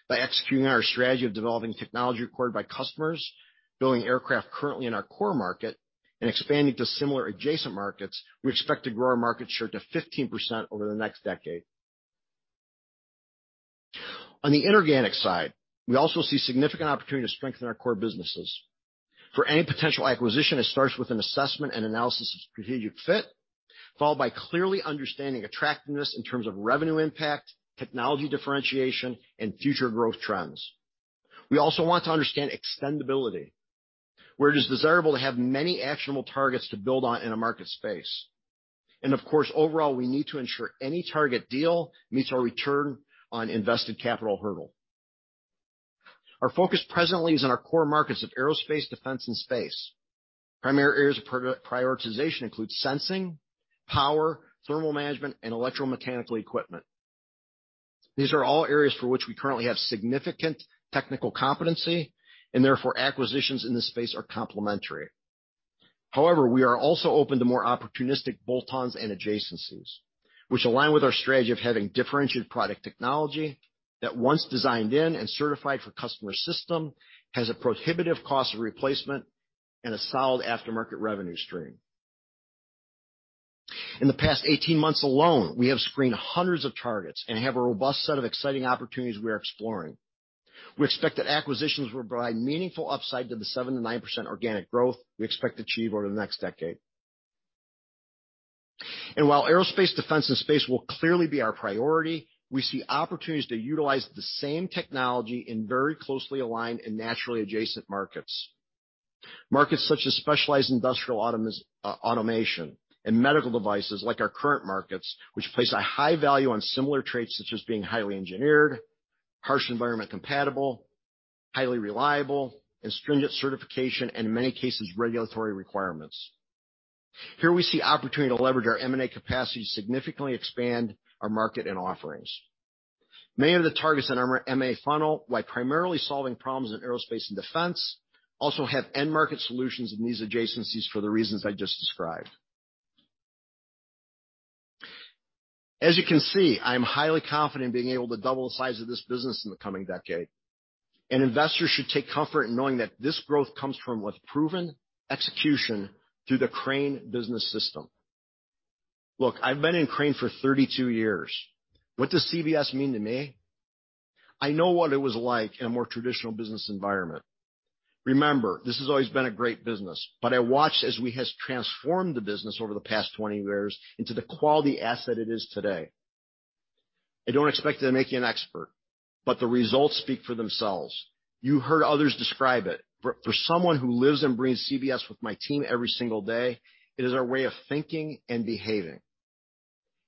By executing our strategy of developing technology required by customers, building aircraft currently in our core market, and expanding to similar adjacent markets, we expect to grow our market share to 15% over the next decade. On the inorganic side, we also see significant opportunity to strengthen our core businesses. For any potential acquisition, it starts with an assessment and analysis of strategic fit, followed by clearly understanding attractiveness in terms of revenue impact, technology differentiation, and future growth trends. We also want to understand extendability, where it is desirable to have many actionable targets to build on in a market space. Of course, overall, we need to ensure any target deal meets our return on invested capital hurdle. Our focus presently is on our core markets of aerospace, defense, and space. Primary areas of prior-prioritization include sensing, power, thermal management, and electromechanical equipment. These are all areas for which we currently have significant technical competency, and therefore, acquisitions in this space are complementary. However, we are also open to more opportunistic bolt-ons and adjacencies, which align with our strategy of having differentiated product technology that once designed in and certified for customer system, has a prohibitive cost of replacement and a solid aftermarket revenue stream. In the past 18 months alone, we have screened hundreds of targets and have a robust set of exciting opportunities we are exploring. We expect that acquisitions will provide meaningful upside to the 7%-9% organic growth we expect to achieve over the next decade. While aerospace, defense, and space will clearly be our priority, we see opportunities to utilize the same technology in very closely aligned and naturally adjacent markets. Markets such as specialized industrial automation and medical devices like our current markets, which place a high value on similar traits such as being highly engineered, harsh environment compatible, highly reliable in stringent certification, and in many cases, regulatory requirements. Here we see opportunity to leverage our M&A capacity to significantly expand our market and offerings. Many of the targets in our M&A funnel, while primarily solving problems in aerospace and defense, also have end-market solutions in these adjacencies for the reasons I just described. As you can see, I am highly confident in being able to double the size of this business in the coming decade, and investors should take comfort in knowing that this growth comes from with proven execution through the Crane Business System. Look, I've been in Crane for 32 years. What does CBS mean to me? I know what it was like in a more traditional business environment. Remember, this has always been a great business, I watched as we has transformed the business over the past 20 years into the quality asset it is today. I don't expect it to make me an expert, The results speak for themselves. You heard others describe it. For someone who lives and breathes CBS with my team every single day, it is our way of thinking and behaving.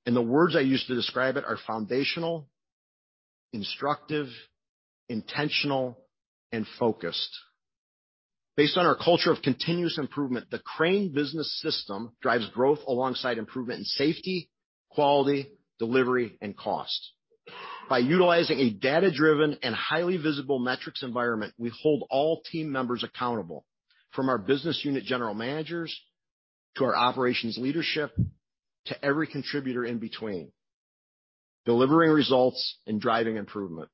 The words I use to describe it are foundational, instructive, intentional, and focused. Based on our culture of continuous improvement, the Crane Business System drives growth alongside improvement in safety, quality, delivery, and cost. By utilizing a data-driven and highly visible metrics environment, we hold all team members accountable, from our business unit general managers to our operations leadership to every contributor in between, delivering results and driving improvement.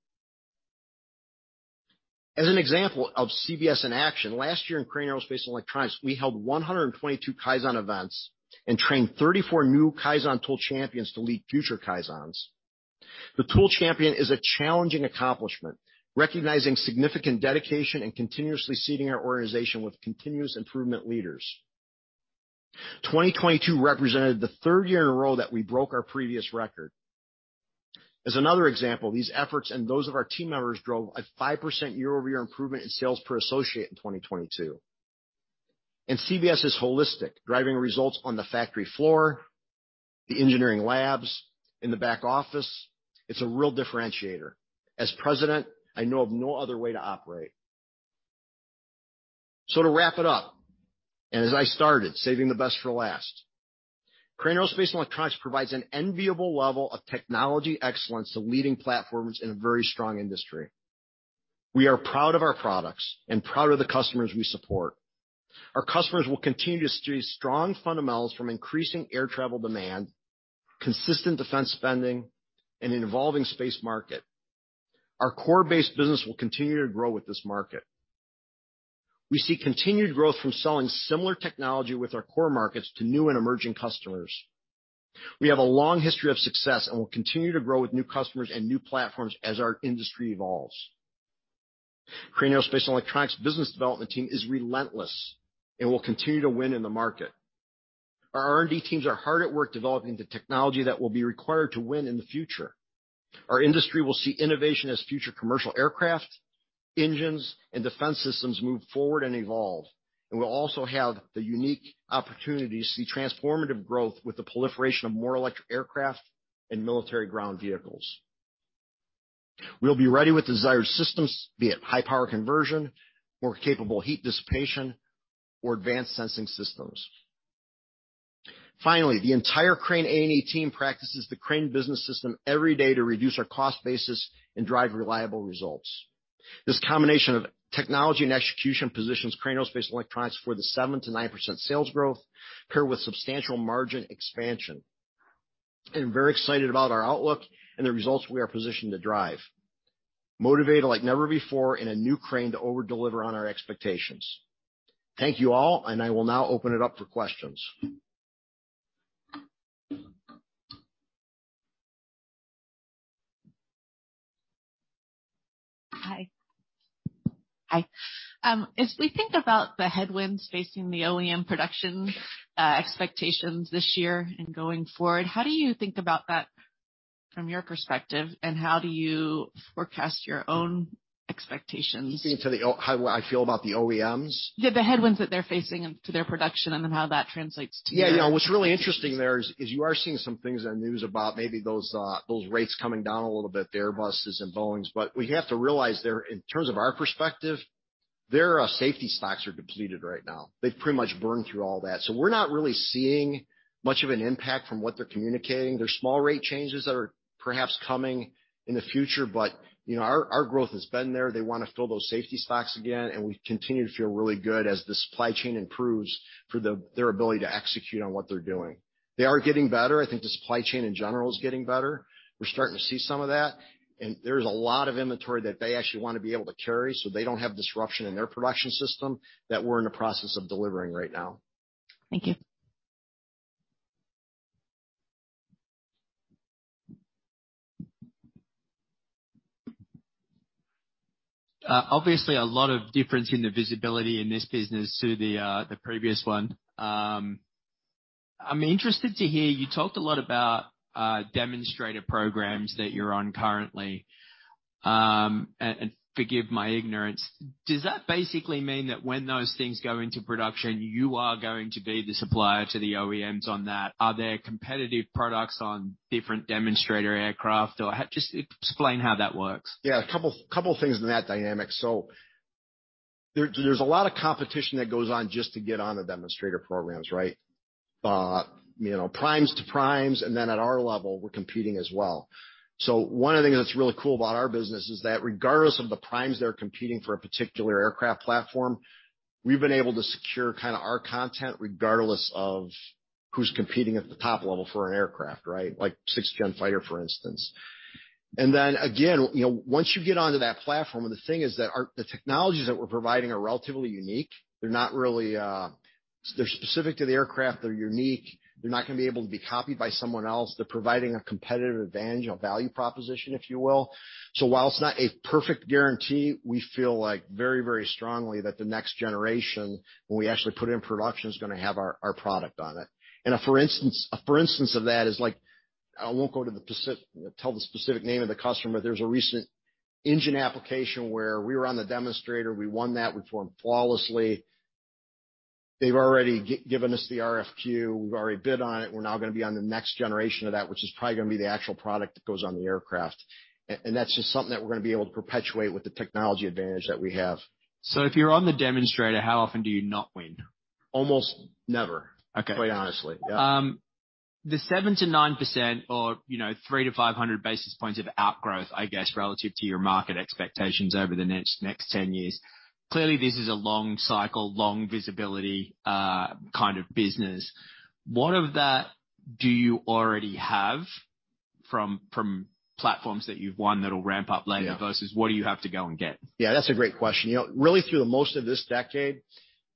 As an example of CBS in action, last year in Crane Aerospace & Electronics, we held 122 kaizen events and trained 34 new kaizen tool champions to lead future kaizens. The tool champion is a challenging accomplishment, recognizing significant dedication and continuously seeding our organization with continuous improvement leaders. 2022 represented the third year in a row that we broke our previous record. As another example, these efforts and those of our team members drove a 5% year-over-year improvement in sales per associate in 2022. CBS is holistic, driving results on the factory floor, the engineering labs, in the back office. It's a real differentiator. As president, I know of no other way to operate. To wrap it up, as I started, saving the best for last. Crane Aerospace & Electronics provides an enviable level of technology excellence to leading platforms in a very strong industry. We are proud of our products and proud of the customers we support. Our customers will continue to see strong fundamentals from increasing air travel demand, consistent defense spending, and an evolving space market. Our core-based business will continue to grow with this market. We see continued growth from selling similar technology with our core markets to new and emerging customers. We have a long history of success, and we'll continue to grow with new customers and new platforms as our industry evolves. Crane Aerospace & Electronics business development team is relentless and will continue to win in the market. Our R&D teams are hard at work developing the technology that will be required to win in the future. Our industry will see innovation as future commercial aircraft, engines, and defense systems move forward and evolve. We'll also have the unique opportunity to see transformative growth with the proliferation of more electric aircraft and military ground vehicles. We'll be ready with desired systems, be it high power conversion or capable heat dissipation or advanced sensing systems. Finally, the entire Crane A&E team practices the Crane Business System every day to reduce our cost basis and drive reliable results. This combination of technology and execution positions Crane Aerospace & Electronics for the 7%-9% sales growth, paired with substantial margin expansion. I'm very excited about our outlook and the results we are positioned to drive. Motivated like never before in a new Crane to over-deliver on our expectations. Thank you all, and I will now open it up for questions.
Hi.
Hi.
If we think about the headwinds facing the OEM production expectations this year and going forward, how do you think about that from your perspective, and how do you forecast your own expectations?
Speaking to the how I feel about the OEMs?
Yeah, the headwinds that they're facing and to their production and then how that translates to your expectations.
Yeah. What's really interesting there is you are seeing some things on news about maybe those rates coming down a little bit, the Airbuses and Boeings. We have to realize there, in terms of our perspective, their safety stocks are depleted right now. They've pretty much burned through all that. We're not really seeing much of an impact from what they're communicating. There's small rate changes that are perhaps coming in the future, but, you know, our growth has been there. They wanna fill those safety stocks again, and we continue to feel really good as the supply chain improves for their ability to execute on what they're doing. They are getting better. I think the supply chain in general is getting better. We're starting to see some of that. There's a lot of inventory that they actually wanna be able to carry, so they don't have disruption in their production system that we're in the process of delivering right now.
Thank you. Obviously, a lot of difference in the visibility in this business to the previous one. I'm interested to hear, you talked a lot about demonstrator programs that you're on currently. And forgive my ignorance. Does that basically mean that when those things go into production, you are going to be the supplier to the OEMs on that? Are there competitive products on different demonstrator aircraft? Or just explain how that works.
A couple of things in that dynamic. There's a lot of competition that goes on just to get on the demonstrator programs, right? You know, primes to primes, at our level, we're competing as well. One of the things that's really cool about our business is that regardless of the primes that are competing for a particular aircraft platform, we've been able to secure kinda our content regardless of who's competing at the top level for an aircraft, right? Like 6th-gen fighter, for instance. Again, you know, once you get onto that platform, the thing is that the technologies that we're providing are relatively unique. They're not really. They're specific to the aircraft. They're unique. They're not gonna be able to be copied by someone else. They're providing a competitive advantage, a value proposition, if you will. While it's not a perfect guarantee, we feel like very strongly that the next generation, when we actually put it in production, is gonna have our product on it. A for instance of that is, like, I won't go to the tell the specific name of the customer. There's a recent engine application where we were on the demonstrator. We won that. We performed flawlessly. They've already given us the RFQ. We've already bid on it. We're now gonna be on the next generation of that, which is probably gonna be the actual product that goes on the aircraft. That's just something that we're gonna be able to perpetuate with the technology advantage that we have. If you're on the demonstrator, how often do you not win? Almost never. Okay. Quite honestly. Yeah. The 7%-9% or, you know, 300-500 basis points of outgrowth, I guess, relative to your market expectations over the next 10 years. Clearly, this is a long cycle, long visibility, kind of business. What of that do you already have from platforms that you've won that will ramp up later? Yeah. -versus what do you have to go and get? Yeah, that's a great question. You know, really through the most of this decade.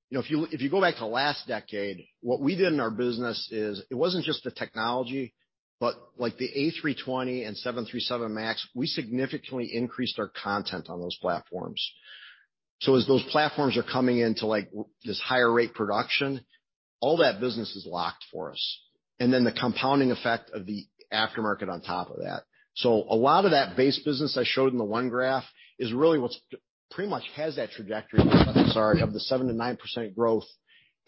You know, if you go back to the last decade, what we did in our business is it wasn't just the technology, but like the A320 and 737 MAX, we significantly increased our content on those platforms. Mm-hmm. As those platforms are coming into, like, this higher rate production, all that business is locked for us, and then the compounding effect of the aftermarket on top of that. A lot of that base business I showed in the one graph is really what's pretty much has that trajectory, sorry, of the 7%-9% growth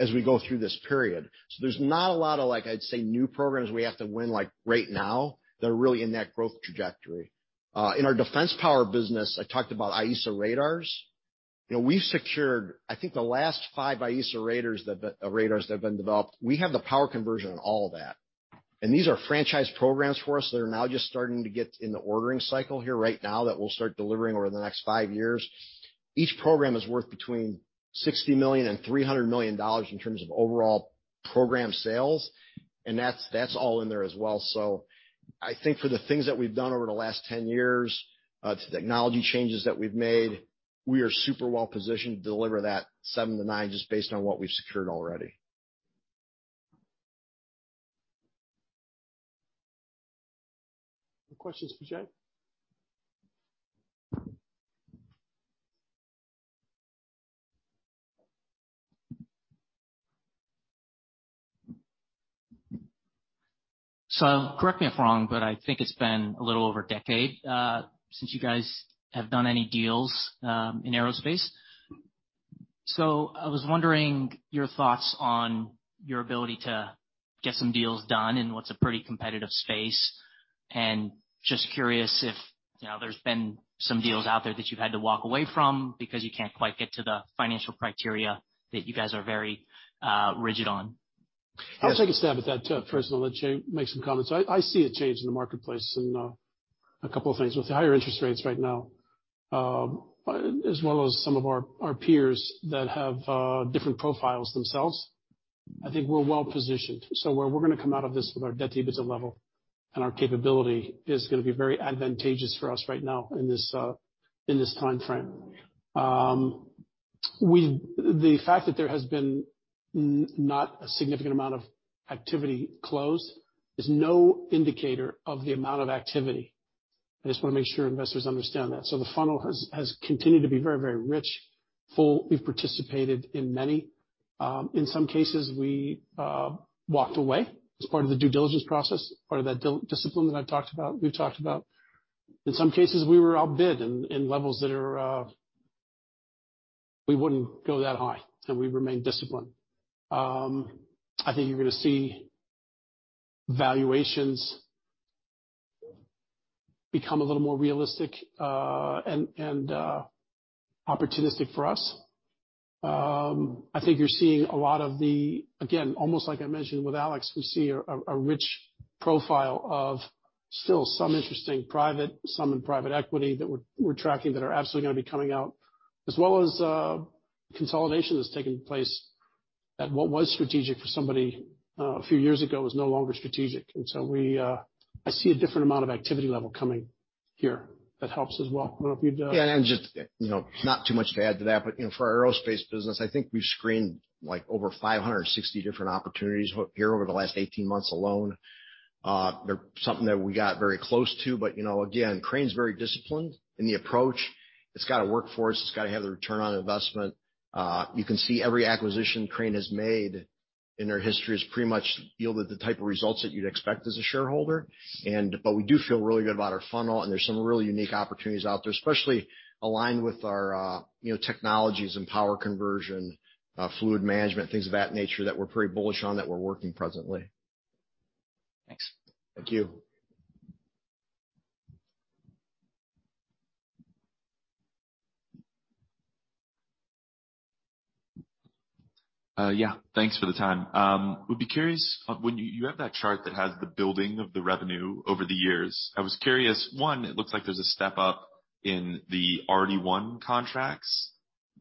as we go through this period. There's not a lot of, like, I'd say, new programs we have to win, like, right now that are really in that growth trajectory. In our defense power business, I talked about AESA radars. You know, we've secured, I think, the last five AESA radars that have been developed. We have the power conversion on all of that. These are franchise programs for us that are now just starting to get in the ordering cycle here right now that we'll start delivering over the next 5 years. Each program is worth between $60 million and $300 million in terms of overall program sales, and that's all in there as well. I think for the things that we've done over the last 10 years, to technology changes that we've made, we are super well-positioned to deliver that 7 to 9 just based on what we've secured already.
Questions for Jay?
Correct me if I'm wrong, but I think it's been a little over a decade since you guys have done any deals in aerospace. I was wondering your thoughts on your ability to get some deals done in what's a pretty competitive space. Just curious if, you know, there's been some deals out there that you've had to walk away from because you can't quite get to the financial criteria that you guys are very rigid on.
I'll take a stab at that, too. First of all, let Jay make some comments. I see a change in the marketplace in 2 things. With the higher interest rates right now, as well as some of our peers that have different profiles themselves, I think we're well-positioned. Where we're gonna come out of this with our debt-to-EBITDA level and our capability is gonna be very advantageous for us right now in this timeframe. The fact that there has been not a significant amount of activity close is no indicator of the amount of activity. I just wanna make sure investors understand that. The funnel has continued to be very, very rich, full. We've participated in many. In some cases, we walked away as part of the due diligence process, part of that discipline that we've talked about. In some cases, we were outbid in levels that are. We wouldn't go that high, we remained disciplined. I think you're gonna see valuations become a little more realistic and opportunistic for us. I think you're seeing a lot of the, again, almost like I mentioned with Alex, we see a rich profile of still some interesting private, some in private equity that we're tracking that are absolutely gonna be coming out, as well as consolidation that's taking place at what was strategic for somebody a few years ago is no longer strategic. I see a different amount of activity level coming here that helps as well. I don't know if you'd...
Yeah. Just, you know, not too much to add to that, but, you know, for our Aerospace business, I think we've screened, like, over 560 different opportunities here over the last 18 months alone. They're something that we got very close to, but, you know, again, Crane's very disciplined in the approach. It's gotta work for us. It's gotta have the return on investment. You can see every acquisition Crane has made in their history has pretty much yielded the type of results that you'd expect as a shareholder. But we do feel really good about our funnel, and there's some really unique opportunities out there, especially aligned with our, you know, technologies and power conversion, fluid management, things of that nature that we're pretty bullish on that we're working presently.
Thanks.
Thank you.
Yeah. Thanks for the time. Would be curious, when you have that chart that has the building of the revenue over the years. I was curious, one, it looks like there's a step-up in the RD one contracts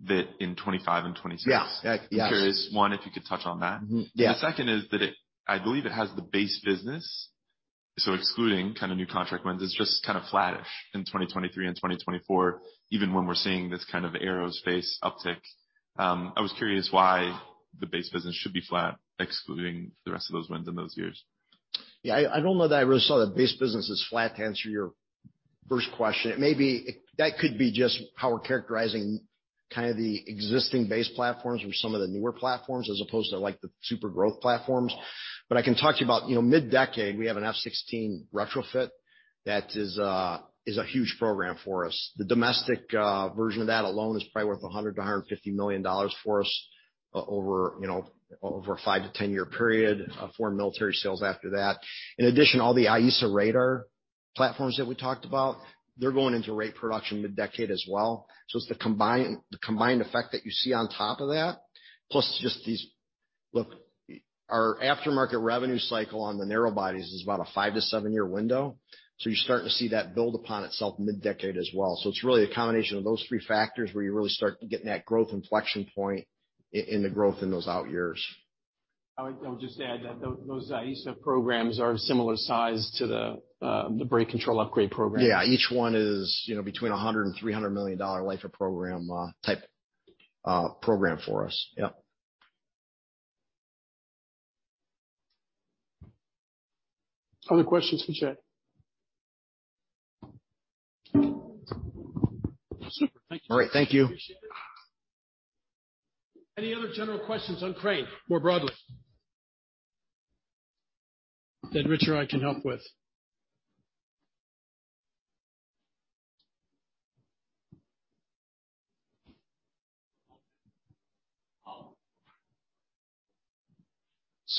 that in 2025 and 2026.
Yeah. Yeah.
I'm curious, one, if you could touch on that.
Mm-hmm. Yeah.
The second is that I believe it has the base business, so excluding kind of new contract wins. It's just kind of flattish in 2023 and 2024, even when we're seeing this kind of aerospace uptick. I was curious why the base business should be flat, excluding the rest of those wins in those years.
Yeah, I don't know that I really saw the base business as flat, to answer your first question. That could be just how we're characterizing kind of the existing base platforms or some of the newer platforms as opposed to, like, the super growth platforms. I can talk to you about, you know, mid-decade, we have an F-16 retrofit that is a huge program for us. The domestic version of that alone is probably worth $100 million-$150 million for us over, you know, over a 5-10 year period, foreign military sales after that. In addition, all the AESA radar platforms that we talked about, they're going into rate production mid-decade as well. It's the combined effect that you see on top of that, plus just these... Look, our aftermarket revenue cycle on the narrow bodies is about a 5-7 year window. You're starting to see that build upon itself mid-decade as well. It's really a combination of those three factors where you really start getting that growth inflection point in the growth in those out years.
I would just add that those AESA programs are similar size to the brake control upgrade program.
Yeah. Each one is, you know, between $100 million-$300 million life of program, type, program for us. Yeah.
Other questions for Jay? Super. Thank you.
All right. Thank you.
Appreciate it. Any other general questions on Crane more broadly that Rich or I can help with?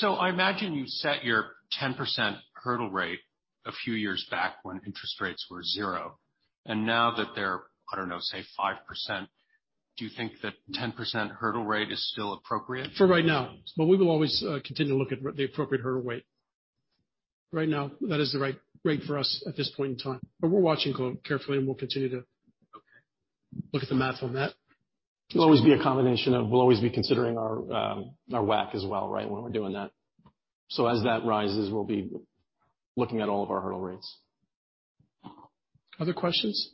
I imagine you set your 10% hurdle rate a few years back when interest rates were 0. Now that they're, I don't know, say, 5%, do you think that 10% hurdle rate is still appropriate?
For right now. We will always continue to look at the appropriate hurdle rate. Right now, that is the right rate for us at this point in time. We're watching carefully, and we'll continue to.
Okay
look at the math on that.
It'll always be a combination of we'll always be considering our WACC as well, right? When we're doing that. As that rises, we'll be looking at all of our hurdle rates.
Other questions?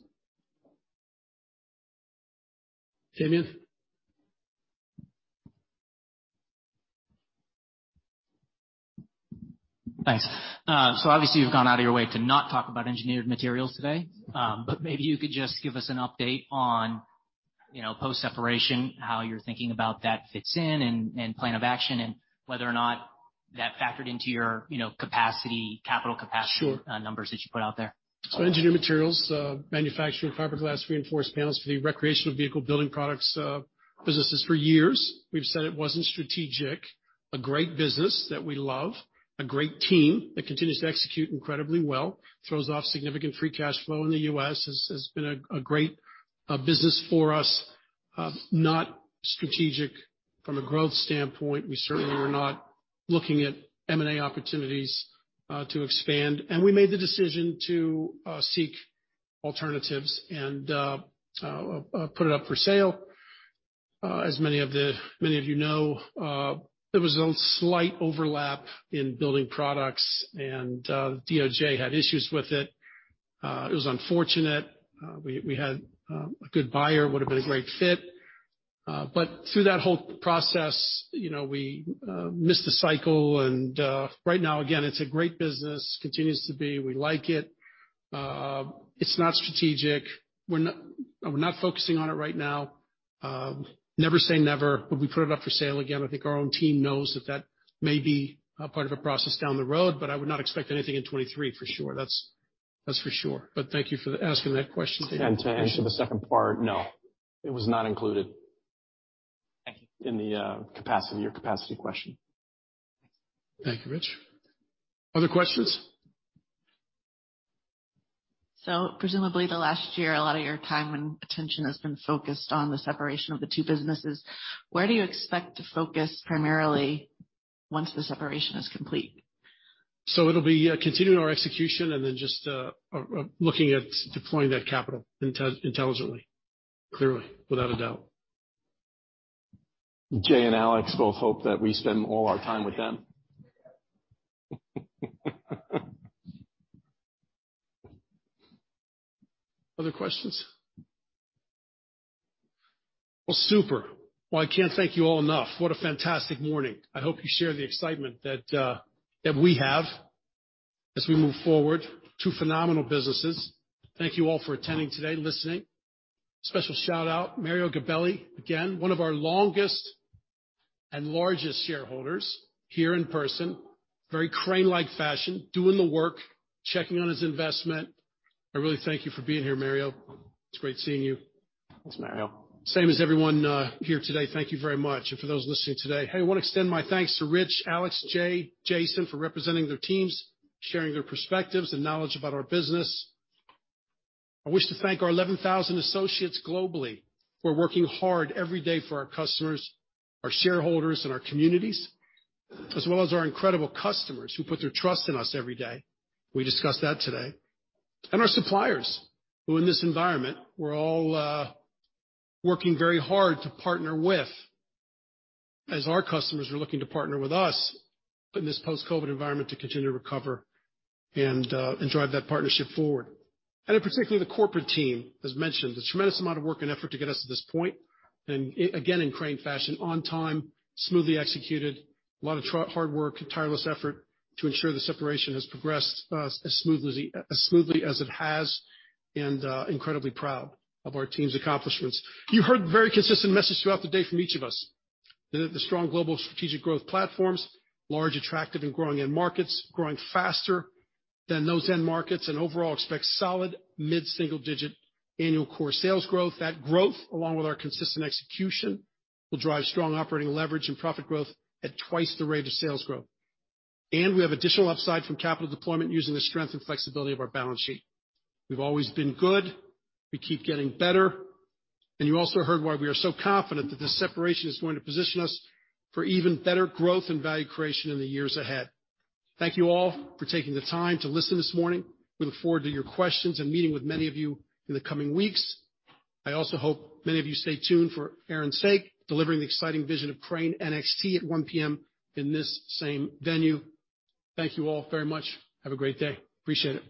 Damian?
Thanks. Obviously you've gone out of your way to not talk about Engineered Materials today. Maybe you could just give us an update on, you know, post-separation, how you're thinking about that fits in and plan of action, and whether or not that factored into your, you know, capacity?
Sure...
numbers that you put out there.
Engineered Materials manufacturing fiberglass reinforced panels for the recreational vehicle building products businesses for years. We've said it wasn't strategic. A great business that we love. A great team that continues to execute incredibly well, throws off significant free cash flow in the U.S. Has been a great business for us. Not strategic from a growth standpoint. We certainly are not looking at M&A opportunities to expand. We made the decision to seek alternatives and put it up for sale. As many of you know, there was a slight overlap in building products, and the DOJ had issues with it. It was unfortunate. We had a good buyer, would've been a great fit. Through that whole process, you know, we missed a cycle and right now, again, it's a great business. Continues to be. We like it. It's not strategic. We're not focusing on it right now. Never say never, we put it up for sale again. I think our own team knows that that may be a part of a process down the road, I would not expect anything in 23 for sure. That's for sure. Thank you for asking that question.
To answer the second part, no, it was not included.
Thank you....
in the, capacity or capacity question.
Thank you, Rich. Other questions?
Presumably the last year, a lot of your time and attention has been focused on the separation of the two businesses. Where do you expect to focus primarily once the separation is complete?
It'll be continuing our execution and then just looking at deploying that capital intelligently, clearly, without a doubt.
Jay and Alex both hope that we spend all our time with them.
Other questions? Well, super. Well, I can't thank you all enough. What a fantastic morning. I hope you share the excitement that we have as we move forward. Two phenomenal businesses. Thank you all for attending today, listening. Special shout out, Mario Gabelli, again, one of our longest and largest shareholders here in person. Very Crane-like fashion, doing the work, checking on his investment. I really thank you for being here, Mario. It's great seeing you.
Thanks, Mario.
Same as everyone here today. Thank you very much. For those listening today. Hey, I wanna extend my thanks to Rich, Alex, Jay, Jason for representing their teams, sharing their perspectives and knowledge about our business. I wish to thank our 11,000 associates globally who are working hard every day for our customers, our shareholders, and our communities, as well as our incredible customers who put their trust in us every day. We discussed that today. Our suppliers, who in this environment, we're all working very hard to partner with as our customers are looking to partner with us in this post-COVID environment to continue to recover and drive that partnership forward. In particular, the corporate team has mentioned the tremendous amount of work and effort to get us to this point. Again, in Crane fashion, on time, smoothly executed. A lot of hard work and tireless effort to ensure the separation has progressed as smoothly as it has, incredibly proud of our team's accomplishments. You heard very consistent message throughout the day from each of us. The strong global strategic growth platforms, large, attractive and growing end markets, growing faster than those end markets. Overall expect solid mid-single digit annual core sales growth. That growth, along with our consistent execution, will drive strong operating leverage and profit growth at twice the rate of sales growth. We have additional upside from capital deployment using the strength and flexibility of our balance sheet. We've always been good. We keep getting better. You also heard why we are so confident that this separation is going to position us for even better growth and value creation in the years ahead. Thank you all for taking the time to listen this morning. We look forward to your questions and meeting with many of you in the coming weeks. I also hope many of you stay tuned for Aaron Saak, delivering the exciting vision of Crane NXT at 1:00 P.M. in this same venue. Thank you all very much. Have a great day. Appreciate it.